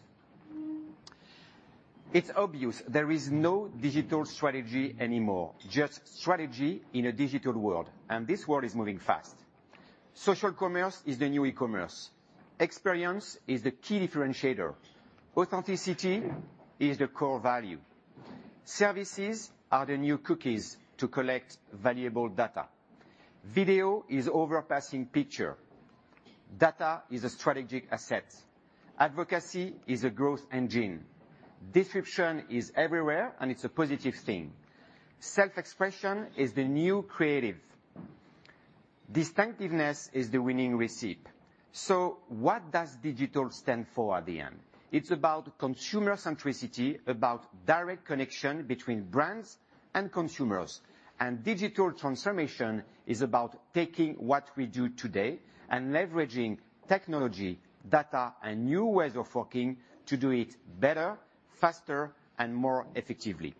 It's obvious there is no digital strategy anymore, just strategy in a digital world, and this world is moving fast. Social commerce is the new e-commerce. Experience is the key differentiator. Authenticity is the core value. Services are the new cookies to collect valuable data. Video is surpassing picture. Data is a strategic asset. Advocacy is a growth engine. Disruption is everywhere, and it's a positive thing. Self-expression is the new creative. Distinctiveness is the winning recipe. What does digital stand for at the end? It's about consumer centricity, about direct connection between brands and consumers. Digital transformation is about taking what we do today and leveraging technology, data, and new ways of working to do it better, faster, and more effectively.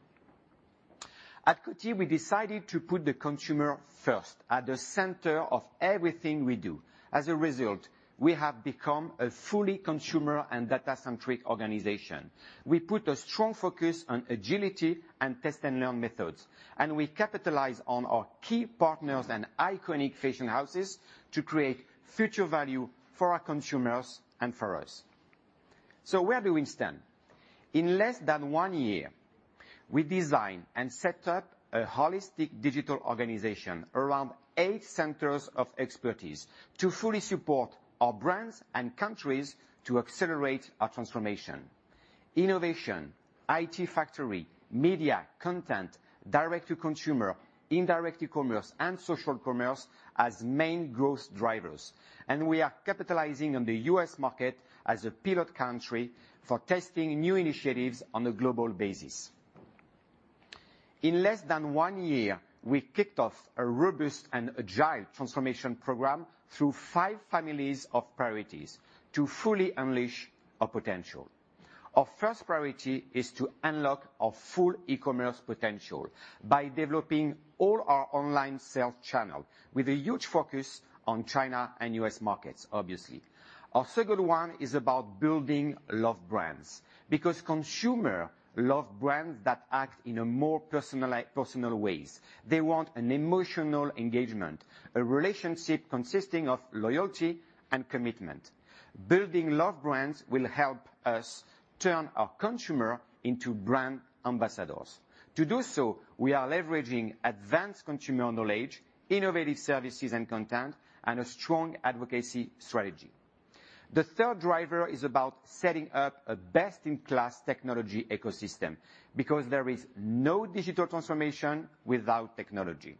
At Coty, we decided to put the consumer first, at the center of everything we do. As a result, we have become a fully consumer and data-centric organization. We put a strong focus on agility and test-and-learn methods, and we capitalize on our key partners and iconic fashion houses to create future value for our consumers and for us. Where do we stand? In less than one year, we design and set up a holistic digital organization around eight centers of expertise to fully support our brands and countries to accelerate our transformation. Innovation, IT factory, media, content, direct to consumer, indirect e-commerce, and social commerce as main growth drivers, and we are capitalizing on the U.S. market as a pivot country for testing new initiatives on a global basis. In less than one year, we kicked off a robust and agile transformation program through 5 families of priorities to fully unleash our potential. Our first priority is to unlock our full e-commerce potential by developing all our online sales channel with a huge focus on China and U.S. markets, obviously. Our second one is about building loved brands, because consumers love brands that act in a more personal ways. They want an emotional engagement, a relationship consisting of loyalty and commitment. Building loved brands will help us turn our consumer into brand ambassadors. To do so, we are leveraging advanced consumer knowledge, innovative services and content, and a strong advocacy strategy. The third driver is about setting up a best-in-class technology ecosystem because there is no digital transformation without technology.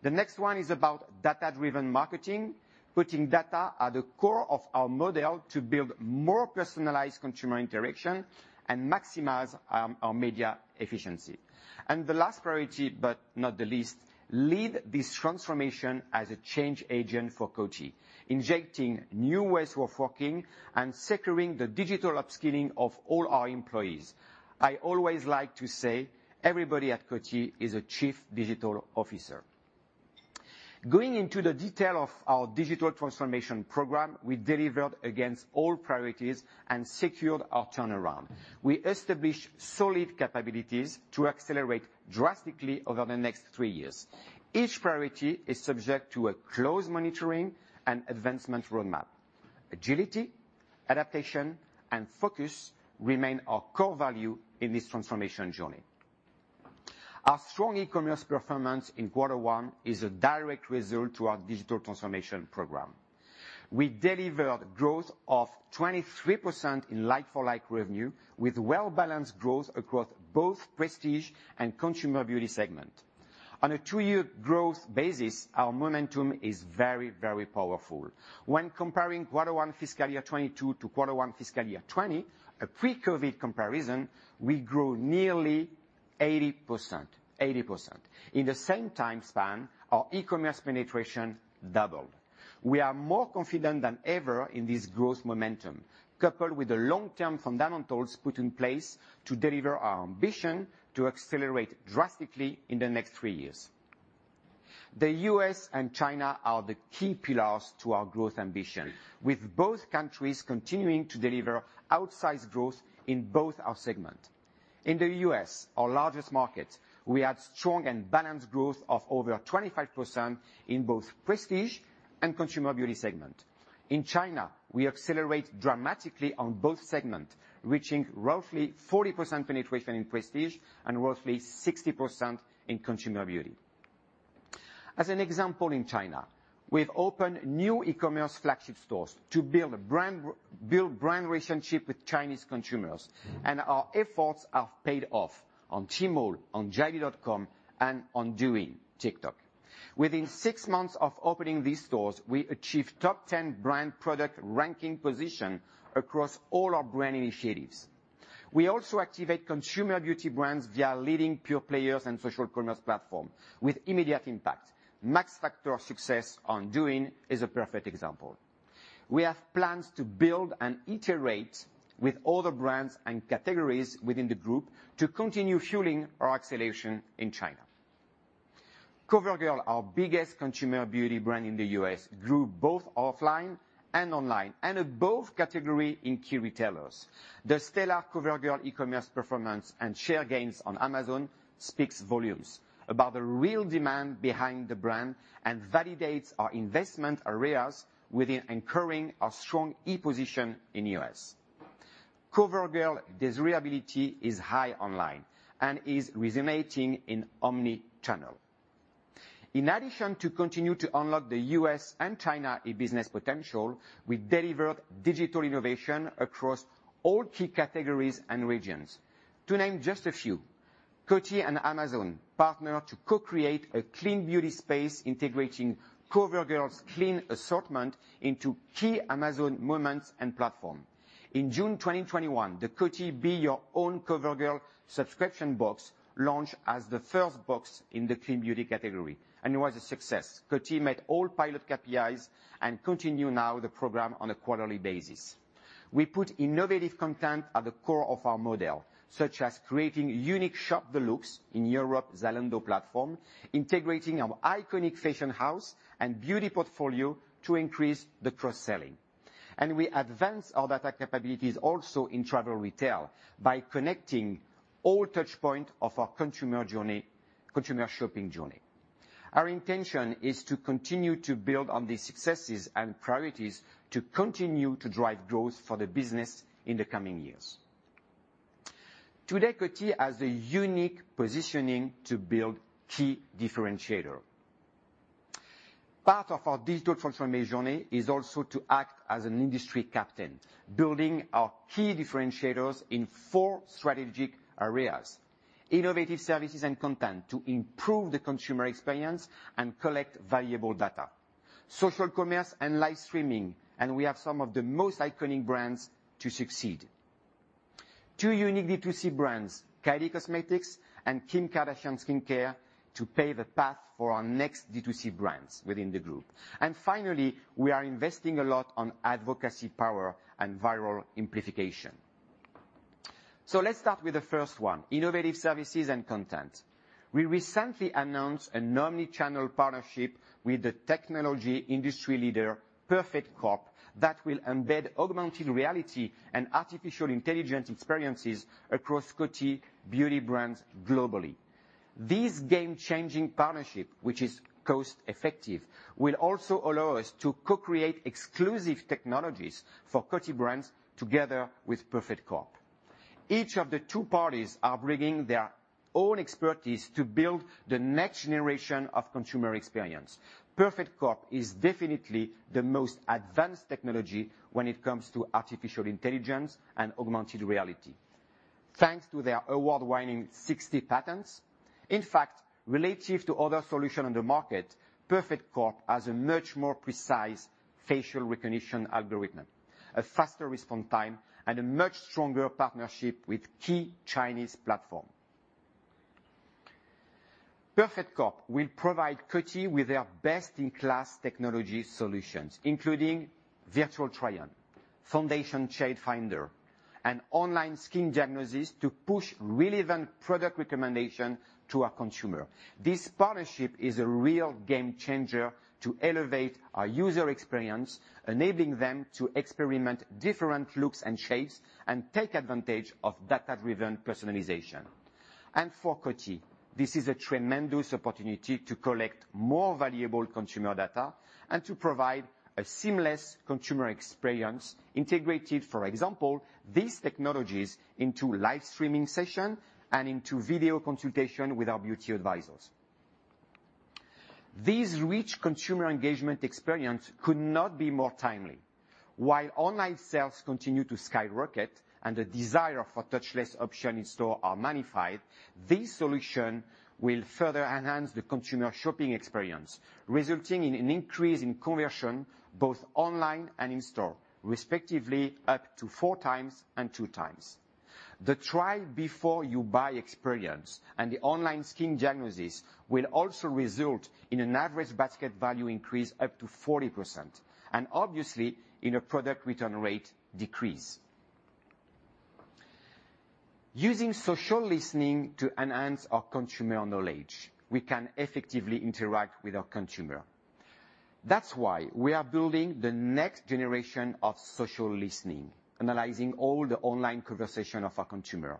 The next one is about data-driven marketing, putting data at the core of our model to build more personalized consumer interaction and maximize our media efficiency. The last priority, but not the least, lead this transformation as a change agent for Coty, injecting new ways of working and securing the digital upskilling of all our employees. I always like to say, everybody at Coty is a chief digital officer. Going into the detail of our digital transformation program, we delivered against all priorities and secured our turnaround. We established solid capabilities to accelerate drastically over the next three years. Each priority is subject to a close monitoring and advancement roadmap. Agility, adaptation, and focus remain our core value in this transformation journey. Our strong e-commerce performance in quarter one is a direct result to our digital transformation program. We delivered growth of 23% in like-for-like revenue, with well-balanced growth across both Prestige and Consumer Beauty segment. On a two-year growth basis, our momentum is very, very powerful. When comparing quarter one FY2022 to Q1 FY2020, a pre-COVID comparison, we grew nearly 80%. 80%. In the same time span, our e-commerce penetration doubled. We are more confident than ever in this growth momentum, coupled with the long-term fundamentals put in place to deliver our ambition to accelerate drastically in the next three years. The U.S. and China are the key pillars to our growth ambition, with both countries continuing to deliver outsized growth in both our segment. In the U.S., our largest market, we had strong and balanced growth of over 25% in both Prestige and Consumer Beauty segments. In China, we accelerate dramatically on both segments, reaching roughly 40% penetration in Prestige and roughly 60% in Consumer Beauty. As an example in China, we've opened new e-commerce flagship stores to build brand relationship with Chinese consumers, and our efforts have paid off on Tmall, on jd.com, and on Douyin, TikTok. Within six months of opening these stores, we achieved top 10 brand product ranking position across all our brand initiatives. We also activate Consumer Beauty brands via leading pure players and social commerce platform with immediate impact. Max Factor success on Douyin is a perfect example. We have plans to build and iterate with other brands and categories within the group to continue fueling our acceleration in China. CoverGirl, our biggest consumer beauty brand in the U.S., grew both offline and online, and in both category in key retailers. The stellar CoverGirl e-commerce performance and share gains on Amazon speaks volumes about the real demand behind the brand, and validates our investment areas within anchoring our strong e-position in U.S. CoverGirl desirability is high online and is resonating in omni-channel. In addition to continue to unlock the U.S. and China e-business potential, we delivered digital innovation across all key categories and regions. To name just a few, Coty and Amazon partnered to co-create a clean beauty space integrating CoverGirl's clean assortment into key Amazon moments and platform. In June 2021, the Coty Be Your Own CoverGirl subscription box launched as the first box in the clean beauty category, and it was a success. Coty met all pilot KPIs and continue now the program on a quarterly basis. We put innovative content at the core of our model, such as creating unique shop the looks in Europe, Zalando platform, integrating our iconic fashion house and beauty portfolio to increase the cross-selling. We advance our data capabilities also in travel retail by connecting all touch point of our consumer journey, consumer shopping journey. Our intention is to continue to build on the successes and priorities to continue to drive growth for the business in the coming years. Today, Coty has a unique positioning to build key differentiator. Part of our digital transformation journey is also to act as an industry captain, building our key differentiators in four strategic areas. Innovative services and content to improve the consumer experience and collect valuable data. Social commerce and live streaming, and we have some of the most iconic brands to succeed. Two unique D2C brands, Kylie Cosmetics and SKKN by Kim, to pave the path for our next D2C brands within the group. Finally, we are investing a lot on advocacy power and viral amplification. Let's start with the first one, innovative services and content. We recently announced an omni-channel partnership with the technology industry leader, Perfect Corp., that will embed augmented reality and artificial intelligence experiences across Coty beauty brands globally. This game-changing partnership, which is cost-effective, will also allow us to co-create exclusive technologies for Coty brands together with Perfect Corp. Each of the two parties are bringing their own expertise to build the next generation of consumer experience. Perfect Corp. is definitely the most advanced technology when it comes to artificial intelligence and augmented reality thanks to their award-winning 60 patents. In fact, relative to other solution on the market, Perfect Corp. has a much more precise facial recognition algorithm, a faster response time, and a much stronger partnership with key Chinese platform. Perfect Corp. will provide Coty with their best-in-class technology solutions, including virtual try-on, foundation shade finder, and online skin diagnosis to push relevant product recommendation to our consumer. This partnership is a real game changer to elevate our user experience, enabling them to experiment different looks and shades, and take advantage of data-driven personalization. For Coty, this is a tremendous opportunity to collect more valuable consumer data and to provide a seamless consumer experience, integrated, for example, these technologies into live streaming session and into video consultation with our beauty advisors. These rich consumer engagement experience could not be more timely. While online sales continue to skyrocket and the desire for touchless option in-store are magnified, this solution will further enhance the consumer shopping experience, resulting in an increase in conversion both online and in store, respectively up to 4.0x and 2.0x. The try before you buy experience and the online skin diagnosis will also result in an average basket value increase up to 40%, and obviously in a product return rate decrease. Using social listening to enhance our consumer knowledge, we can effectively interact with our consumer. That's why we are building the next generation of social listening, analyzing all the online conversation of our consumer.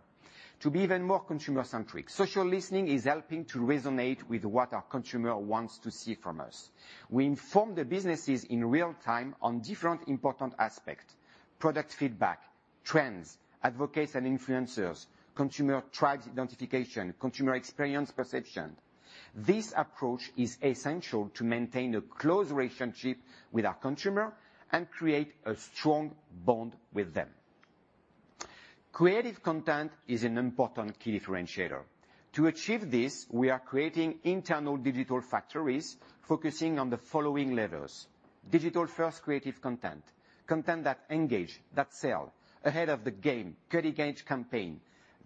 To be even more consumer centric, social listening is helping to resonate with what our consumer wants to see from us. We inform the businesses in real time on different important aspects. Product feedback, trends, advocates and influencers, consumer tribes identification, consumer experience perception. This approach is essential to maintain a close relationship with our consumer and create a strong bond with them. Creative content is an important key differentiator. To achieve this, we are creating internal digital factories focusing on the following levels. Digital-first creative content that engage, that sell, ahead of the game, cutting-edge campaign,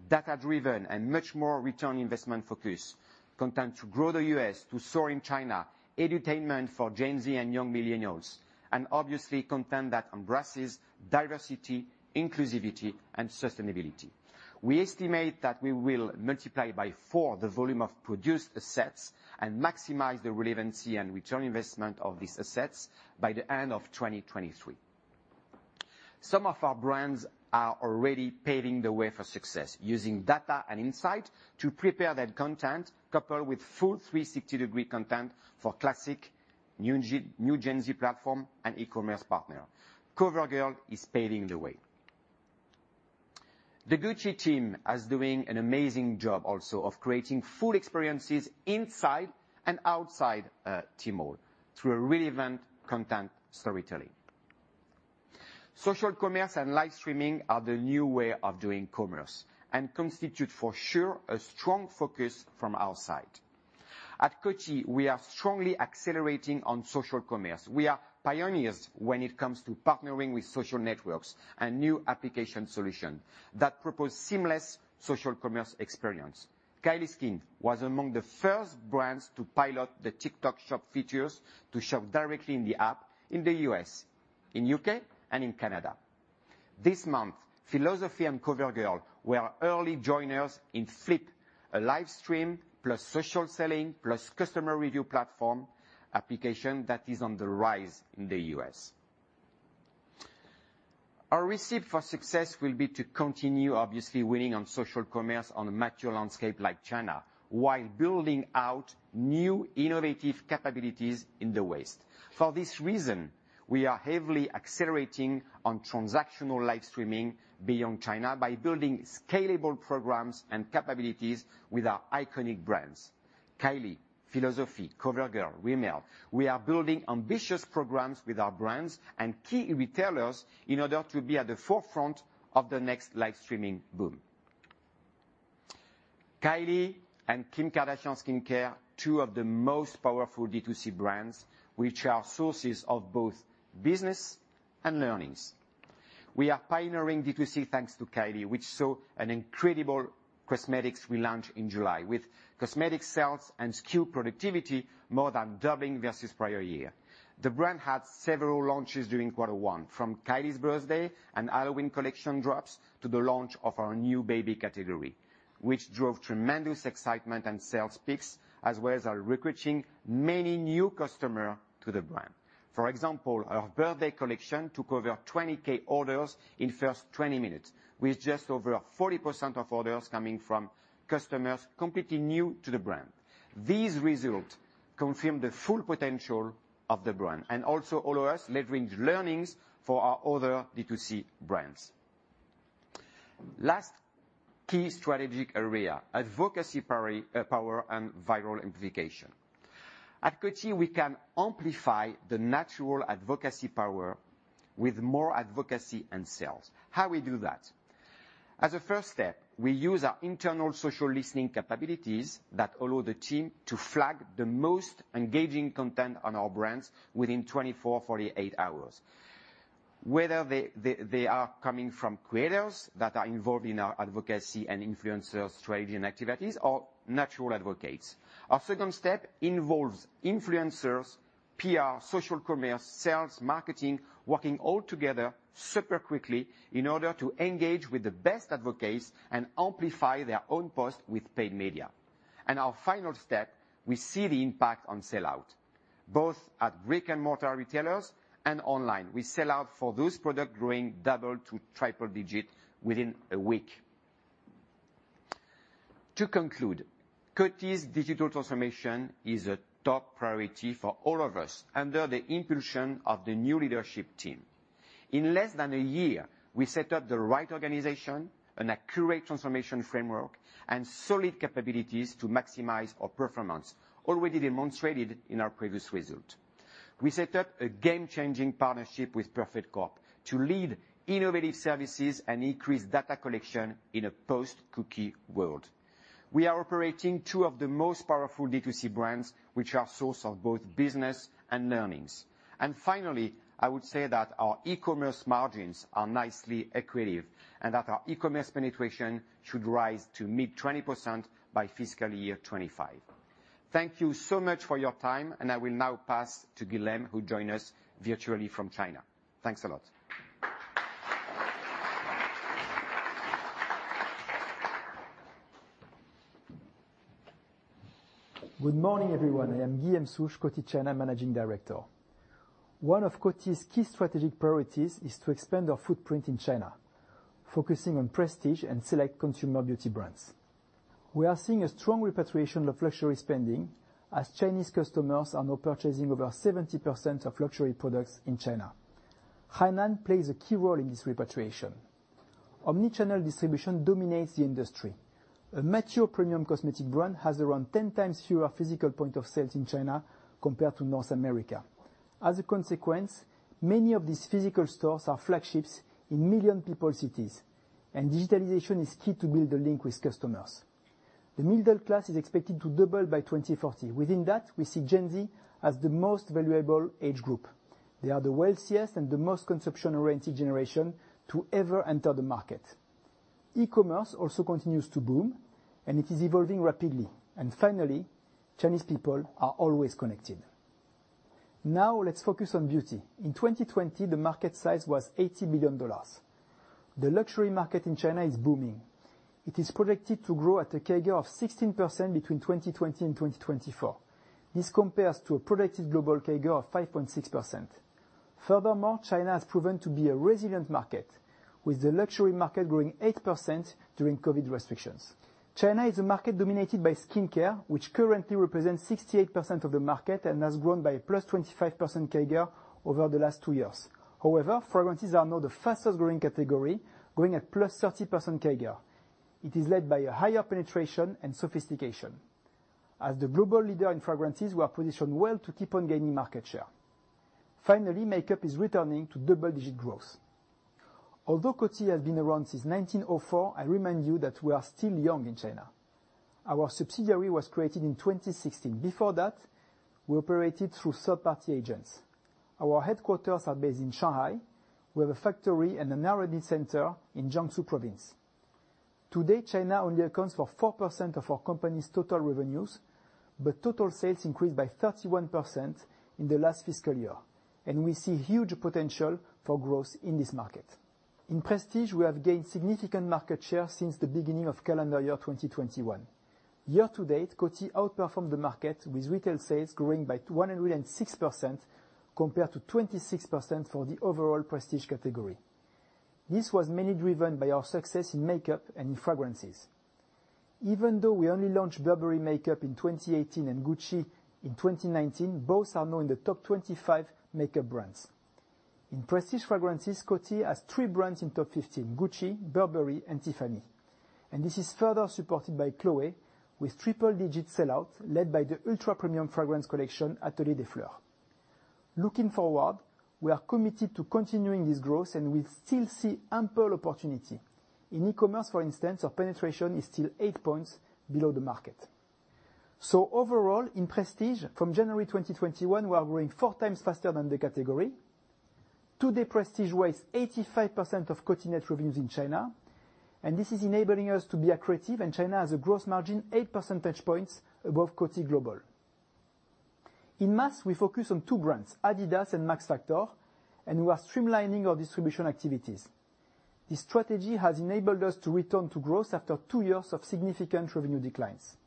data-driven and much more ROI focus, content to grow the U.S., to soar in China, edutainment for Gen Z and young millennials, and obviously content that embraces diversity, inclusivity, and sustainability. We estimate that we will multiply by four the volume of produced assets and maximize the relevancy and return on investment of these assets by the end of 2023. Some of our brands are already paving the way for success using data and insight to prepare their content coupled with full 360-degree content for classic, new Gen Z platform and e-commerce partner. CoverGirl is paving the way. The Gucci team is doing an amazing job also of creating full experiences inside and outside Tmall through relevant content storytelling. Social commerce and live streaming are the new way of doing commerce and constitute for sure a strong focus from our side. At Coty, we are strongly accelerating on social commerce. We are pioneers when it comes to partnering with social networks and new application solution that propose seamless social commerce experience. Kylie Skin was among the first brands to pilot the TikTok shop features to shop directly in the app in the U.S., in U.K., and in Canada. This month, Philosophy and CoverGirl were early joiners in Flip, a live stream plus social selling plus customer review platform application that is on the rise in the U.S. Our recipe for success will be to continue obviously winning on social commerce on a mature landscape like China while building out new innovative capabilities in the West. For this reason, we are heavily accelerating on transactional live streaming beyond China by building scalable programs and capabilities with our iconic brands. Kylie, Philosophy, CoverGirl, Rimmel, we are building ambitious programs with our brands and key retailers in order to be at the forefront of the next live streaming boom. Kylie and Kim Kardashian Skincare, two of the most powerful D2C brands, which are sources of both business and learnings. We are pioneering D2C thanks to Kylie, which saw an incredible cosmetics relaunch in July with cosmetic sales and SKU productivity more than doubling versus prior year. The brand had several launches during quarter one, from Kylie's birthday and Halloween collection drops to the launch of our new baby category, which drove tremendous excitement and sales peaks, as well as our recruiting many new customer to the brand. For example, our birthday collection took over 20,000 orders in first 20 minutes, with just over 40% of orders coming from customers completely new to the brand. These results confirm the full potential of the brand and also allow us leverage learnings for our other D2C brands. Last key strategic area, advocacy power and viral amplification. At Coty, we can amplify the natural advocacy power with more advocacy and sales. How we do that? As a first step, we use our internal social listening capabilities that allow the team to flag the most engaging content on our brands within 24-48 hours, whether they are coming from creators that are involved in our advocacy and influencer strategy and activities or natural advocates. Our second step involves influencers, PR, social commerce, sales, marketing, working all together super quickly in order to engage with the best advocates and amplify their own post with paid media. Our final step, we see the impact on sell-out, both at brick-and-mortar retailers and online. We sell out for those product growing double- to triple-digit within a week. To conclude, Coty's digital transformation is a top priority for all of us under the impulsion of the new leadership team. In less than a year, we set up the right organization, an accurate transformation framework, and solid capabilities to maximize our performance, already demonstrated in our previous result. We set up a game-changing partnership with Perfect Corp. to lead innovative services and increase data collection in a post-cookie world. We are operating two of the most powerful D2C brands, which are source of both business and learnings. Finally, I would say that our e-commerce margins are nicely accretive, and that our e-commerce penetration should rise to mid-20% by 2025. Thank you so much for your time, and I will now pass to Guilhem, who join us virtually from China. Thanks a lot. Good morning, everyone. I am Guilhem Souche, Coty China Managing Director. One of Coty's key strategic priorities is to expand our footprint in China, focusing on prestige and select consumer beauty brands. We are seeing a strong repatriation of luxury spending as Chinese customers are now purchasing over 70% of luxury products in China. Hainan plays a key role in this repatriation. Omnichannel distribution dominates the industry. A mature premium cosmetic brand has around 10.0x fewer physical points of sale in China compared to North America. As a consequence, many of these physical stores are flagships in million-people cities, and digitalization is key to build a link with customers. The middle class is expected to double by 2040. Within that, we see Gen Z as the most valuable age group. They are the wealthiest and the most consumption-oriented generation to ever enter the market. E-commerce also continues to boom, and it is evolving rapidly. Chinese people are always connected. Now let's focus on beauty. In 2020, the market size was $80 billion. The luxury market in China is booming. It is projected to grow at a CAGR of 16% between 2020 and 2024. This compares to a projected global CAGR of 5.6%. Furthermore, China has proven to be a resilient market, with the luxury market growing 8% during COVID-19 restrictions. China is a market dominated by skincare, which currently represents 68% of the market and has grown by +25% CAGR over the last two years. However, fragrances are now the fastest-growing category, growing at +30% CAGR. It is led by a higher penetration and sophistication. As the global leader in fragrances, we are positioned well to keep on gaining market share. Finally, makeup is returning to double-digit growth. Although Coty has been around since 1904, I remind you that we are still young in China. Our subsidiary was created in 2016. Before that, we operated through third-party agents. Our headquarters are based in Shanghai, with a factory and an R&D center in Jiangsu Province. Today, China only accounts for 4% of our company's total revenues, but total sales increased by 31% in the last fiscal year, and we see huge potential for growth in this market. In prestige, we have gained significant market share since the beginning of calendar year 2021. Year to date, Coty outperformed the market with retail sales growing by 106% compared to 26% for the overall prestige category. This was mainly driven by our success in makeup and in fragrances. Even though we only launched Burberry makeup in 2018 and Gucci in 2019, both are now in the top 25 makeup brands. In prestige fragrances, Coty has three brands in top 15, Gucci, Burberry, and Tiffany. This is further supported by Chloé with triple-digit sell-out led by the ultra-premium fragrance collection, Atelier des Fleurs. Looking forward, we are committed to continuing this growth, and we still see ample opportunity. In e-commerce, for instance, our penetration is still 8 points below the market. Overall, in prestige, from January 2021, we are growing 4.0x faster than the category. Today, prestige weighs 85% of Coty net revenues in China, and this is enabling us to be accretive, and China has a gross margin 8% above Coty global. In mass, we focus on two brands, Adidas and Max Factor, and we are streamlining our distribution activities. This strategy has enabled us to return to growth after two years of significant revenue declines.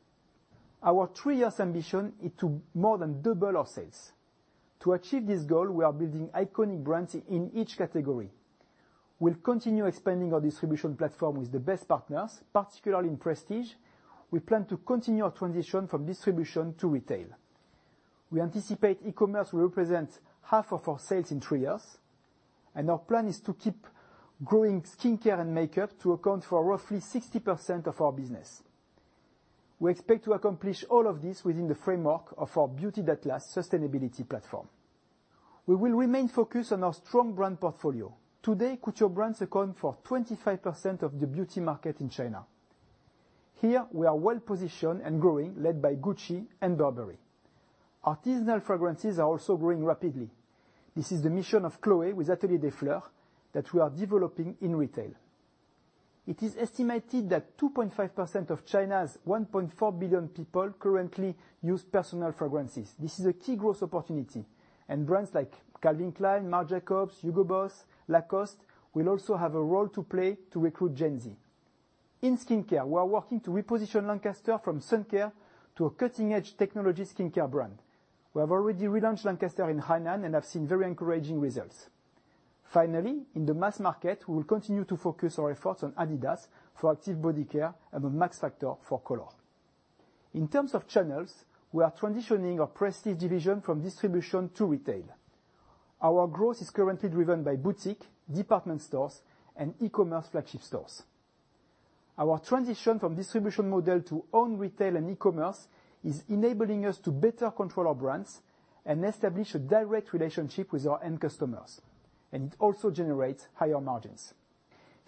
Our three-year ambition is to more than double our sales. To achieve this goal, we are It is estimated that 2.5% of China's 1.4 billion people currently use personal fragrances. This is a key growth opportunity, and brands like Calvin Klein, Marc Jacobs, Hugo Boss, Lacoste will also have a role to play to recruit Gen Z. In skincare, we are working to reposition Lancaster from suncare to a cutting-edge technology skincare brand. We have already relaunched Lancaster in Hainan and have seen very encouraging results. Finally, in the mass market, we will continue to focus our efforts on Adidas for active body care and on Max Factor for color. In terms of channels, we are transitioning our prestige division from distribution to retail. Our growth is currently driven by boutique, department stores, and e-commerce flagship stores. Our transition from distribution model to own retail and e-commerce is enabling us to better control our brands and establish a direct relationship with our end customers, and it also generates higher margins.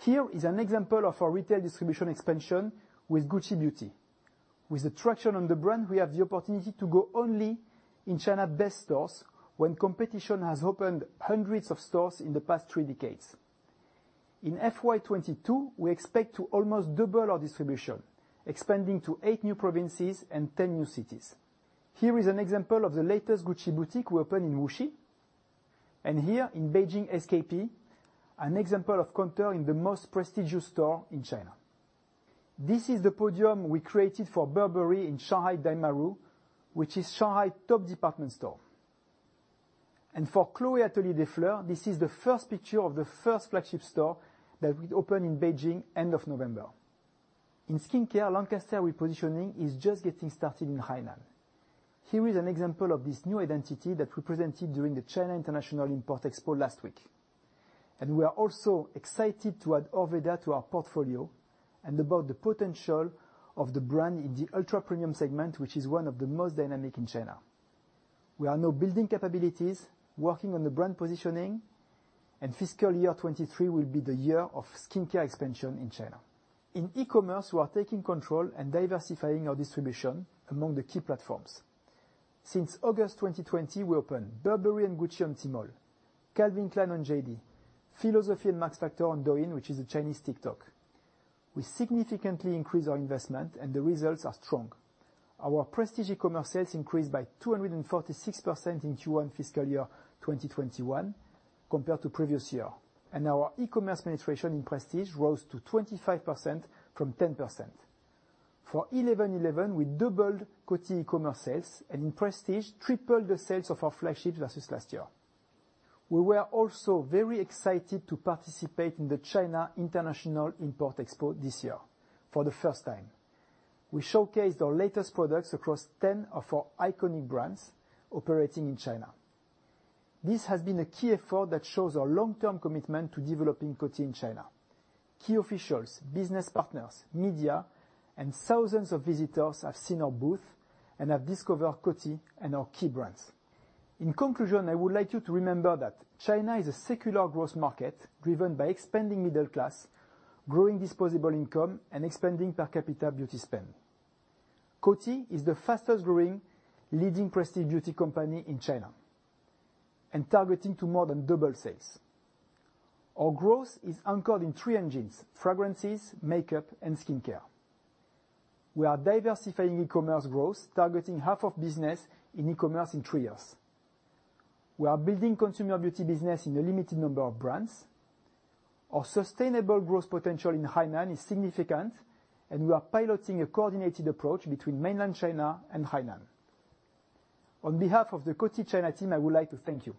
Here is an example of our retail distribution expansion with Gucci Beauty. With the traction on the brand, we have the opportunity to go only in China's best stores when competitors have opened hundreds of stores in the past three decades. In FY2022, we expect to almost double our distribution, expanding to eight new provinces and 10 new cities. Here is an example of the latest Gucci boutique we opened in Wuxi, and here in Beijing SKP, an example of counter in the most prestigious store in China. This is the podium we created for Burberry in Shanghai New World Daimaru, which is Shanghai's top department store. For Chloé Atelier des Fleurs, this is the first picture of the first flagship store that we opened in Beijing end of November. In skincare, Lancaster repositioning is just getting started in Hainan. Here is an example of this new identity that we presented during the China International Import Expo last week. We are also excited to add Orveda to our portfolio and about the potential of the brand in the ultra-premium segment, which is one of the most dynamic in China. We are now building capabilities, working on the brand positioning, and fiscal year 2023 will be the year of skincare expansion in China. In e-commerce, we are taking control and diversifying our distribution among the key platforms. Since August 2020, we opened Burberry and Gucci on Tmall, Calvin Klein on JD, Philosophy and Max Factor on Douyin, which is a Chinese TikTok. We significantly increase our investment and the results are strong. Our prestige e-commerce sales increased by 246% in Q1 fiscal year 2021 compared to previous year. Our e-commerce penetration in prestige rose to 25% from 10%. For 11.11, we doubled Coty e-commerce sales, and in prestige, tripled the sales of our flagship versus last year. We were also very excited to participate in the China International Import Expo this year for the first time. We showcased our latest products across 10 of our iconic brands operating in China. This has been a key effort that shows our long-term commitment to developing Coty in China. Key officials, business partners, media, and thousands of visitors have seen our booth and have discovered Coty and our key brands. In conclusion, I would like you to remember that China is a secular growth market driven by expanding middle class, growing disposable income, and expanding per capita beauty spend. Coty is the fastest growing leading prestige beauty company in China and targeting to more than double sales. Our growth is anchored in three engines: fragrances, makeup, and skincare. We are diversifying e-commerce growth, targeting half of business in e-commerce in three years. We are building consumer beauty business in a limited number of brands. Our sustainable growth potential in Hainan is significant, and we are piloting a coordinated approach between mainland China and Hainan. On behalf of the Coty China team, I would like to thank you.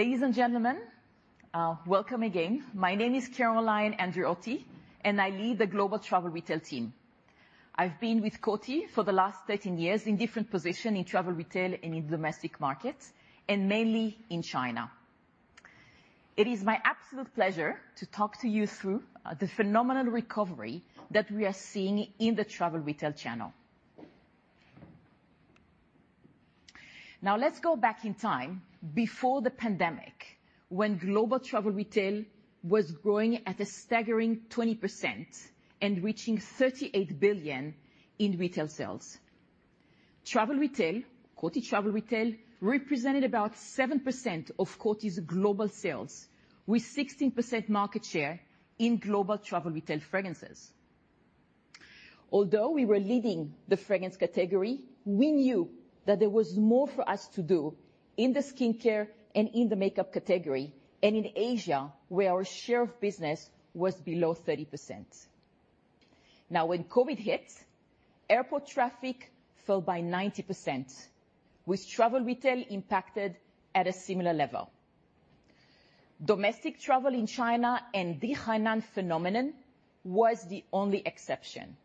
Ladies and gentlemen, welcome again. My name is Caroline Andreotti, and I lead the global travel retail team. I've been with Coty for the last 13 years in different position in travel retail and in domestic markets, and mainly in China. It is my absolute pleasure to talk to you through the phenomenal recovery that we are seeing in the travel retail channel. Now let's go back in time before the pandemic, when global travel retail was growing at a staggering 20% and reaching $38 billion in retail sales. Travel Retail, Coty Travel Retail, represented about 7% of Coty's global sales with 16% market share in global travel retail fragrances. Although we were leading the fragrance category, we knew that there was more for us to do in the skincare and in the makeup category, and in Asia, where our share of business was below 30%. Now, when COVID-19 hit, airport traffic fell by 90%, with travel retail impacted at a similar level. Domestic travel in China and the Hainan phenomenon was the only exception.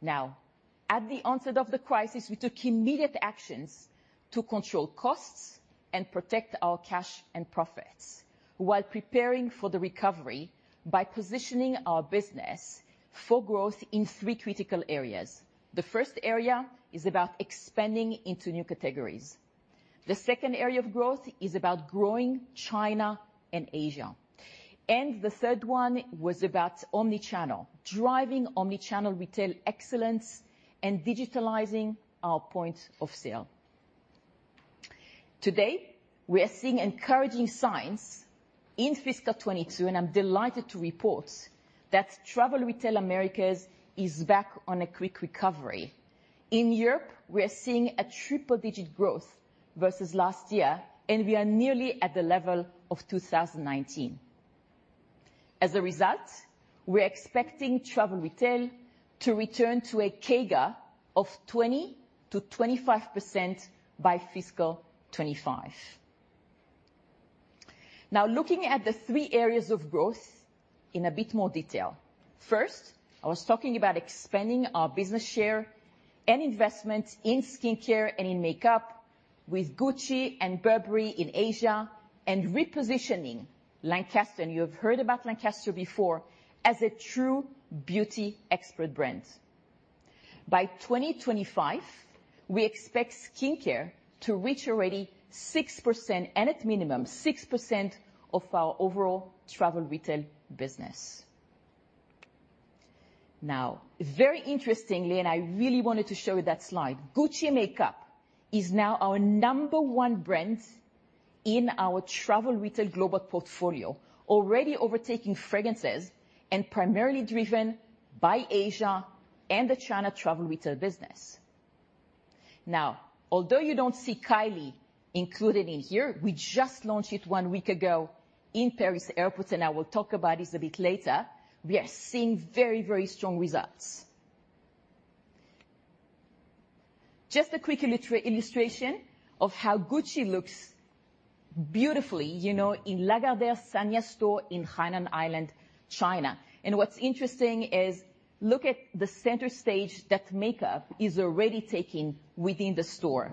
Now, at the onset of the crisis, we took immediate actions to control costs and protect our cash and profits while preparing for the recovery by positioning our business for growth in three critical areas. The first area is about expanding into new categories. The second area of growth is about growing China and Asia. The third one was about omni-channel, driving omni-channel retail excellence and digitalizing our point of sale. Today, we are seeing encouraging signs in fiscal 2022, and I'm delighted to report that travel retail Americas is back on a quick recovery. In Europe, we are seeing a triple-digit growth versus last year, and we are nearly at the level of 2019. As a result, we're expecting travel retail to return to a CAGR of 20%-25% by FY2025. Now looking at the three areas of growth in a bit more detail. First, I was talking about expanding our business share and investment in skincare and in makeup with Gucci and Burberry in Asia, and repositioning Lancaster, and you have heard about Lancaster before, as a true beauty expert brand. By 2025, we expect skincare to reach already 6%, and its minimum, 6% of our overall travel retail business. Now, very interestingly, and I really wanted to show you that slide, Gucci makeup is now our number one brand in our travel retail global portfolio, already overtaking fragrances and primarily driven by Asia and the China travel retail business. Now, although you don't see Kylie included in here, we just launched it one week ago in Paris Airport, and I will talk about this a bit later. We are seeing very, very strong results. Just a quick illustration of how Gucci looks beautifully, you know, in Lagardère Sanya store in Hainan Island, China. What's interesting is look at the center stage that makeup is already taking within the store.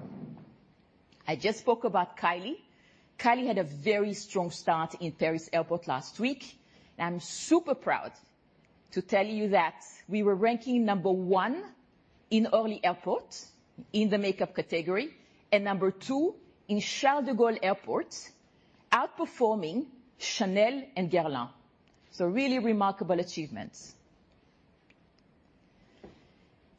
I just spoke about Kylie. Kylie had a very strong start in Paris Airport last week. I'm super proud to tell you that we were ranking number one in Orly Airport in the makeup category, and number two in Charles de Gaulle Airport, outperforming Chanel and Guerlain. Really remarkable achievements.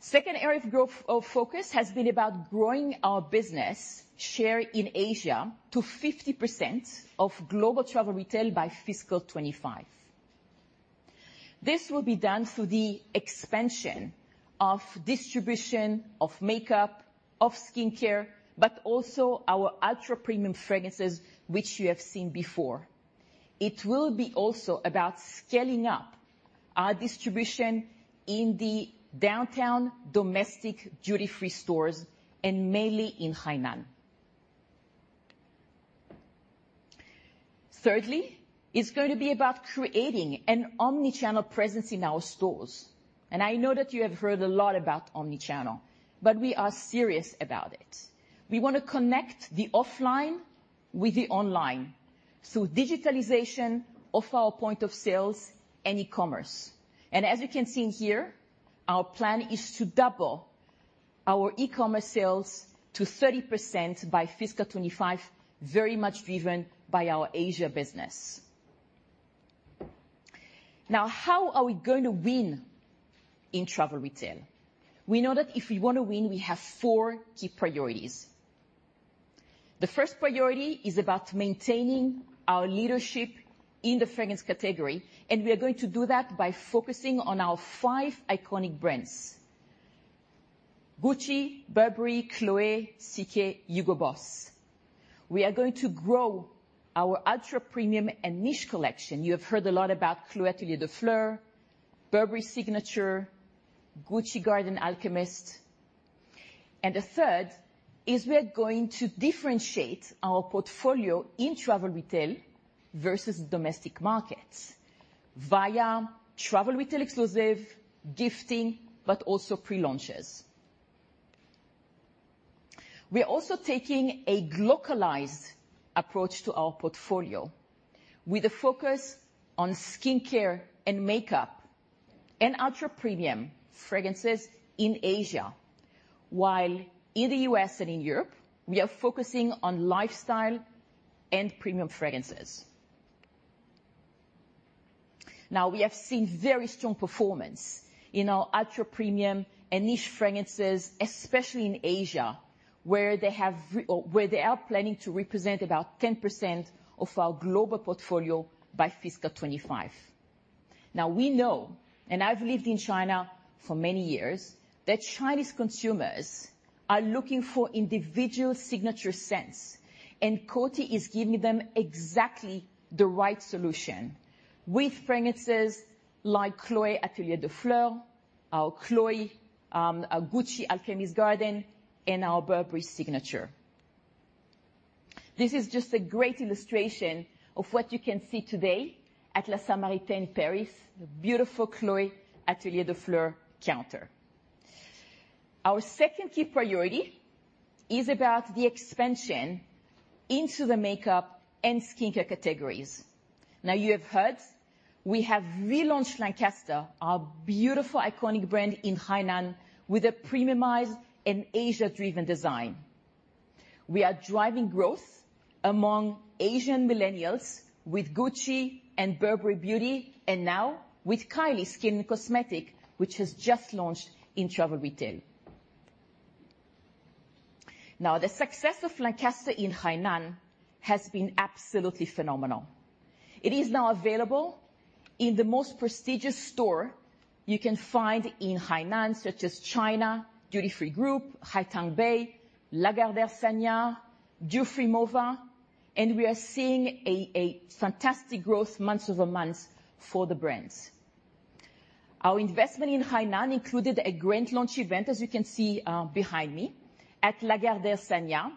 Second area of growth, of focus has been about growing our business share in Asia to 50% of global travel retail by FY2025. This will be done through the expansion of distribution of makeup, of skincare, but also our ultra-premium fragrances which you have seen before. It will be also about scaling up our distribution in the downtown domestic duty-free stores, and mainly in Hainan. Thirdly, it's going to be about creating an omni-channel presence in our stores. I know that you have heard a lot about omni-channel, but we are serious about it. We wanna connect the offline with the online, so digitalization of our point of sales and e-commerce. As we can see in here, our plan is to double our e-commerce sales to 30% by FY2025, very much driven by our Asia business. Now, how are we going to win in travel retail? We know that if we wanna win, we have four key priorities. The first priority is about maintaining our leadership in the fragrance category, and we are going to do that by focusing on our five iconic brands: Gucci, Burberry, Chloé, CK, Hugo Boss. We are going to grow our ultra-premium and niche collection. You have heard a lot about Chloé Atelier des Fleurs, Burberry Bespoke, Gucci The Alchemist's Garden. The third is we're going to differentiate our portfolio in travel retail versus domestic markets via travel retail exclusive, gifting, but also pre-launches. We're also taking a glocalized approach to our portfolio with a focus on skincare and makeup and ultra-premium fragrances in Asia. While in the U.S. and in Europe, we are focusing on lifestyle and premium fragrances. Now, we have seen very strong performance in our ultra-premium and niche fragrances, especially in Asia, where they are planning to represent about 10% of our global portfolio by FY2025. Now, we know, and I've lived in China for many years, that Chinese consumers are looking for individual signature scents, and Coty is giving them exactly the right solution with fragrances like Chloé Atelier des Fleurs, our Chloé, our Gucci The Alchemist's Garden, and our Burberry Signature. This is just a great illustration of what you can see today at La Samaritaine, Paris, the beautiful Chloé Atelier des Fleurs counter. Our second key priority is about the expansion into the makeup and skincare categories. You have heard we have relaunched Lancaster, our beautiful iconic brand, in Hainan with a premiumized and Asia-driven design. We are driving growth among Asian millennials with Gucci and Burberry Beauty, and now with Kylie Skin, which has just launched in travel retail. The success of Lancaster in Hainan has been absolutely phenomenal. It is now available in the most prestigious store you can find in Hainan, such as China Duty Free Group, Haitang Bay, Lagardère Sanya, Dufry MOVA, and we are seeing a fantastic growth month-over-month for the brands. Our investment in Hainan included a grand launch event, as you can see, behind me, at Lagardère Sanya,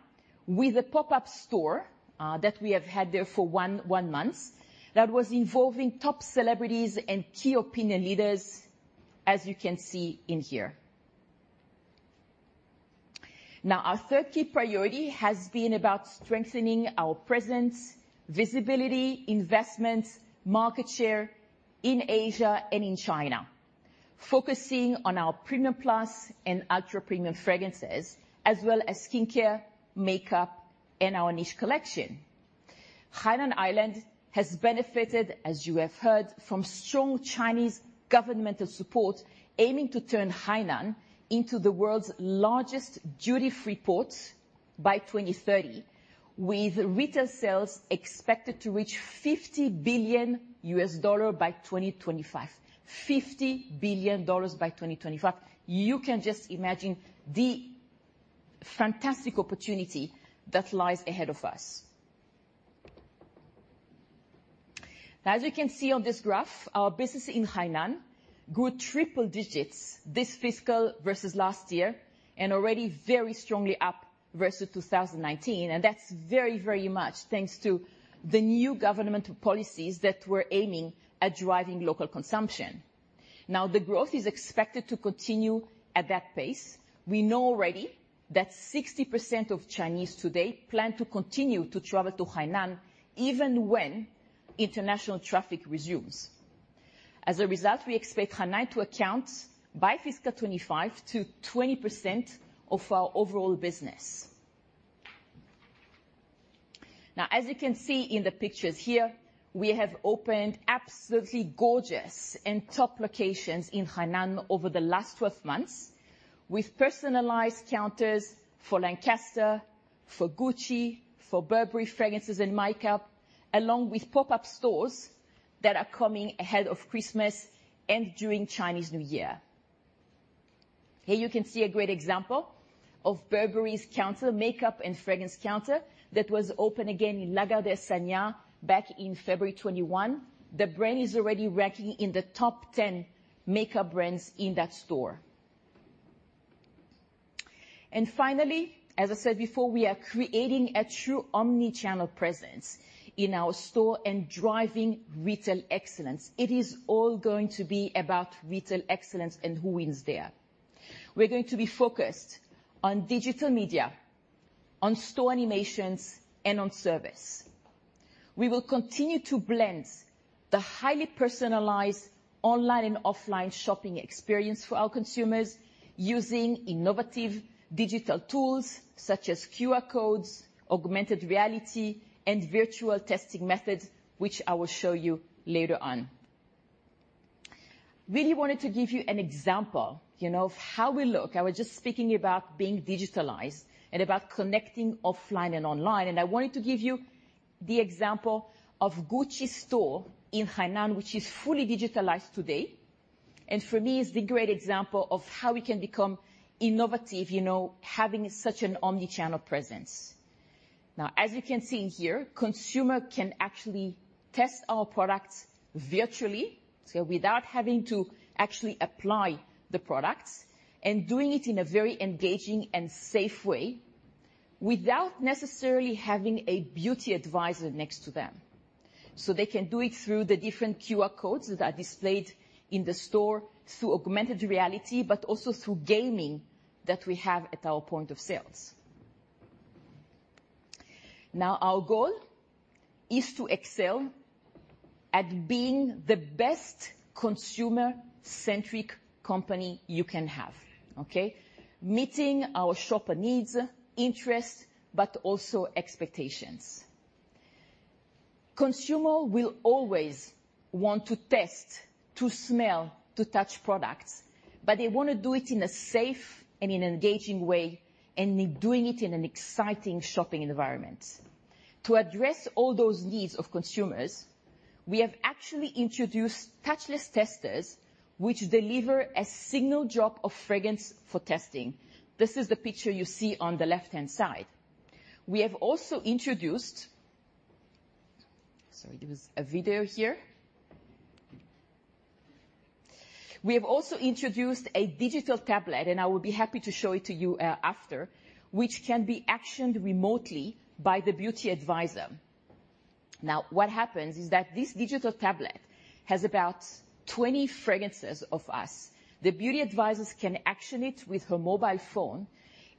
with a pop-up store that we have had there for one month, that was involving top celebrities and key opinion leaders, as you can see in here. Our third key priority has been about strengthening our presence, visibility, investment, market share in Asia and in China, focusing on our premium plus and ultra-premium fragrances, as well as skincare, makeup, and our niche collection. Hainan Island has benefited, as you have heard, from strong Chinese governmental support, aiming to turn Hainan into the world's largest duty-free port by 2030, with retail sales expected to reach $50 billion by 2025. $50 billion by 2025. You can just imagine the fantastic opportunity that lies ahead of us. Now, as we can see on this graph, our business in Hainan grew triple digits this fiscal versus last year, and already very strongly up versus 2019, and that's very, very much thanks to the new governmental policies that we're aiming at driving local consumption. Now, the growth is expected to continue at that pace. We know already that 60% of Chinese today plan to continue to travel to Hainan even when international traffic resumes. As a result, we expect Hainan to account, by fiscal 2025, to 20% of our overall business. Now, as you can see in the pictures here, we have opened absolutely gorgeous and top locations in Hainan over the last 12 months, with personalized counters for Lancaster, for Gucci, for Burberry fragrances and makeup, along with pop-up stores that are coming ahead of Christmas and during Chinese New Year. Here you can see a great example of Burberry's counter, makeup and fragrance counter that was open again in Lagardère, Sanya back in February 2021. The brand is already ranking in the top 10 makeup brands in that store. Finally, as I said before, we are creating a true omni-channel presence in our store and driving retail excellence. It is all going to be about retail excellence and who wins there. We're going to be focused on digital media, on store animations, and on service. We will continue to blend the highly personalized online and offline shopping experience for our consumers using innovative digital tools such as QR codes, augmented reality, and virtual testing methods, which I will show you later on. Really wanted to give you an example, you know, of how we look. I was just speaking about being digitalized and about connecting offline and online, and I wanted to give you the example of Gucci store in Hainan, which is fully digitalized today, and for me it's the great example of how we can become innovative, you know, having such an omni-channel presence. Now, as you can see here, consumer can actually test our products virtually, so without having to actually apply the products, and doing it in a very engaging and safe way, without necessarily having a beauty advisor next to them. They can do it through the different QR codes that are displayed in the store through augmented reality, but also through gaming that we have at our point of sales. Now, our goal is to excel at being the best consumer-centric company you can have, okay, meeting our shopper needs, interests, but also expectations. Consumers will always want to test, to smell, to touch products, but they wanna do it in a safe and an engaging way, and doing it in an exciting shopping environment. To address all those needs of consumers, we have actually introduced touchless testers which deliver a single drop of fragrance for testing. This is the picture you see on the left-hand side. We have also introduced. Sorry, there was a video here. We have also introduced a digital tablet, and I will be happy to show it to you, after, which can be actioned remotely by the beauty advisor. Now, what happens is that this digital tablet has about 20 fragrances of us. The beauty advisors can action it with her mobile phone,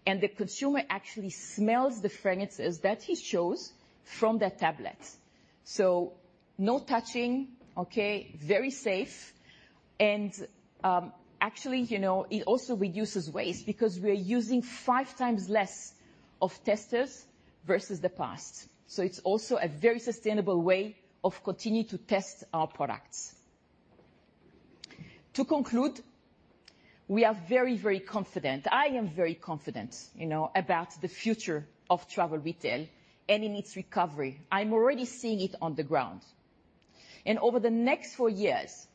and the consumer actually smells the fragrances that he chose from the tablet. So no touching, okay? Very safe and, actually, you know, it also reduces waste because we're using five times less of testers versus the past. So it's also a very sustainable way of continue to test our products. To conclude, we are very, very confident, I am very confident, you know, about the future of travel retail and in its recovery. I'm already seeing it on the ground. Over the next four years,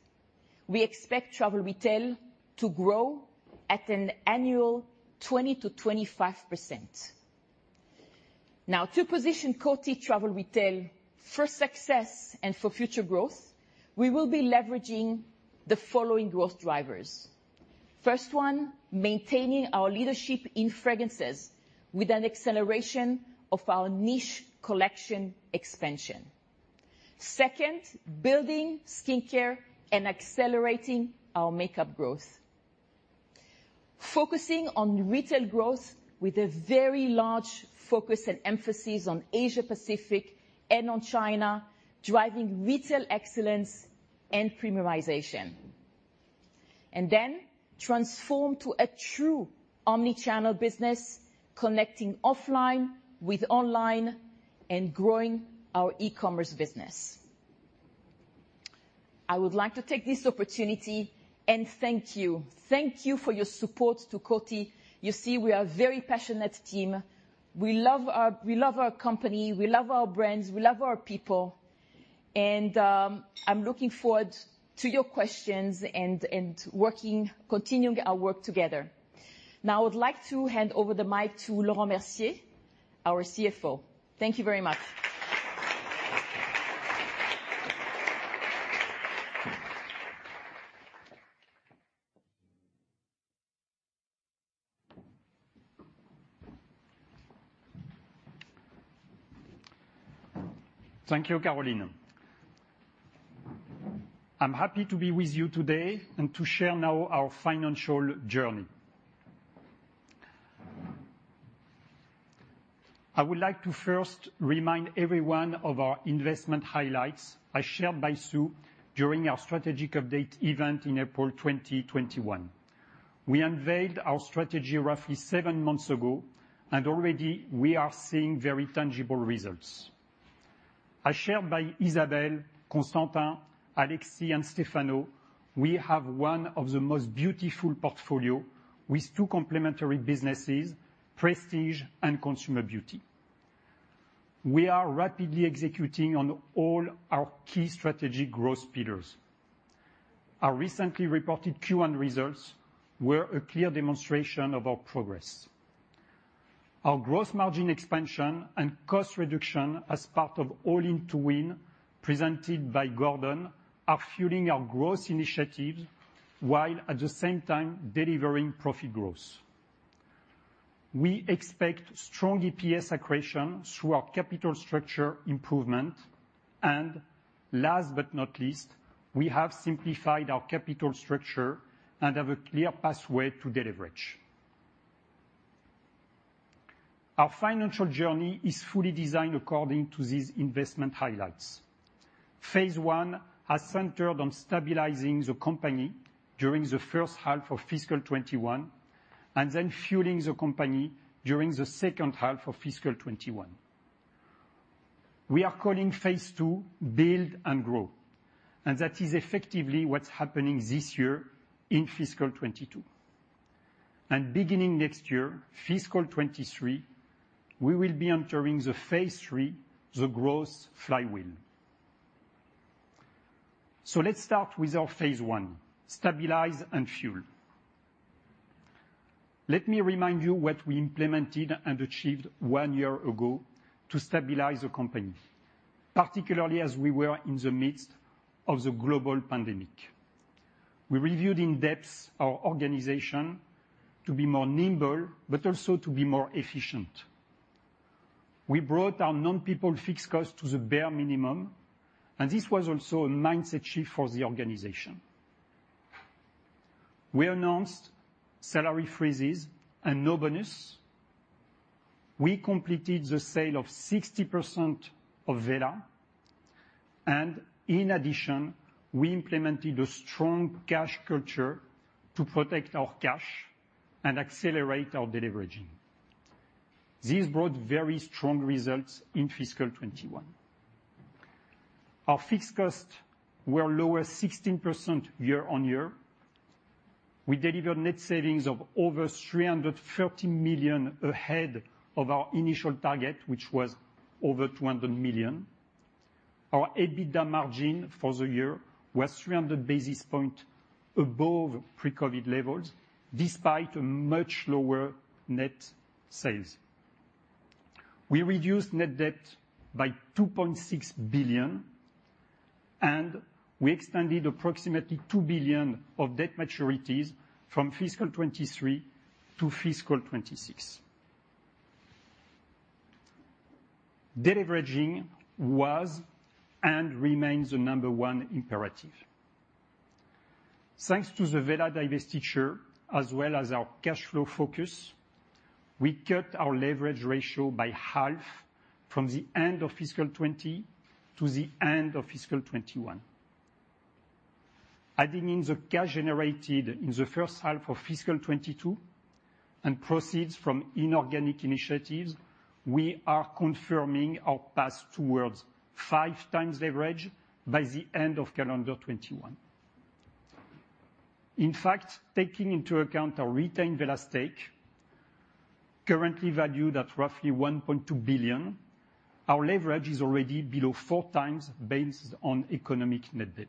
we expect travel retail to grow at an annual 20%-25%. Now, to position Coty Travel Retail for success and for future growth, we will be leveraging the following growth drivers. First one, maintaining our leadership in fragrances with an acceleration of our niche collection expansion. Second, building skincare and accelerating our makeup growth. Focusing on retail growth with a very large focus and emphasis on Asia-Pacific and on China, driving retail excellence and premiumization. Then transform to a true omni-channel business, connecting offline with online, and growing our e-commerce business. I would like to take this opportunity and thank you for your support to Coty. You see, we are very passionate team. We love our company, we love our brands, we love our people, and I'm looking forward to your questions and working, continuing our work together. Now, I would like to hand over the mic to Laurent Mercier, our CFO. Thank you very much. Thank you, Caroline. I'm happy to be with you today and to share now our financial journey. I would like to first remind everyone of our investment highlights as shared by Sue during our strategic update event in April 2021. We unveiled our strategy roughly seven months ago, and already we are seeing very tangible results. As shared by Isabelle, Constantin, Alexis, and Stefano, we have one of the most beautiful portfolios with two complementary businesses, Prestige and Consumer Beauty. We are rapidly executing on all our key strategy growth pillars. Our recently reported Q1 results were a clear demonstration of our progress. Our growth, margin expansion, and cost reduction as part of All-in to Win, presented by Gordon, are fueling our growth initiatives while at the same time delivering profit growth. We expect strong EPS accretion through our capital structure improvement. Last but not least, we have simplified our capital structure and have a clear pathway to de-leverage. Our financial journey is fully designed according to these investment highlights. Phase one has centered on stabilizing the company during the H1 of FY2021, and then fueling the company during the second half of fiscal 2021. We are calling phase two build and grow, and that is effectively what's happening this year in fiscal 2022. Beginning next year, fiscal 2023, we will be entering the phase three, the growth flywheel. Let's start with our phase one, stabilize and fuel. Let me remind you what we implemented and achieved one year ago to stabilize the company, particularly as we were in the midst of the global pandemic. We reviewed in depth our organization to be more nimble, but also to be more efficient. We brought our non-people fixed costs to the bare minimum, and this was also a mindset shift for the organization. We announced salary freezes and no bonus. We completed the sale of 60% of Vera, and in addition, we implemented a strong cash culture to protect our cash and accelerate our deleveraging. This brought very strong results in FY021. Our fixed costs were lower 16% year-on-year. We delivered net savings of over $330 million ahead of our initial target, which was over $200 million. Our EBITDA margin for the year was 300 basis points above pre-COVID levels, despite a much lower net sales. We reduced net debt by $2.6 billion, and we extended approximately $2 billion of debt maturities from FY2023 to FY2026. Deleveraging was and remains the number one imperative. Thanks to the Vera Wang divestiture as well as our cash flow focus, we cut our leverage ratio by half from the end of fiscal 2020 to the end of fiscal 2021. Adding in the cash generated in the H1 of FY2022 and proceeds from inorganic initiatives, we are confirming our path towards 5.0x leverage by the end of calendar 2021. In fact, taking into account our retained Wella stake, currently valued at roughly $1.2 billion, our leverage is already below 4.0x based on economic net debt.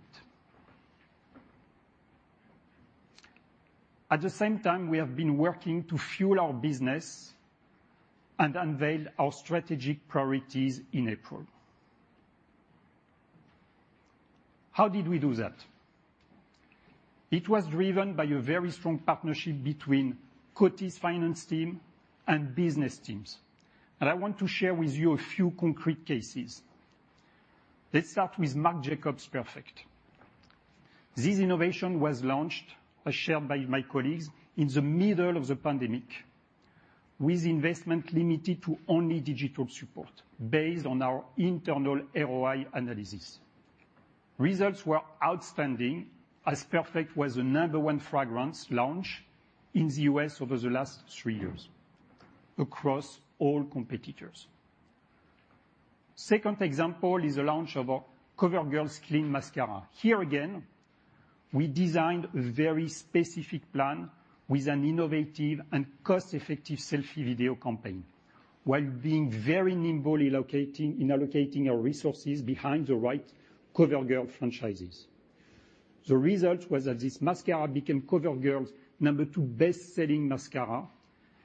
At the same time, we have been working to fuel our business and unveil our strategic priorities in April. How did we do that? It was driven by a very strong partnership between Coty's finance team and business teams. I want to share with you a few concrete cases. Let's start with Marc Jacobs Perfect. This innovation was launched, as shared by my colleagues, in the middle of the pandemic with investment limited to only digital support based on our internal ROI analysis. Results were outstanding as Perfect was the number one fragrance launch in the U.S. over the last three years across all competitors. Second example is the launch of our CoverGirl Clean Mascara. Here again, we designed a very specific plan with an innovative and cost-effective selfie video campaign while being very nimble in allocating our resources behind the right CoverGirl franchises. The result was that this mascara became CoverGirl's number two best-selling mascara,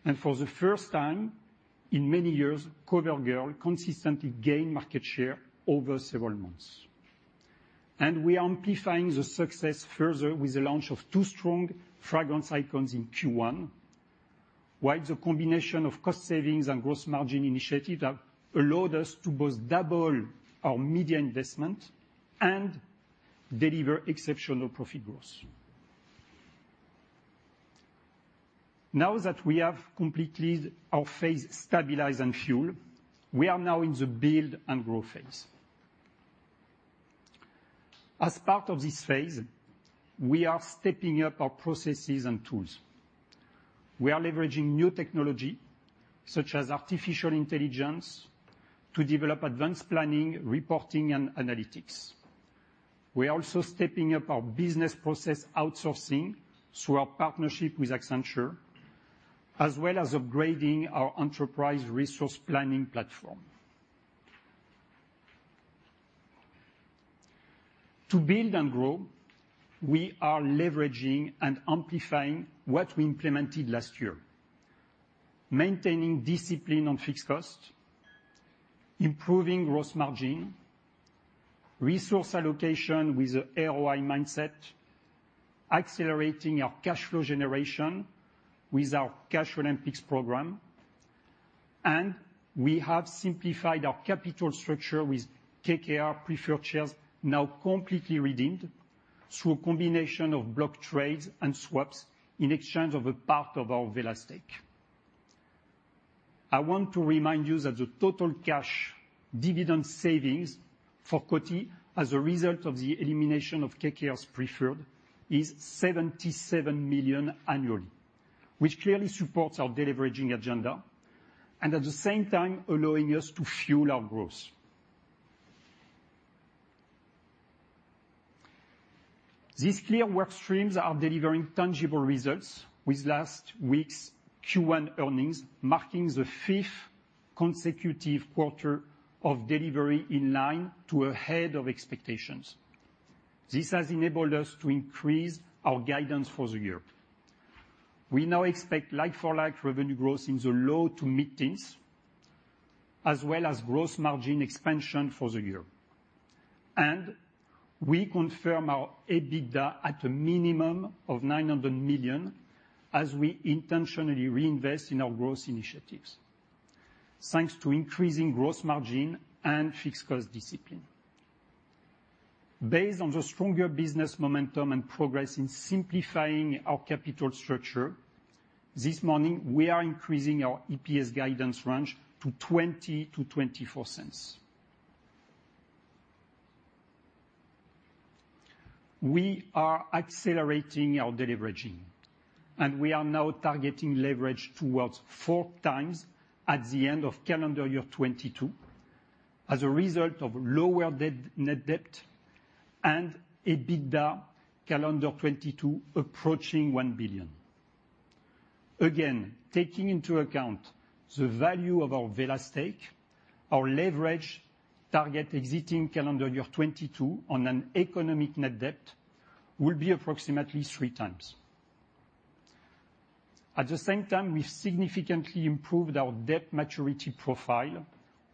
and for the first time in many years, CoverGirl consistently gained market share over several months. We are amplifying the success further with the launch of two strong fragrance icons in Q1, while the combination of cost savings and gross margin initiatives have allowed us to both double our media investment and deliver exceptional profit growth. Now that we have completed our Phase Stabilize and Fuel, we are now in the Build and Grow phase. As part of this phase, we are stepping up our processes and tools. We are leveraging new technology such as artificial intelligence to develop advanced planning, reporting, and analytics. We are also stepping up our business process outsourcing through our partnership with Accenture, as well as upgrading our enterprise resource planning platform. To build and grow, we are leveraging and amplifying what we implemented last year, maintaining discipline on fixed cost, improving gross margin, resource allocation with a ROI mindset, accelerating our cash flow generation with our Cash Olympics program, and we have simplified our capital structure with KKR preferred shares now completely redeemed through a combination of block trades and swaps in exchange of a part of our Vela stake. I want to remind you that the total cash dividend savings for Coty as a result of the elimination of KKR's preferred is $77 million annually, which clearly supports our deleveraging agenda and at the same time allowing us to fuel our growth. These clear work streams are delivering tangible results with last week's Q1 earnings, marking the fifth consecutive quarter of delivery in line to ahead of expectations. This has enabled us to increase our guidance for the year. We now expect like-for-like revenue growth in the low to mid-teens, as well as gross margin expansion for the year. We confirm our EBITDA at a minimum of $900 million as we intentionally reinvest in our growth initiatives, thanks to increasing gross margin and fixed cost discipline. Based on the stronger business momentum and progress in simplifying our capital structure, this morning we are increasing our EPS guidance range to $0.20-$0.24. We are accelerating our deleveraging, and we are now targeting leverage toward 4.0x at the end of calendar year 2022 as a result of lower debt, net debt and EBITDA calendar 2022 approaching $1 billion. Again, taking into account the value of our Wella stake, our leverage target exiting calendar year 2022 on an economic net debt will be approximately 3.0x. At the same time, we've significantly improved our debt maturity profile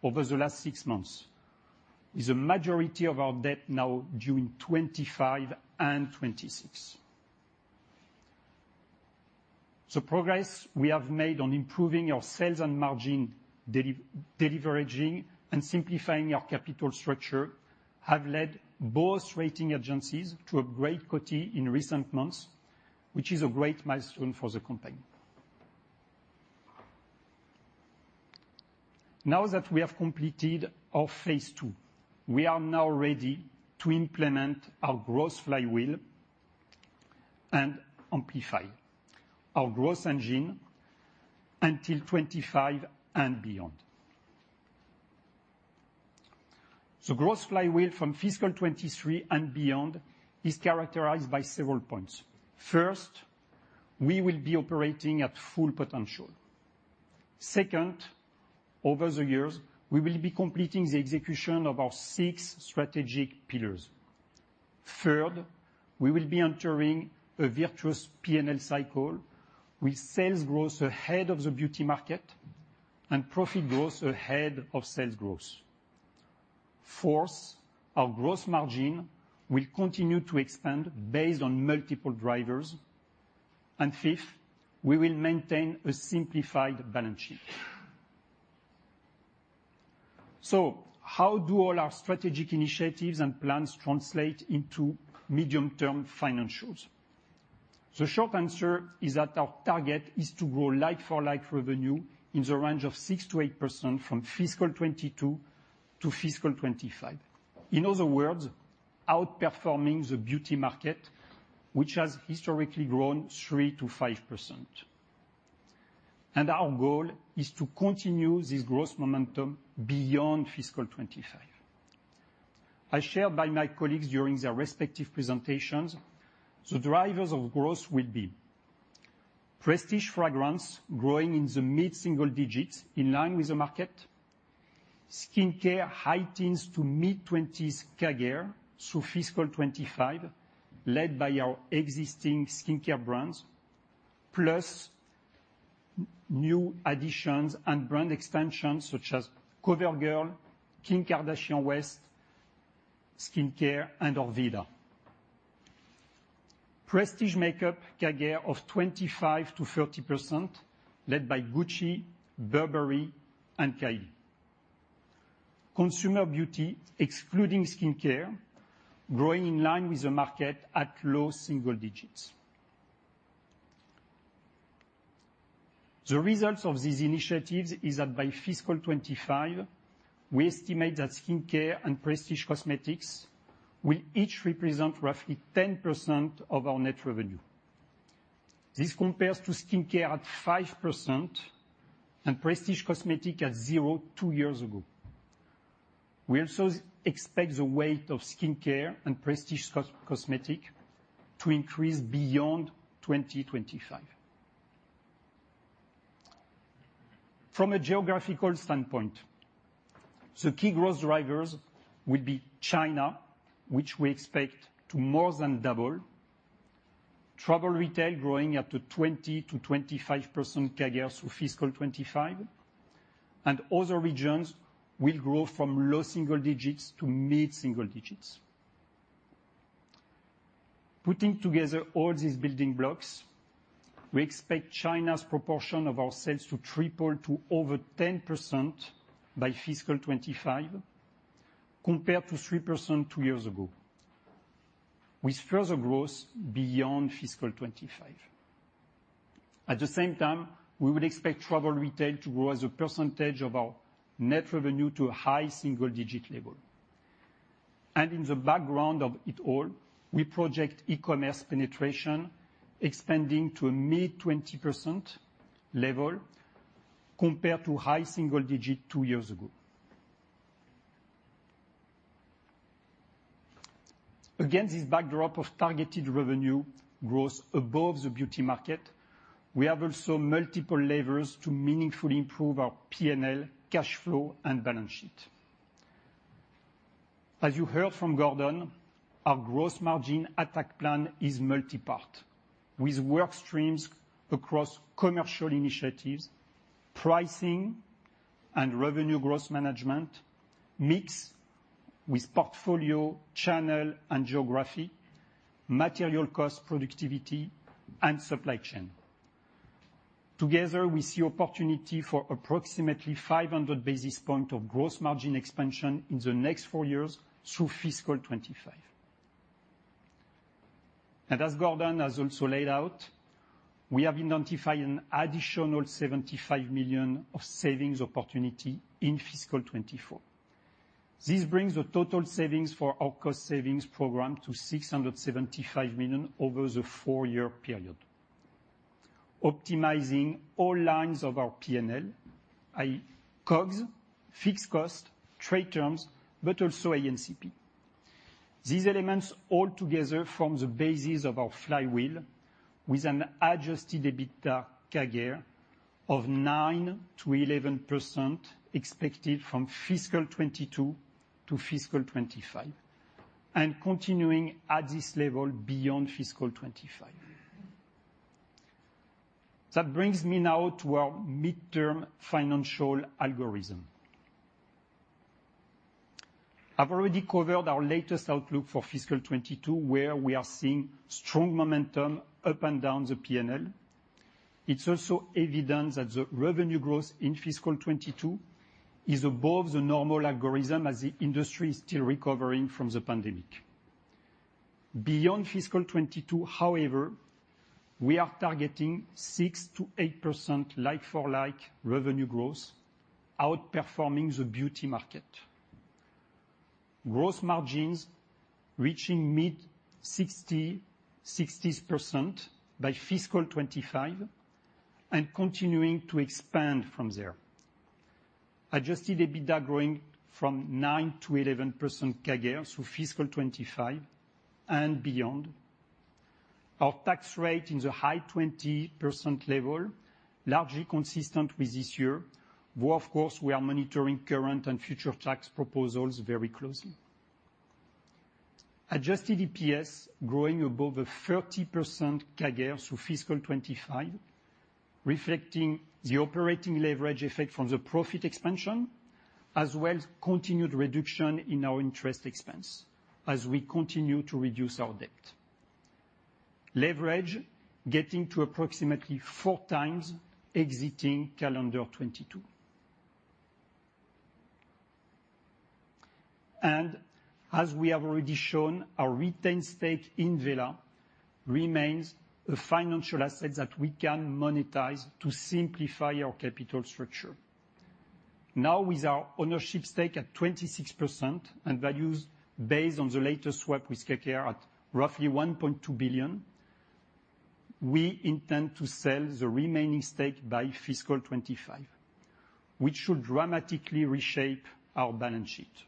over the last six months, with the majority of our debt now during 2025 and 2026. The progress we have made on improving our sales and margin deleveraging and simplifying our capital structure have led both rating agencies to upgrade Coty in recent months, which is a great milestone for the company. Now that we have completed our phase two, we are now ready to implement our growth flywheel and amplify our growth engine until 2025 and beyond. The growth flywheel from fiscal 2023 and beyond is characterized by several points. First, we will be operating at full potential. Second, over the years, we will be completing the execution of our six strategic pillars. Third, we will be entering a virtuous P&L cycle with sales growth ahead of the beauty market and profit growth ahead of sales growth. Fourth, our gross margin will continue to expand based on multiple drivers. Fifth, we will maintain a simplified balance sheet. How do all our strategic initiatives and plans translate into medium-term financials? The short answer is that our target is to grow like-for-like revenue in the range of 6%-8% from fiscal 2022 to FY2025. In other words, outperforming the beauty market, which has historically grown 3%-5%. Our goal is to continue this growth momentum beyond FY2025. As shared by my colleagues during their respective presentations, the drivers of growth will be prestige fragrance growing in the mid-single digits in line with the market, skincare high teens to mid-20s CAGR through FY2025, led by our existing skincare brands, plus new additions and brand expansions such as CoverGirl, Kim Kardashian West Skincare, and Orveda. Prestige makeup CAGR of 25%-30% led by Gucci, Burberry, and Kylie. Consumer beauty, excluding skincare, growing in line with the market at low single digits. The results of these initiatives is that by FY2025, we estimate that skincare and prestige cosmetics will each represent roughly 10% of our net revenue. This compares to skincare at 5% and prestige cosmetic at 0% two years ago. We also expect the weight of skincare and prestige cosmetic to increase beyond 2025. From a geographical standpoint, the key growth drivers will be China, which we expect to more than double. Travel retail growing up to 20%-25% CAGR through fiscal 2025. Other regions will grow from low single digits to mid single digits. Putting together all these building blocks, we expect China's proportion of our sales to triple to over 10% by fiscal 2025 compared to 3% two years ago, with further growth beyond fiscal 2025. At the same time, we would expect travel retail to grow as a percentage of our net revenue to a high single-digit level. In the background of it all, we project e-commerce penetration expanding to a mid-20% level compared to high single-digit two years ago. Against this backdrop of targeted revenue growth above the beauty market, we have also multiple levers to meaningfully improve our P&L, cash flow, and balance sheet. As you heard from Gordon, our growth margin attack plan is multipart with work streams across commercial initiatives, pricing and revenue growth management, mix with portfolio, channel and geography, material cost, productivity, and supply chain. Together, we see opportunity for approximately 500 basis points of gross margin expansion in the next four years through FY2025. As Gordon has also laid out, we have identified an additional $75 million of savings opportunity in FY2024. This brings the total savings for our cost savings program to $675 million over the four-year period, optimizing all lines of our P&L, i.e. COGS, fixed cost, trade terms, but also ANCP. These elements all together form the basis of our flywheel with an adjusted EBITDA CAGR of 9%-11% expected from FY2022 to FY2025, and continuing at this level beyond FY2025. That brings me now to our midterm financial algorithm. I've already covered our latest outlook for FY2022, where we are seeing strong momentum up and down the PNL. It's also evident that the revenue growth in FY2022 is above the normal algorithm as the industry is still recovering from the pandemic. Beyond FY2022, however, we are targeting 6%-8% like-for-like revenue growth, outperforming the beauty market. Gross margins reaching mid-60% by FY2025 and continuing to expand from there. Adjusted EBITDA growing 9%-11% CAGR through FY2025 and beyond. Our tax rate in the high 20%, largely consistent with this year, where of course, we are monitoring current and future tax proposals very closely. Adjusted EPS growing above 30% CAGR through fiscal 2025, reflecting the operating leverage effect from the profit expansion, as well as continued reduction in our interest expense as we continue to reduce our debt. Leverage getting to approximately 4.0x exiting calendar 2022. As we have already shown, our retained stake in Wella remains a financial asset that we can monetize to simplify our capital structure. Now, with our ownership stake at 26% and values based on the latest work with KKR at roughly $1.2 billion, we intend to sell the remaining stake by FY2025, which should dramatically reshape our balance sheet.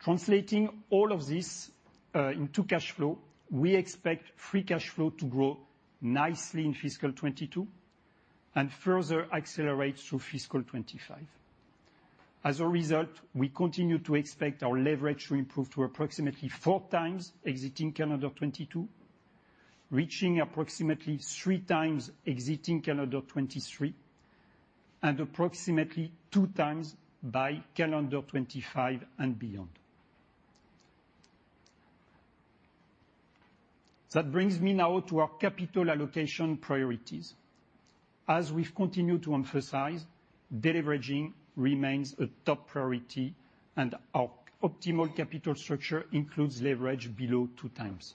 Translating all of this into cash flow, we expect free cash flow to grow nicely in FY2022 and further accelerate through fiscal 2025. As a result, we continue to expect our leverage to improve to approximately 4.0x exiting calendar 2022, reaching approximately 3.0x exiting calendar 2023, and approximately 2.0x by calendar 2025 and beyond. That brings me now to our capital allocation priorities. As we've continued to emphasize, deleveraging remains a top priority, and our optimal capital structure includes leverage below 2.0x.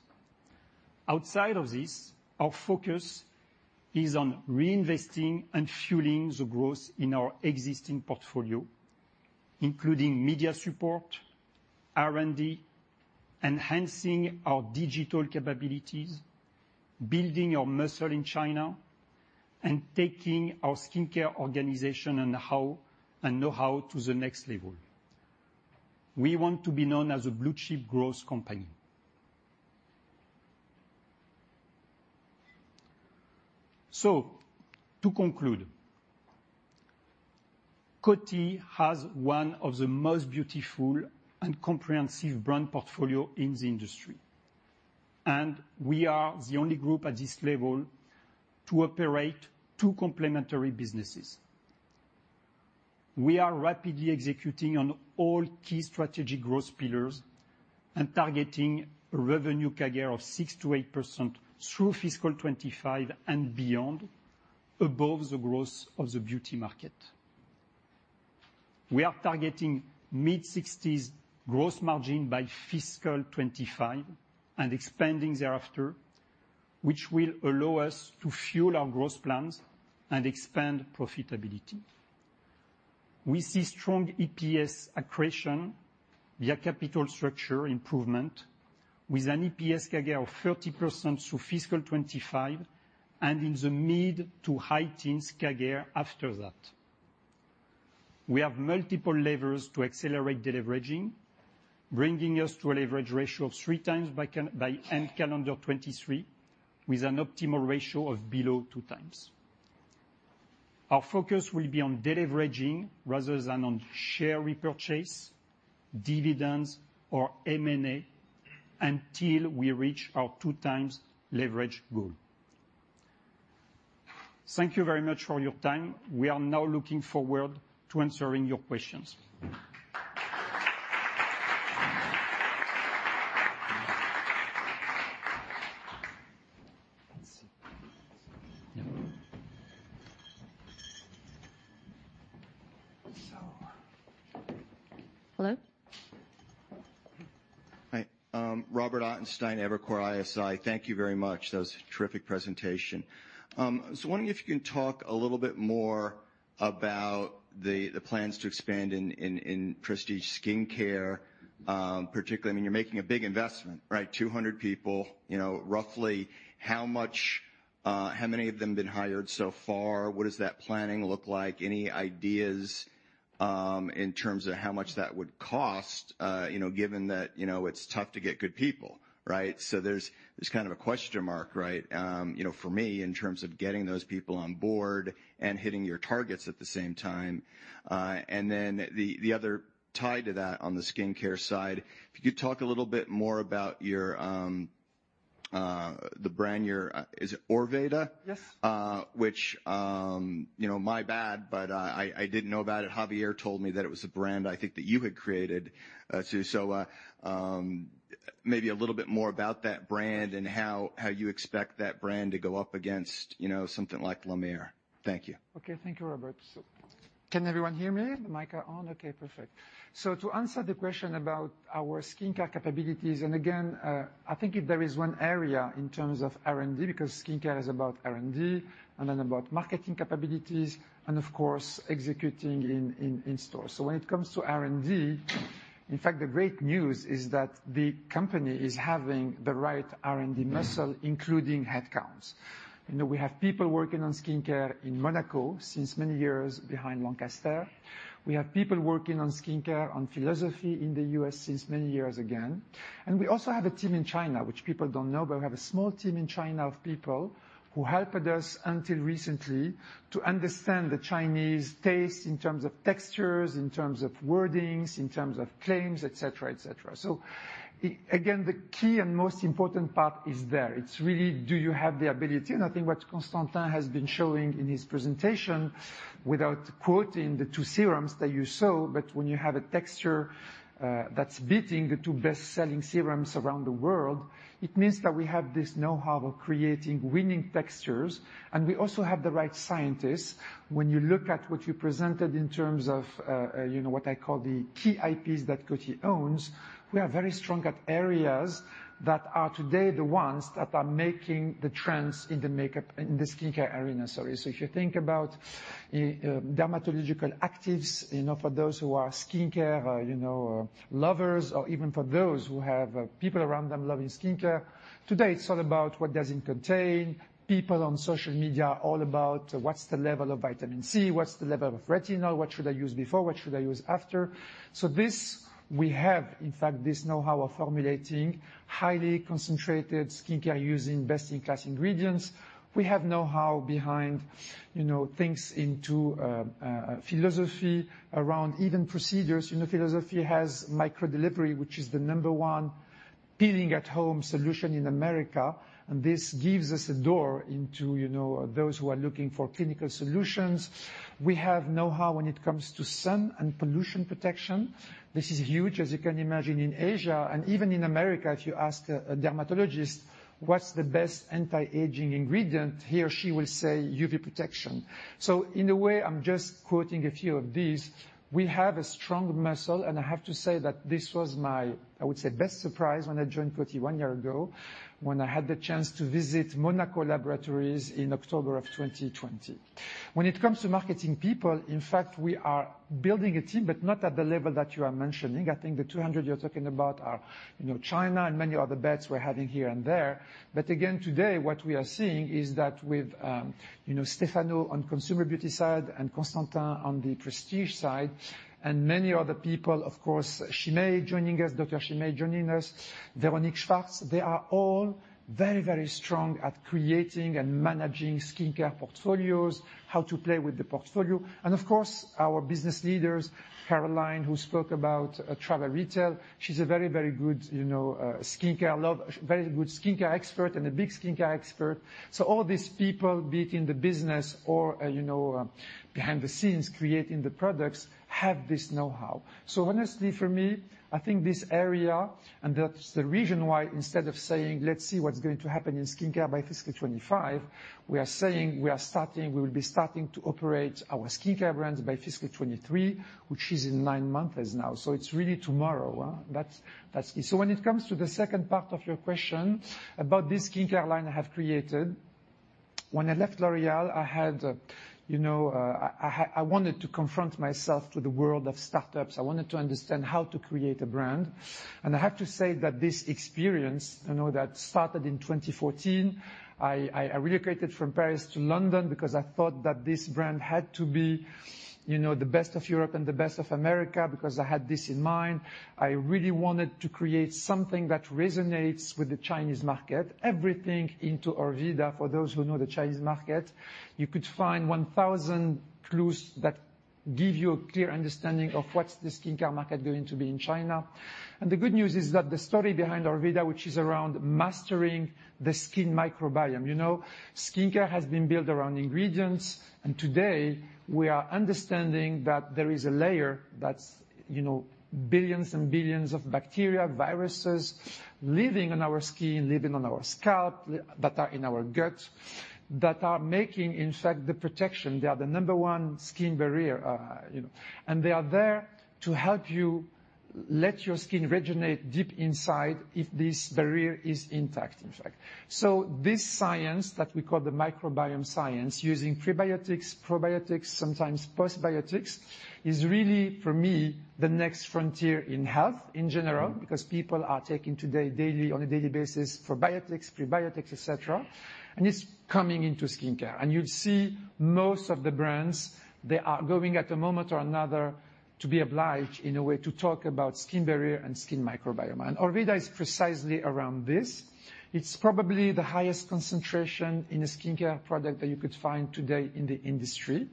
Outside of this, our focus is on reinvesting and fueling the growth in our existing portfolio, including media support, R&D, enhancing our digital capabilities, building our muscle in China, and taking our skincare organization and know-how to the next level. We want to be known as a blue chip growth company. To conclude, Coty has one of the most beautiful and comprehensive brand portfolio in the industry, and we are the only group at this level to operate two complementary businesses. We are rapidly executing on all key strategic growth pillars and targeting revenue CAGR of 6%-8% through FY2025 and beyond, above the growth of the beauty market. We are targeting mid-60s growth margin by FY2025 and expanding thereafter, which will allow us to fuel our growth plans and expand profitability. We see strong EPS accretion via capital structure improvement with an EPS CAGR of 30% through FY2025, and in the mid- to high-teens CAGR after that. We have multiple levers to accelerate deleveraging, bringing us to a leverage ratio of 3.0x by end calendar 2023, with an optimal ratio of below 2.0x. Our focus will be on deleveraging rather than on share repurchase, dividends, or M&A until we reach our 2.0x leverage goal. Thank you very much for your time. We are now looking forward to answering your questions. Hello? Hi. Robert Ottenstein, Evercore ISI. Thank you very much. That was a terrific presentation. I was wondering if you can talk a little bit more about the plans to expand in prestige skincare, particularly. I mean, you're making a big investment, right? 200 people. You know, roughly how many of them been hired so far? What does that planning look like? Any ideas in terms of how much that would cost? You know, given that, you know, it's tough to get good people, right? So there's kind of a question mark, right, you know, for me, in terms of getting those people on board and hitting your targets at the same time. The other tie to that, on the skincare side, if you could talk a little bit more about the brand, is it Orveda? Yes. You know, my bad, but I didn't know about it. Javier told me that it was a brand I think that you had created, too. Maybe a little bit more about that brand and how you expect that brand to go up against, you know, something like La Mer. Thank you. Okay. Thank you, Robert. Can everyone hear me? The mics are on. Okay, perfect. To answer the question about our skincare capabilities, and again, I think if there is one area in terms of R&D, because skincare is about R&D and then about marketing capabilities and of course executing in store. When it comes to R&D, in fact, the great news is that the company is having the right R&D muscle, including headcounts. You know, we have people working on skincare in Monaco since many years behind Lancaster. We have people working on skincare on Philosophy in the U.S. since many years again. We also have a team in China, which people don't know, but we have a small team in China of people who helped us until recently to understand the Chinese taste in terms of textures, in terms of wordings, in terms of claims, et cetera, et cetera. Again, the key and most important part is there. It's really, do you have the ability? I think what Constantin has been showing in his presentation. Without quoting the two serums that you saw, but when you have a texture that's beating the two best-selling serums around the world, it means that we have this know-how of creating winning textures, and we also have the right scientists. When you look at what you presented in terms of, you know, what I call the key IPs that Coty owns, we are very strong at areas that are today the ones that are making the trends in the skincare arena, sorry. If you think about, dermatological actives, you know, for those who are skincare lovers or even for those who have people around them loving skincare, today it's all about what does it contain. People on social media are all about what's the level of vitamin C, what's the level of retinol? What should I use before? What should I use after? This we have, in fact, this know-how of formulating highly concentrated skincare using best-in-class ingredients. We have know-how behind, you know, philosophy around even procedures. You know, Philosophy has the microdelivery, which is the number one peel at-home solution in America. This gives us a door into, you know, those who are looking for clinical solutions. We have know-how when it comes to sun and pollution protection. This is huge, as you can imagine, in Asia and even in America. If you ask a dermatologist what's the best anti-aging ingredient, he or she will say UV protection. In a way, I'm just quoting a few of these. We have a strong muscle, and I have to say that this was my, I would say, best surprise when I joined Coty one year ago when I had the chance to visit Monaco Laboratories in October 2020. When it comes to marketing people, in fact, we are building a team, but not at the level that you are mentioning. I think the 200 you're talking about are, you know, China and many other bets we're having here and there. Again, today what we are seeing is that with, you know, Stefano on consumer beauty side and Constantin on the prestige side, and many other people, of course, Shimei joining us, Dr. Shimei joining us, Véronique Schwartz-Boshu, they are all very, very strong at creating and managing skincare portfolios, how to play with the portfolio and of course, our business leaders, Caroline, who spoke about travel retail. She's a very, very good, you know, very good skincare expert and a big skincare expert. All these people, be it in the business or, you know, behind the scenes creating the products, have this know-how. Honestly, for me, I think this area, and that's the reason why, instead of saying, "Let's see what's going to happen in skincare by FY2025," we are saying we will be starting to operate our skincare brands by FY2023, which is in nine months from now. It's really tomorrow, huh? That's it. When it comes to the second part of your question about this skincare line I have created, when I left L'Oréal, I had, you know, I wanted to confront myself to the world of startups. I wanted to understand how to create a brand, and I have to say that this experience, you know, that started in 2014, I relocated from Paris to London because I thought that this brand had to be, you know, the best of Europe and the best of America because I had this in mind. I really wanted to create something that resonates with the Chinese market. Everything in Orveda for those who know the Chinese market, you could find 1,000 clues that give you a clear understanding of what's the skincare market going to be in China. The good news is that the story behind Orveda, which is around mastering the skin microbiome. You know, skincare has been built around ingredients, and today we are understanding that there is a layer that's, you know, billions and billions of bacteria, viruses living on our skin, living on our scalp, that are in our guts, that are making, in fact, the protection. They are the number one skin barrier, you know. They are there to help you let your skin rejuvenate deep inside if this barrier is intact, in fact. This science that we call the microbiome science, using prebiotics, probiotics, sometimes postbiotics, is really, for me, the next frontier in health in general. Because people are taking today daily, on a daily basis, probiotics, prebiotics, et cetera, and it's coming into skincare. You'll see most of the brands, they are going at a moment or another to be obliged in a way to talk about skin barrier and skin microbiome. Orveda is precisely around this. It's probably the highest concentration in a skincare product that you could find today in the industry.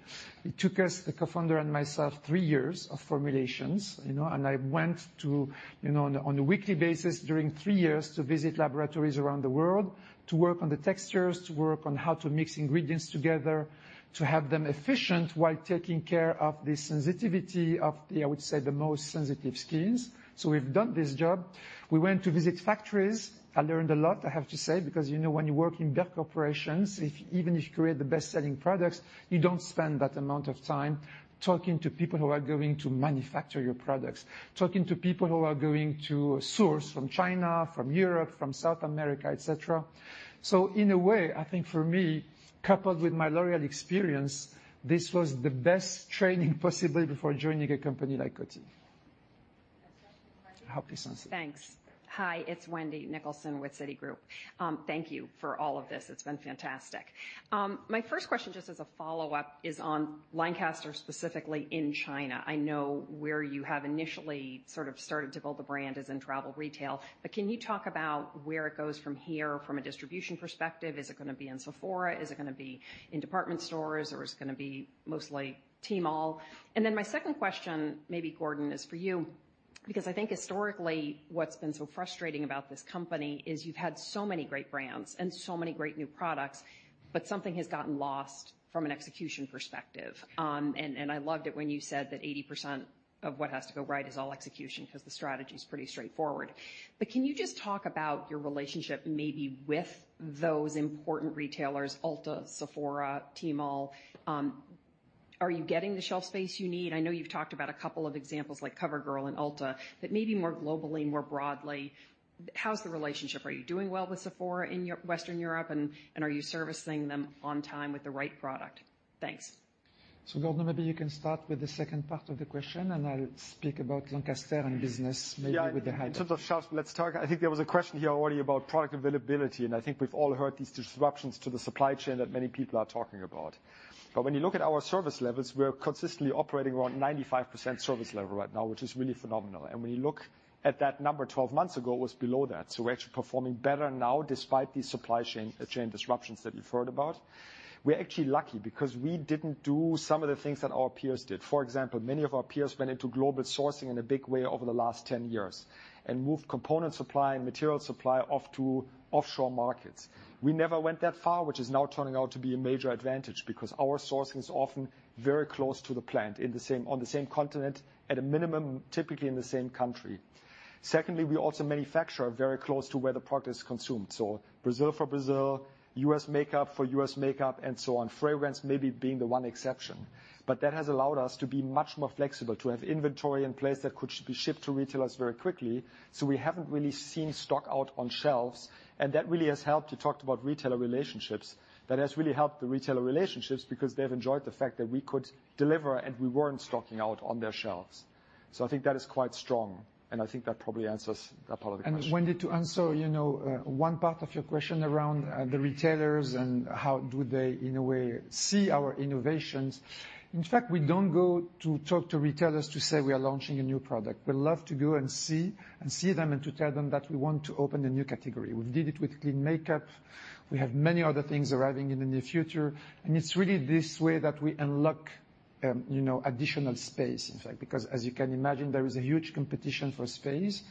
It took us, the co-founder and myself, three years of formulations, you know, and I went to, you know, on a weekly basis during three years, to visit laboratories around the world to work on the textures, to work on how to mix ingredients together, to have them efficient while taking care of the sensitivity of the, I would say, the most sensitive skins. We've done this job. We went to visit factories. I learned a lot, I have to say, because, you know, when you work in big corporations, if... Even if you create the best-selling products, you don't spend that amount of time talking to people who are going to manufacture your products, talking to people who are going to source from China, from Europe, from South America, et cetera. In a way, I think for me, coupled with my L'Oréal experience, this was the best training possible before joining a company like Coty. I hope this answers it. Thanks. Hi, it's Wendy Nicholson with Citigroup. Thank you for all of this. It's been fantastic. My first question, just as a follow-up, is on Lancaster, specifically in China. I know where you have initially sort of started to build the brand is in travel retail, but can you talk about where it goes from here from a distribution perspective? Is it gonna be in Sephora? Is it gonna be in department stores, or is it gonna be mostly Tmall? And then my second question, maybe Gordon, is for you. Because I think historically what's been so frustrating about this company is you've had so many great brands and so many great new products, but something has gotten lost from an execution perspective. And I loved it when you said that 80% of what has to go right is all execution 'cause the strategy's pretty straightforward. Can you just talk about your relationship maybe with those important retailers, Ulta, Sephora, Tmall. Are you getting the shelf space you need? I know you've talked about a couple of examples like CoverGirl and Ulta, but maybe more globally and more broadly, how's the relationship? Are you doing well with Sephora in Western Europe and are you servicing them on time with the right product? Thanks. Gordon, maybe you can start with the second part of the question, and I'll speak about Lancaster and business maybe with the high- Yeah. In terms of shelves, let's talk. I think there was a question here already about product availability, and I think we've all heard these disruptions to the supply chain that many people are talking about. When you look at our service levels, we're consistently operating around 95% service level right now, which is really phenomenal. When you look at that number 12 months ago, it was below that. We're actually performing better now despite these supply chain disruptions that you've heard about. We're actually lucky because we didn't do some of the things that our peers did. For example, many of our peers went into global sourcing in a big way over the last 10 years and moved component supply and material supply off to offshore markets. We never went that far, which is now turning out to be a major advantage because our sourcing is often very close to the plant on the same continent, at a minimum, typically in the same country. Secondly, we also manufacture very close to where the product is consumed. Brazil for Brazil, U.S. makeup for U.S. makeup, and so on. Fragrance maybe being the one exception. That has allowed us to be much more flexible, to have inventory in place that could be shipped to retailers very quickly. We haven't really seen stock out on shelves, and that really has helped. You talked about retailer relationships. That has really helped the retailer relationships because they've enjoyed the fact that we could deliver and we weren't stocking out on their shelves. I think that is quite strong, and I think that probably answers that part of the question. Wendy, to answer, you know, one part of your question around the retailers and how do they in a way see our innovations. In fact, we don't go to talk to retailers to say we are launching a new product. We love to go and see them and to tell them that we want to open a new category. We did it with clean makeup. We have many other things arriving in the near future, and it's really this way that we unlock, you know, additional space in fact. Because as you can imagine, there is a huge competition for space.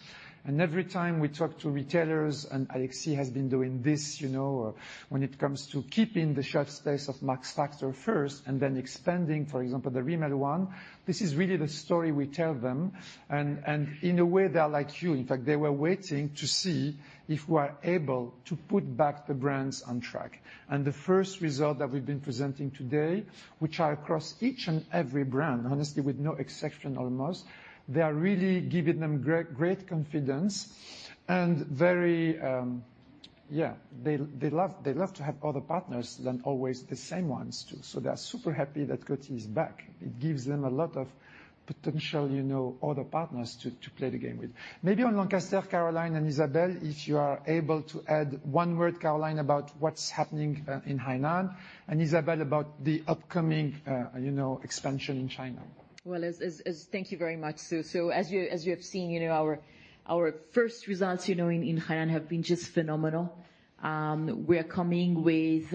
Every time we talk to retailers, and Alexis has been doing this, you know, when it comes to keeping the shelf space of Max Factor first and then expanding, for example, the Rimmel one, this is really the story we tell them. In a way, they are like you. In fact, they were waiting to see if we're able to put back the brands on track. The first result that we've been presenting today, which are across each and every brand, honestly, with no exception almost, they are really giving them great confidence and very, yeah, they love to have other partners than always the same ones too. They're super happy that Coty is back. It gives them a lot of potential, you know, other partners to play the game with. Maybe on Lancaster, Caroline and Isabelle, if you are able to add one word, Caroline, about what's happening in Hainan, and Isabelle about the upcoming, you know, expansion in China. Thank you very much, Sue. As you have seen, you know, our first results, you know, in Hainan have been just phenomenal. We're coming with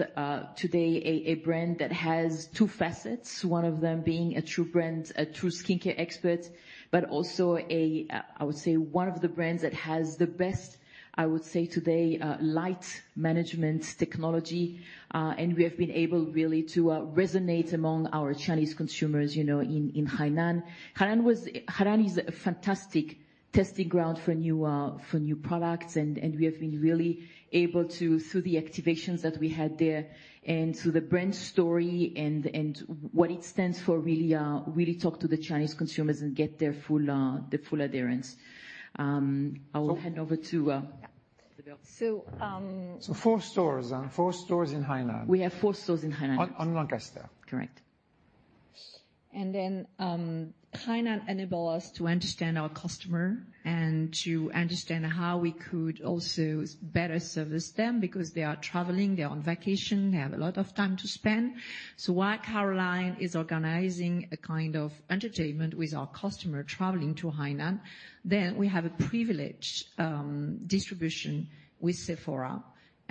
today a brand that has two facets, one of them being a true brand, a true skincare expert, but also I would say, one of the brands that has the best, I would say today, light management technology. We have been able really to resonate among our Chinese consumers, you know, in Hainan. Hainan was... Hainan is a fantastic testing ground for new products and we have been really able to, through the activations that we had there and through the brand story and what it stands for, really talk to the Chinese consumers and get their full adherence. I'll hand over to Isabelle. So, um- Four stores. Four stores in Hainan. We have four stores in Hainan. On Lancaster. Correct. Hainan enable us to understand our customer and to understand how we could also better service them because they are traveling, they're on vacation, they have a lot of time to spend. While Caroline is organizing a kind of entertainment with our customer traveling to Hainan, then we have a privileged distribution with Sephora.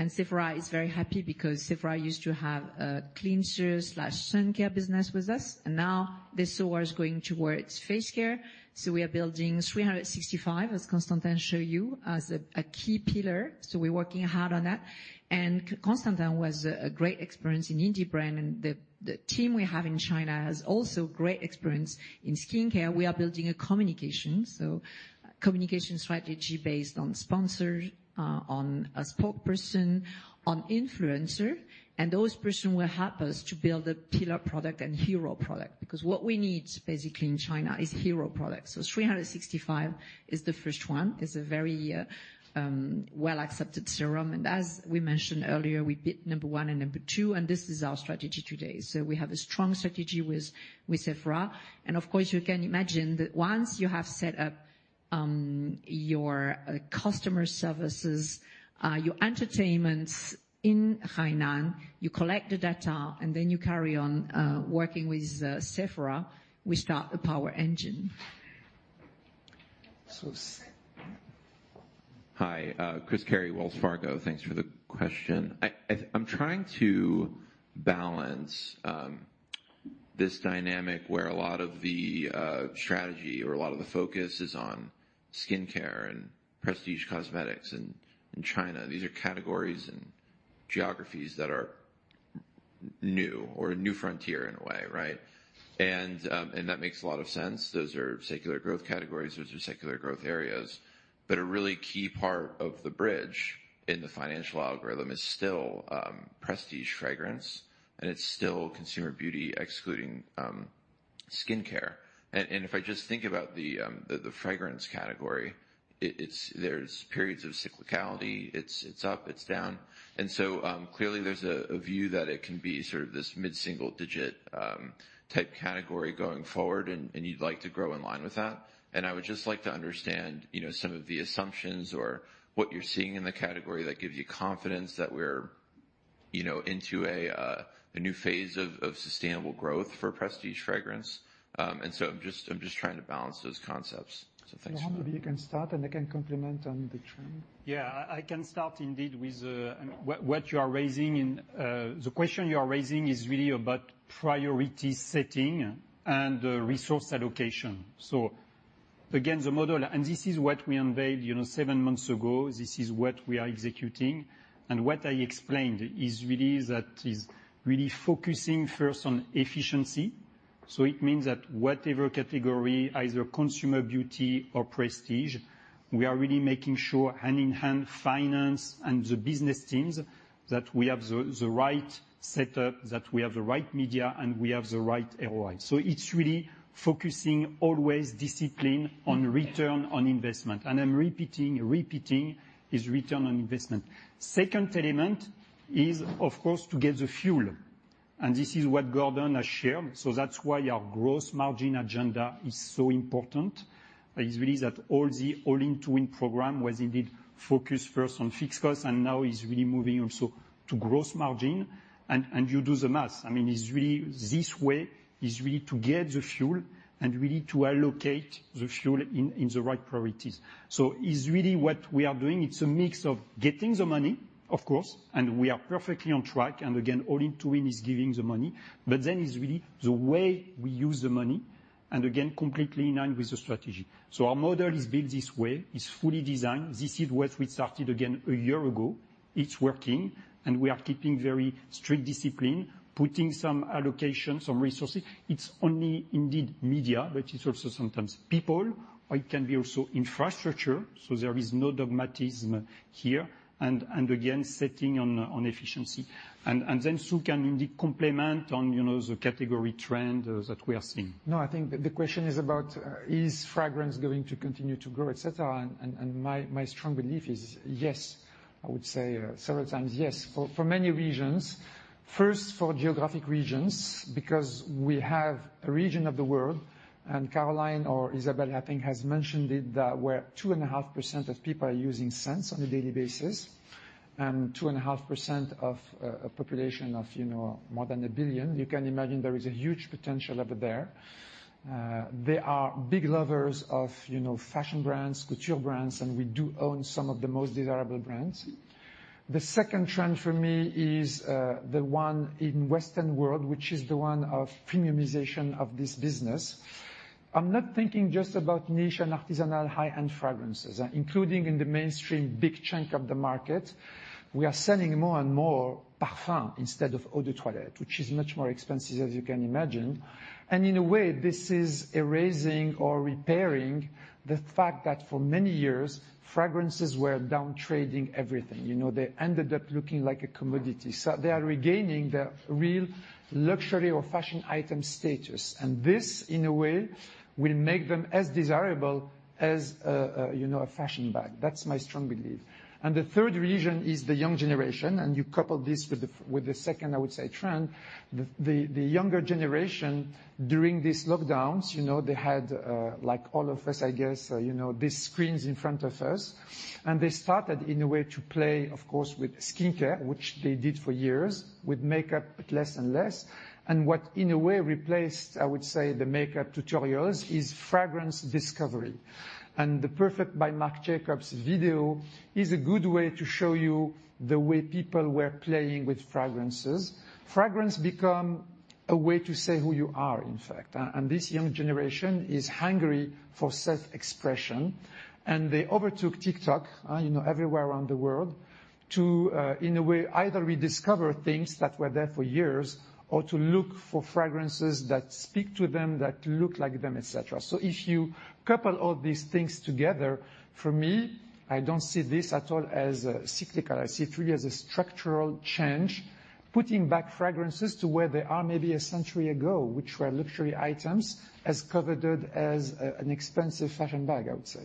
Sephora is very happy because Sephora used to have a cleanser slash sun care business with us. Now this store is going towards face care, so we are building 365, as Constantin show you, as a key pillar. We're working hard on that. Constantin was a great experience in indie brand and the team we have in China has also great experience in skincare. We are building a communication strategy based on sponsorship, on a spokesperson, on influencer, and those persons will help us to build a pillar product and hero product because what we need basically in China is hero products. 365 is the first one. It's a very well accepted serum. As we mentioned earlier, we beat number one and number two and this is our strategy today. We have a strong strategy with Sephora. Of course, you can imagine that once you have set up your customer services, your e-commerce in Hainan, you collect the data and then you carry on working with Sephora. We start a powerful engine. So s- Hi, Chris Carey, Wells Fargo. Thanks for the question. I'm trying to balance this dynamic where a lot of the strategy or a lot of the focus is on skincare and prestige cosmetics in China. These are categories and geographies that are new or a new frontier in a way, right? That makes a lot of sense. Those are secular growth categories. Those are secular growth areas. A really key part of the bridge in the financial algorithm is still prestige fragrance, and it's still consumer beauty, excluding skincare. And if I just think about the fragrance category, it's there periods of cyclicality. It's up, it's down. Clearly there's a view that it can be sort of this mid-single digit type category going forward, and you'd like to grow in line with that. I would just like to understand, you know, some of the assumptions or what you're seeing in the category that gives you confidence that we're, you know, into a new phase of sustainable growth for prestige fragrance. I'm just trying to balance those concepts. Thanks. Jean, maybe you can start, and I can comment on the trend. Yeah. I can start indeed with what you are raising and the question you are raising is really about priority setting and resource allocation. Again, the model, and this is what we unveiled, you know, seven months ago, this is what we are executing. What I explained is really that is really focusing first on efficiency. It means that whatever category, either Consumer Beauty or Prestige, we are really making sure hand in hand finance and the business teams, that we have the right setup, that we have the right media, and we have the right ROI. It's really focusing always discipline on return on investment, and I'm repeating is return on investment. Second element is, of course, to get the fuel and this is what Gordon has shared, so that's why our growth margin agenda is so important. It is really that all the All-in to Win program was indeed focused first on fixed costs and now is really moving also to growth margin. You do the math. I mean, it's really this way is really to get the fuel and really to allocate the fuel in the right priorities. It's really what we are doing. It's a mix of getting the money, of course, and we are perfectly on track. Again, All-in to Win is giving the money, but then it's really the way we use the money, and again, completely in line with the strategy. Our model is built this way, is fully designed. This is what we started again a year ago. It's working, and we are keeping very strict discipline, putting some allocation, some resources. It's only indeed media, but it's also sometimes people, or it can be also infrastructure, so there is no dogmatism here. Again, setting on efficiency. Then Sue can indeed complement on, you know, the category trend that we are seeing. No, I think the question is about is fragrance going to continue to grow, et cetera. My strong belief is yes. I would say several times yes, for many reasons. First, for geographic reasons, because we have a region of the world, and Caroline or Isabelle, I think, has mentioned it, that where 2.5% of people are using scents on a daily basis, and 2.5% of a population of, you know, more than a billion, you can imagine there is a huge potential over there. They are big lovers of, you know, fashion brands, couture brands, and we do own some of the most desirable brands. The second trend for me is the one in Western world, which is the one of premiumization of this business. I'm not thinking just about niche and artisanal high-end fragrances, including in the mainstream big chunk of the market. We are selling more and more parfum instead of eau de toilette, which is much more expensive, as you can imagine. In a way, this is erasing or repairing the fact that for many years, fragrances were down-trading everything. You know, they ended up looking like a commodity. They are regaining their real luxury or fashion item status. This, in a way, will make them as desirable as a, you know, a fashion bag. That's my strong belief. The third reason is the young generation, and you couple this with the second, I would say, trend. The younger generation during these lockdowns, you know, they had like all of us, I guess, you know, these screens in front of us. They started in a way to play, of course, with skincare, which they did for years, with makeup, but less and less. What, in a way, replaced, I would say, the makeup tutorials is fragrance discovery. The Perfect by Marc Jacobs video is a good way to show you the way people were playing with fragrances. Fragrance become a way to say who you are, in fact. This young generation is hungry for self-expression. They overtook TikTok, you know, everywhere around the world to, in a way, either rediscover things that were there for years or to look for fragrances that speak to them, that look like them, et cetera. If you couple all these things together, for me, I don't see this at all as cyclical. I see it really as a structural change, putting back fragrances to where they are maybe a century ago, which were luxury items, as coveted as an expensive fashion bag, I would say.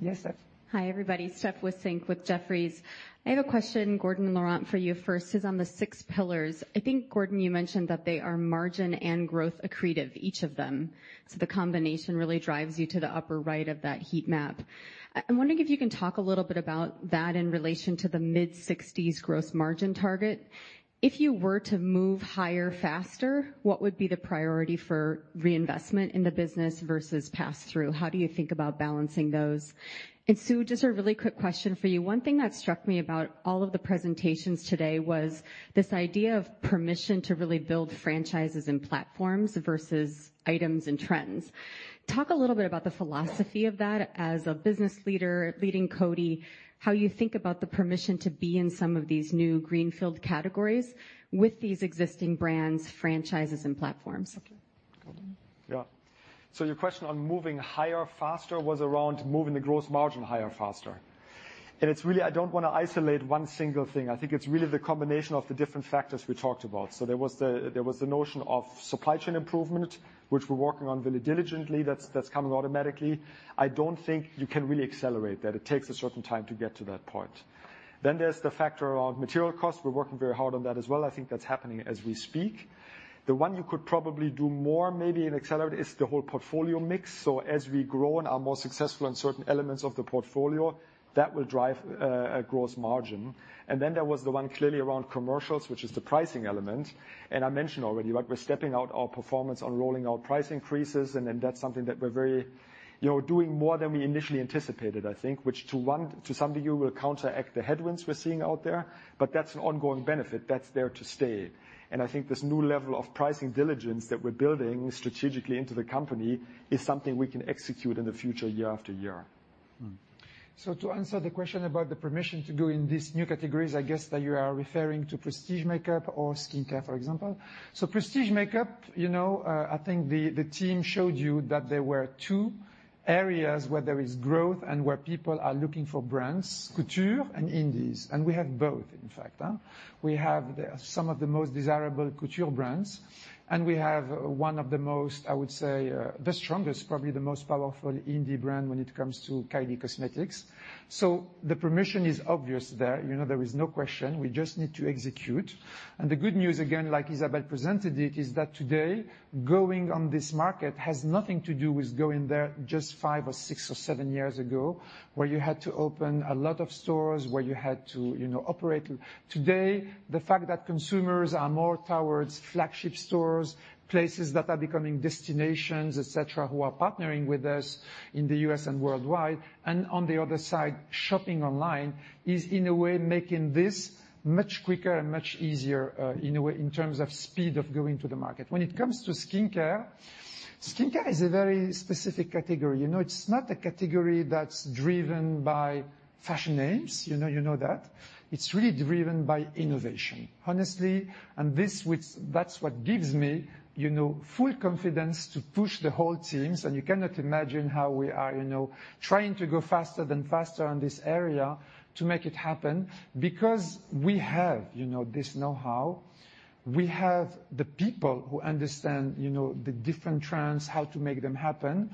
Yes, Steph. Hi, everybody. Steph Wissink with Jefferies. I have a question, Gordon and Laurent, for you first, is on the six pillars. I think, Gordon, you mentioned that they are margin and growth accretive, each of them, so the combination really drives you to the upper right of that heat map. I'm wondering if you can talk a little bit about that in relation to the mid-60s gross margin target. If you were to move higher faster, what would be the priority for reinvestment in the business versus pass-through? How do you think about balancing those? Sue, just a really quick question for you. One thing that struck me about all of the presentations today was this idea of permission to really build franchises and platforms versus items and trends. Talk a little bit about the philosophy of that as a business leader leading Coty, how you think about the permission to be in some of these new greenfield categories with these existing brands, franchises, and platforms? Okay. Gordon? Yeah. Your question on moving higher faster was around moving the gross margin higher faster. It's really, I don't wanna isolate one single thing. I think it's really the combination of the different factors we talked about. There was the notion of supply chain improvement, which we're working on really diligently. That's coming automatically. I don't think you can really accelerate that. It takes a certain time to get to that point. There's the factor around material costs. We're working very hard on that as well. I think that's happening as we speak. The one you could probably do more, maybe, and accelerate is the whole portfolio mix. As we grow and are more successful in certain elements of the portfolio, that will drive a gross margin. Then there was the one clearly around commercials, which is the pricing element. I mentioned already, like, we're stepping out our performance on rolling out price increases, and then that's something that we're very, you know, doing more than we initially anticipated, I think, which to some degree will counteract the headwinds we're seeing out there. That's an ongoing benefit. That's there to stay. I think this new level of pricing diligence that we're building strategically into the company is something we can execute in the future year after year. To answer the question about the permission to go in these new categories, I guess that you are referring to prestige makeup or skincare, for example. Prestige makeup, you know, I think the team showed you that there were two areas where there is growth and where people are looking for brands, couture and indies, and we have both, in fact. We have some of the most desirable couture brands, and we have one of the most, I would say, the strongest, probably the most powerful indie brand when it comes to Kylie Cosmetics. The permission is obvious there. You know, there is no question. We just need to execute. The good news, again, like Isabelle presented it, is that today, going on this market has nothing to do with going there just five or six or seven years ago, where you had to open a lot of stores, where you had to, you know, operate. Today, the fact that consumers are more towards flagship stores, places that are becoming destinations, et cetera, who are partnering with us in the U.S. and worldwide, and on the other side, shopping online is, in a way, making this much quicker and much easier, in a way, in terms of speed of going to the market. When it comes to skincare is a very specific category. You know, it's not a category that's driven by fashion names, you know. You know that. It's really driven by innovation, honestly, that's what gives me, you know, full confidence to push the whole teams, and you cannot imagine how we are, you know, trying to go faster and faster in this area to make it happen because we have, you know, this know-how. We have the people who understand, you know, the different trends, how to make them happen.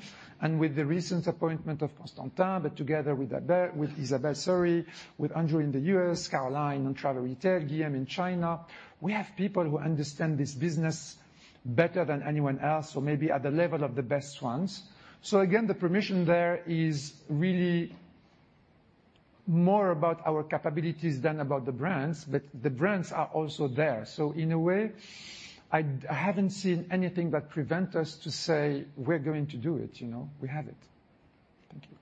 With the recent appointment of Constantin, but together with Adair, with Isabelle Bonfanti, with Andrew in the U.S., Caroline on travel retail, Guillaume in China, we have people who understand this business better than anyone else, or maybe at the level of the best ones. Again, the permission there is really more about our capabilities than about the brands, but the brands are also there. In a way, I haven't seen anything that prevent us to say we're going to do it, you know? We have it. Thank you.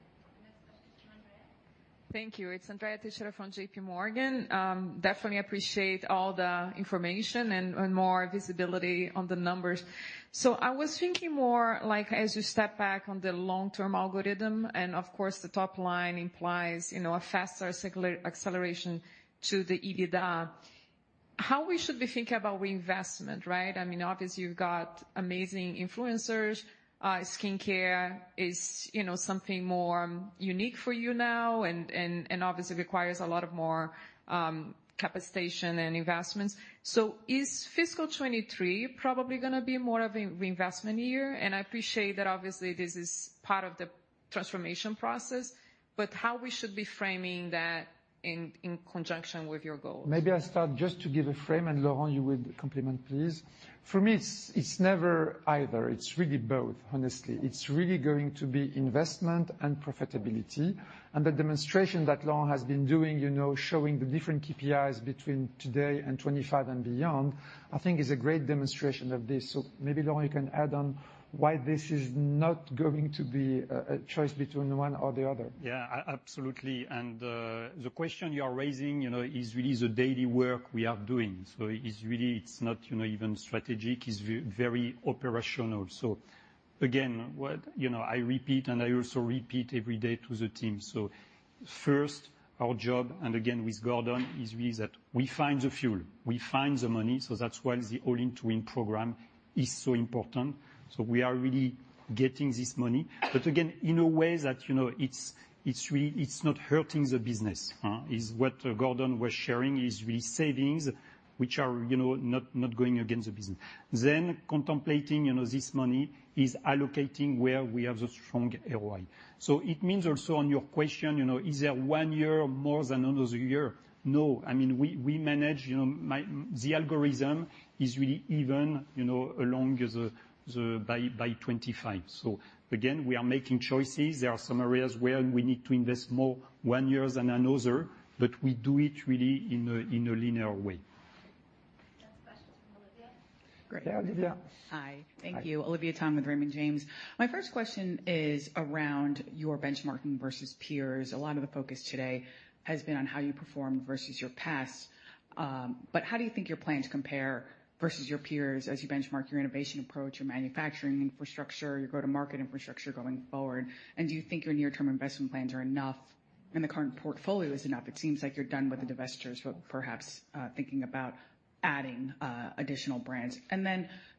Next question, Andrea. Thank you. It's Andrea Teixeira from JPMorgan. Definitely appreciate all the information and more visibility on the numbers. I was thinking more, like, as you step back on the long-term algorithm, and of course the top line implies, you know, a faster acceleration to the EBITDA, how we should be think about reinvestment, right? I mean, obviously you've got amazing influencers. Skincare is, you know, something more unique for you now and obviously requires a lot more capacity and investments. Is fiscal 2023 probably gonna be more of a reinvestment year? I appreciate that obviously this is part of the transformation process, but how we should be framing that in conjunction with your goals. Maybe I start just to give a frame, and Laurent, you will complement, please. For me, it's never either. It's really both, honestly. It's really going to be investment and profitability. The demonstration that Laurent has been doing, you know, showing the different KPIs between today and 2025 and beyond, I think is a great demonstration of this. Maybe, Laurent, you can add on why this is not going to be a choice between one or the other. Yeah. Absolutely. The question you are raising, you know, is really the daily work we are doing. It's really, it's not, you know, even strategic. It's very operational. You know, I repeat, and I also repeat every day to the team. First, our job, and again, with Gordon, is really that we find the fuel, we find the money, so that's why the All-in to Win program is so important. We are really getting this money. But again, in a way that, you know, it's really not hurting the business, huh? What Gordon was sharing is really savings, which are, you know, not going against the business. Then contemplating, you know, this money is allocating where we have the strong ROI. It means also on your question, you know, is there one year more than another year? No. I mean, we manage, you know, my the algorithm is really even, you know, along as a by 2025. Again, we are making choices. There are some areas where we need to invest more one year than another, but we do it really in a linear way. Next question from Olivia. Great. Yeah, Olivia. Hi. Thank you. Hi. Olivia Tong with Raymond James. My first question is around your benchmarking versus peers. A lot of the focus today has been on how you perform versus your past. How do you think your plans compare versus your peers as you benchmark your innovation approach, your manufacturing infrastructure, your go-to-market infrastructure going forward? Do you think your near-term investment plans are enough and the current portfolio is enough? It seems like you're done with the divestitures, but perhaps thinking about adding additional brands.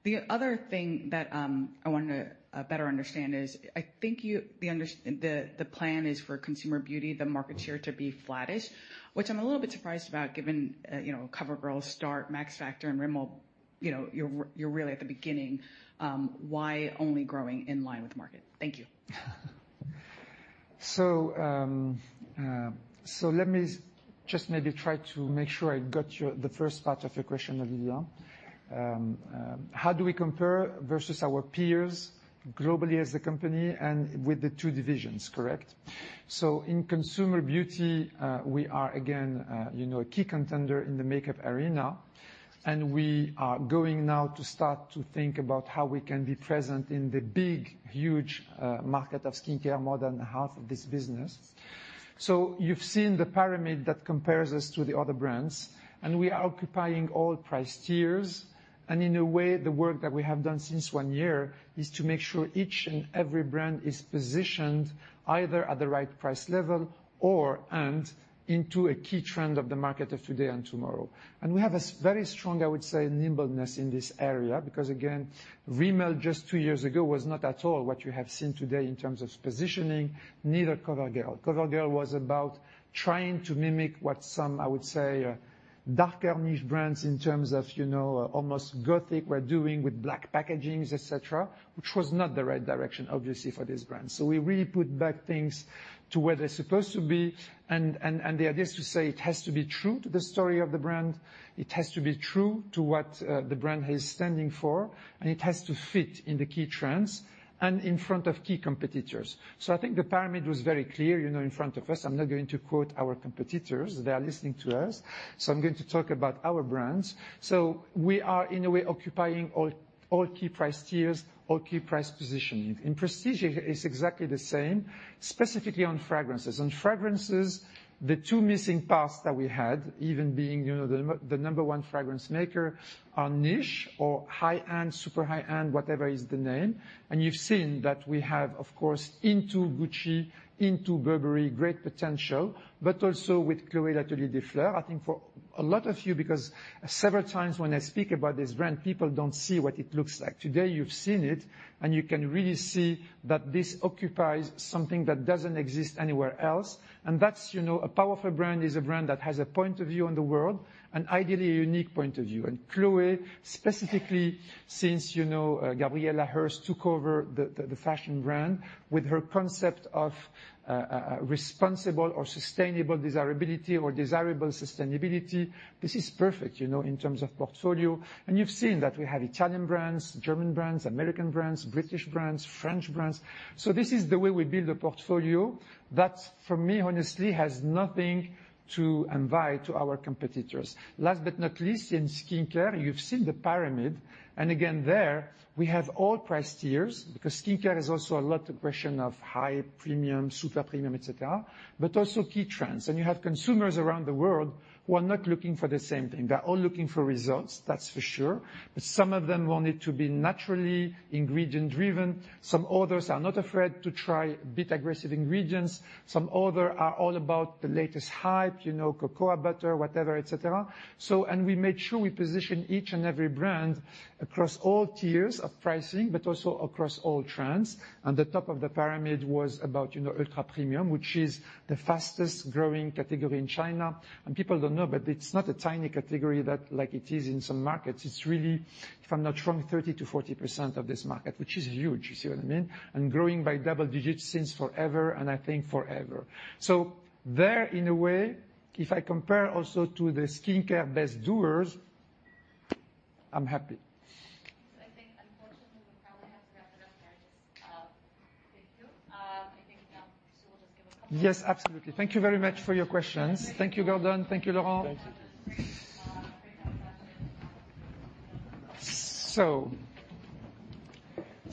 The other thing that I wanted to better understand is I think the plan is for Consumer Beauty, the market share to be flattish, which I'm a little bit surprised about given you know, CoverGirl, Sally Hansen, Max Factor, and Rimmel, you know, you're really at the beginning. Why only growing in line with market? Thank you. Let me just maybe try to make sure I got your, the first part of your question, Olivia. How do we compare versus our peers globally as a company and with the two divisions, correct? In Consumer Beauty, we are again, you know, a key contender in the makeup arena, and we are going now to start to think about how we can be present in the big, huge market of skincare, more than half of this business. You've seen the pyramid that compares us to the other brands, and we are occupying all price tiers. In a way, the work that we have done since one year is to make sure each and every brand is positioned either at the right price level or and into a key trend of the market of today and tomorrow. We have a very strong, I would say, nimbleness in this area because, again, Rimmel just two years ago was not at all what you have seen today in terms of positioning, neither CoverGirl. CoverGirl was about trying to mimic what some, I would say, darker niche brands in terms of, you know, almost gothic were doing with black packagings, et cetera, which was not the right direction, obviously, for this brand. So we really put back things to where they're supposed to be. And the idea is to say it has to be true to the story of the brand, it has to be true to what the brand is standing for, and it has to fit in the key trends and in front of key competitors. So I think the pyramid was very clear, you know, in front of us. I'm not going to quote our competitors. They are listening to us, so I'm going to talk about our brands. We are, in a way, occupying all key price tiers, all key price positioning. In prestige, it's exactly the same, specifically on fragrances. On fragrances, the two missing parts that we had, even being, you know, the number one fragrance maker, are niche or high-end, super high-end, whatever is the name. You've seen that we have, of course, into Gucci, into Burberry, great potential, but also with Chloé Atelier des Fleurs. I think for a lot of you, because several times when I speak about this brand, people don't see what it looks like. Today, you've seen it, and you can really see that this occupies something that doesn't exist anywhere else. That's, you know, a powerful brand is a brand that has a point of view on the world, an ideally unique point of view. Chloé specifically, since, you know, Gabriela Hearst took over the fashion brand with her concept of a responsible or sustainable desirability or desirable sustainability, this is perfect, you know, in terms of portfolio. You've seen that we have Italian brands, German brands, American brands, British brands, French brands. This is the way we build a portfolio that, for me, honestly, has nothing to envy to our competitors. Last but not least, in skincare, you've seen the pyramid, and again, there we have all price tiers because skincare is also a lot of question of high, premium, super premium, et cetera, but also key trends. You have consumers around the world who are not looking for the same thing. They're all looking for results, that's for sure, but some of them want it to be naturally ingredient-driven. Some others are not afraid to try a bit aggressive ingredients. Some other are all about the latest hype, you know, cocoa butter, whatever, et cetera. We made sure we position each and every brand across all tiers of pricing, but also across all trends. The top of the pyramid was about, you know, ultra-premium, which is the fastest-growing category in China. People don't know, but it's not a tiny category that, like it is in some markets. It's really, if I'm not wrong, 30%-40% of this market, which is huge. You see what I mean? Growing by double digits since forever, and I think forever. There, in a way, if I compare also to the skincare best doers, I'm happy. I think unfortunately we probably have to wrap it up there. Just thank you. I think so we'll just give a couple- Yes, absolutely. Thank you very much for your questions. Thank you, Gordon. Thank you, Laurent. Thank you. Great job,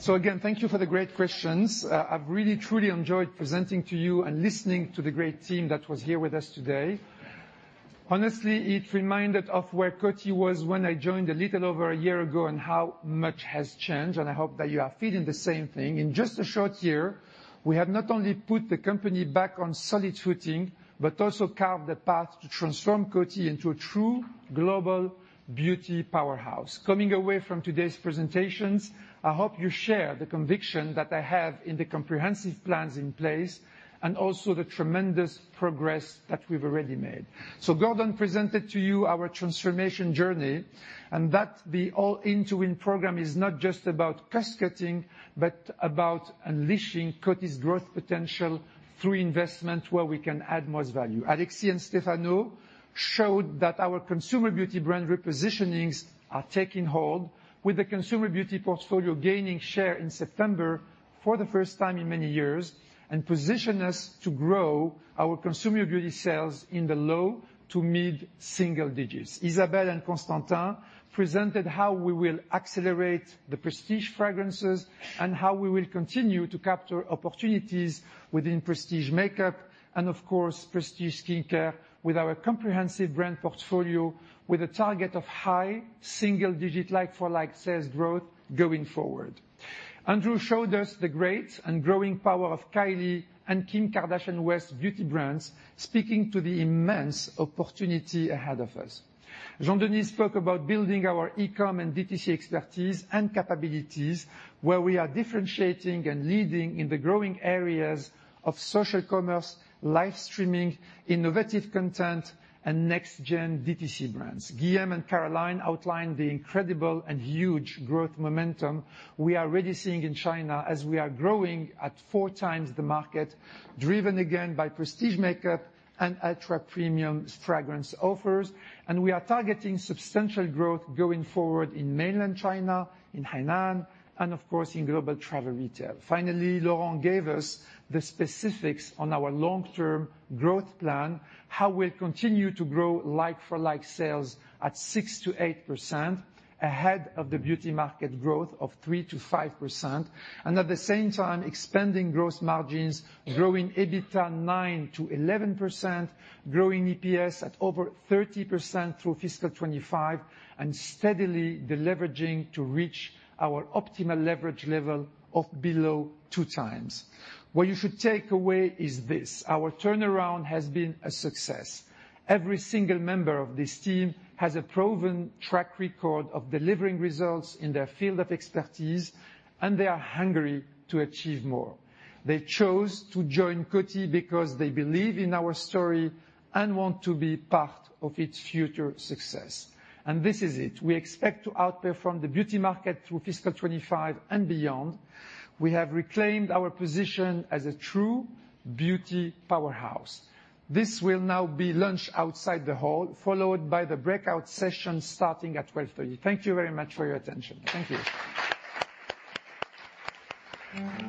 guys. Again, thank you for the great questions. I've really truly enjoyed presenting to you and listening to the great team that was here with us today. Honestly, it reminded me of where Coty was when I joined a little over a year ago, and how much has changed, and I hope that you are feeling the same thing. In just a short year, we have not only put the company back on solid footing, but also carved the path to transform Coty into a true global beauty powerhouse. Coming away from today's presentations, I hope you share the conviction that I have in the comprehensive plans in place, and also the tremendous progress that we've already made. Gordon presented to you our transformation journey, and that the All-in to Win program is not just about cost-cutting, but about unleashing Coty's growth potential through investment where we can add most value. Alexis and Stefano showed that our Consumer Beauty brand repositionings are taking hold, with the Consumer Beauty portfolio gaining share in September for the first time in many years, and position us to grow our Consumer Beauty sales in the low- to mid-single digits. Isabelle and Constantin presented how we will accelerate the Prestige fragrances and how we will continue to capture opportunities within Prestige makeup and of course, Prestige skincare with our comprehensive brand portfolio, with a target of high single-digit like-for-like sales growth going forward. Andrew showed us the great and growing power of Kylie and Kim Kardashian West's beauty brands, speaking to the immense opportunity ahead of us. Jean-Denis spoke about building our e-com and DTC expertise and capabilities, where we are differentiating and leading in the growing areas of social commerce, live streaming, innovative content, and next gen DTC brands. Guillaume and Caroline outlined the incredible and huge growth momentum we are already seeing in China as we are growing at 4.0x the market, driven again by prestige makeup and ultra-premium fragrance offers, and we are targeting substantial growth going forward in mainland China, in Hainan, and of course, in global travel retail. Finally, Laurent gave us the specifics on our long-term growth plan, how we'll continue to grow like-for-like sales at 6%-8%, ahead of the beauty market growth of 3%-5%, and at the same time, expanding gross margins, growing EBITDA 9%-11%, growing EPS at over 30% through FY2025, and steadily deleveraging to reach our optimal leverage level of below 2.0x. What you should take away is this: Our turnaround has been a success. Every single member of this team has a proven track record of delivering results in their field of expertise, and they are hungry to achieve more. They chose to join Coty because they believe in our story and want to be part of its future success. This is it. We expect to outperform the beauty market through FY2025 and beyond. We have reclaimed our position as a true beauty powerhouse. This will now be lunch outside the hall, followed by the breakout sessions starting at 12:30 PM. Thank you very much for your attention. Thank you.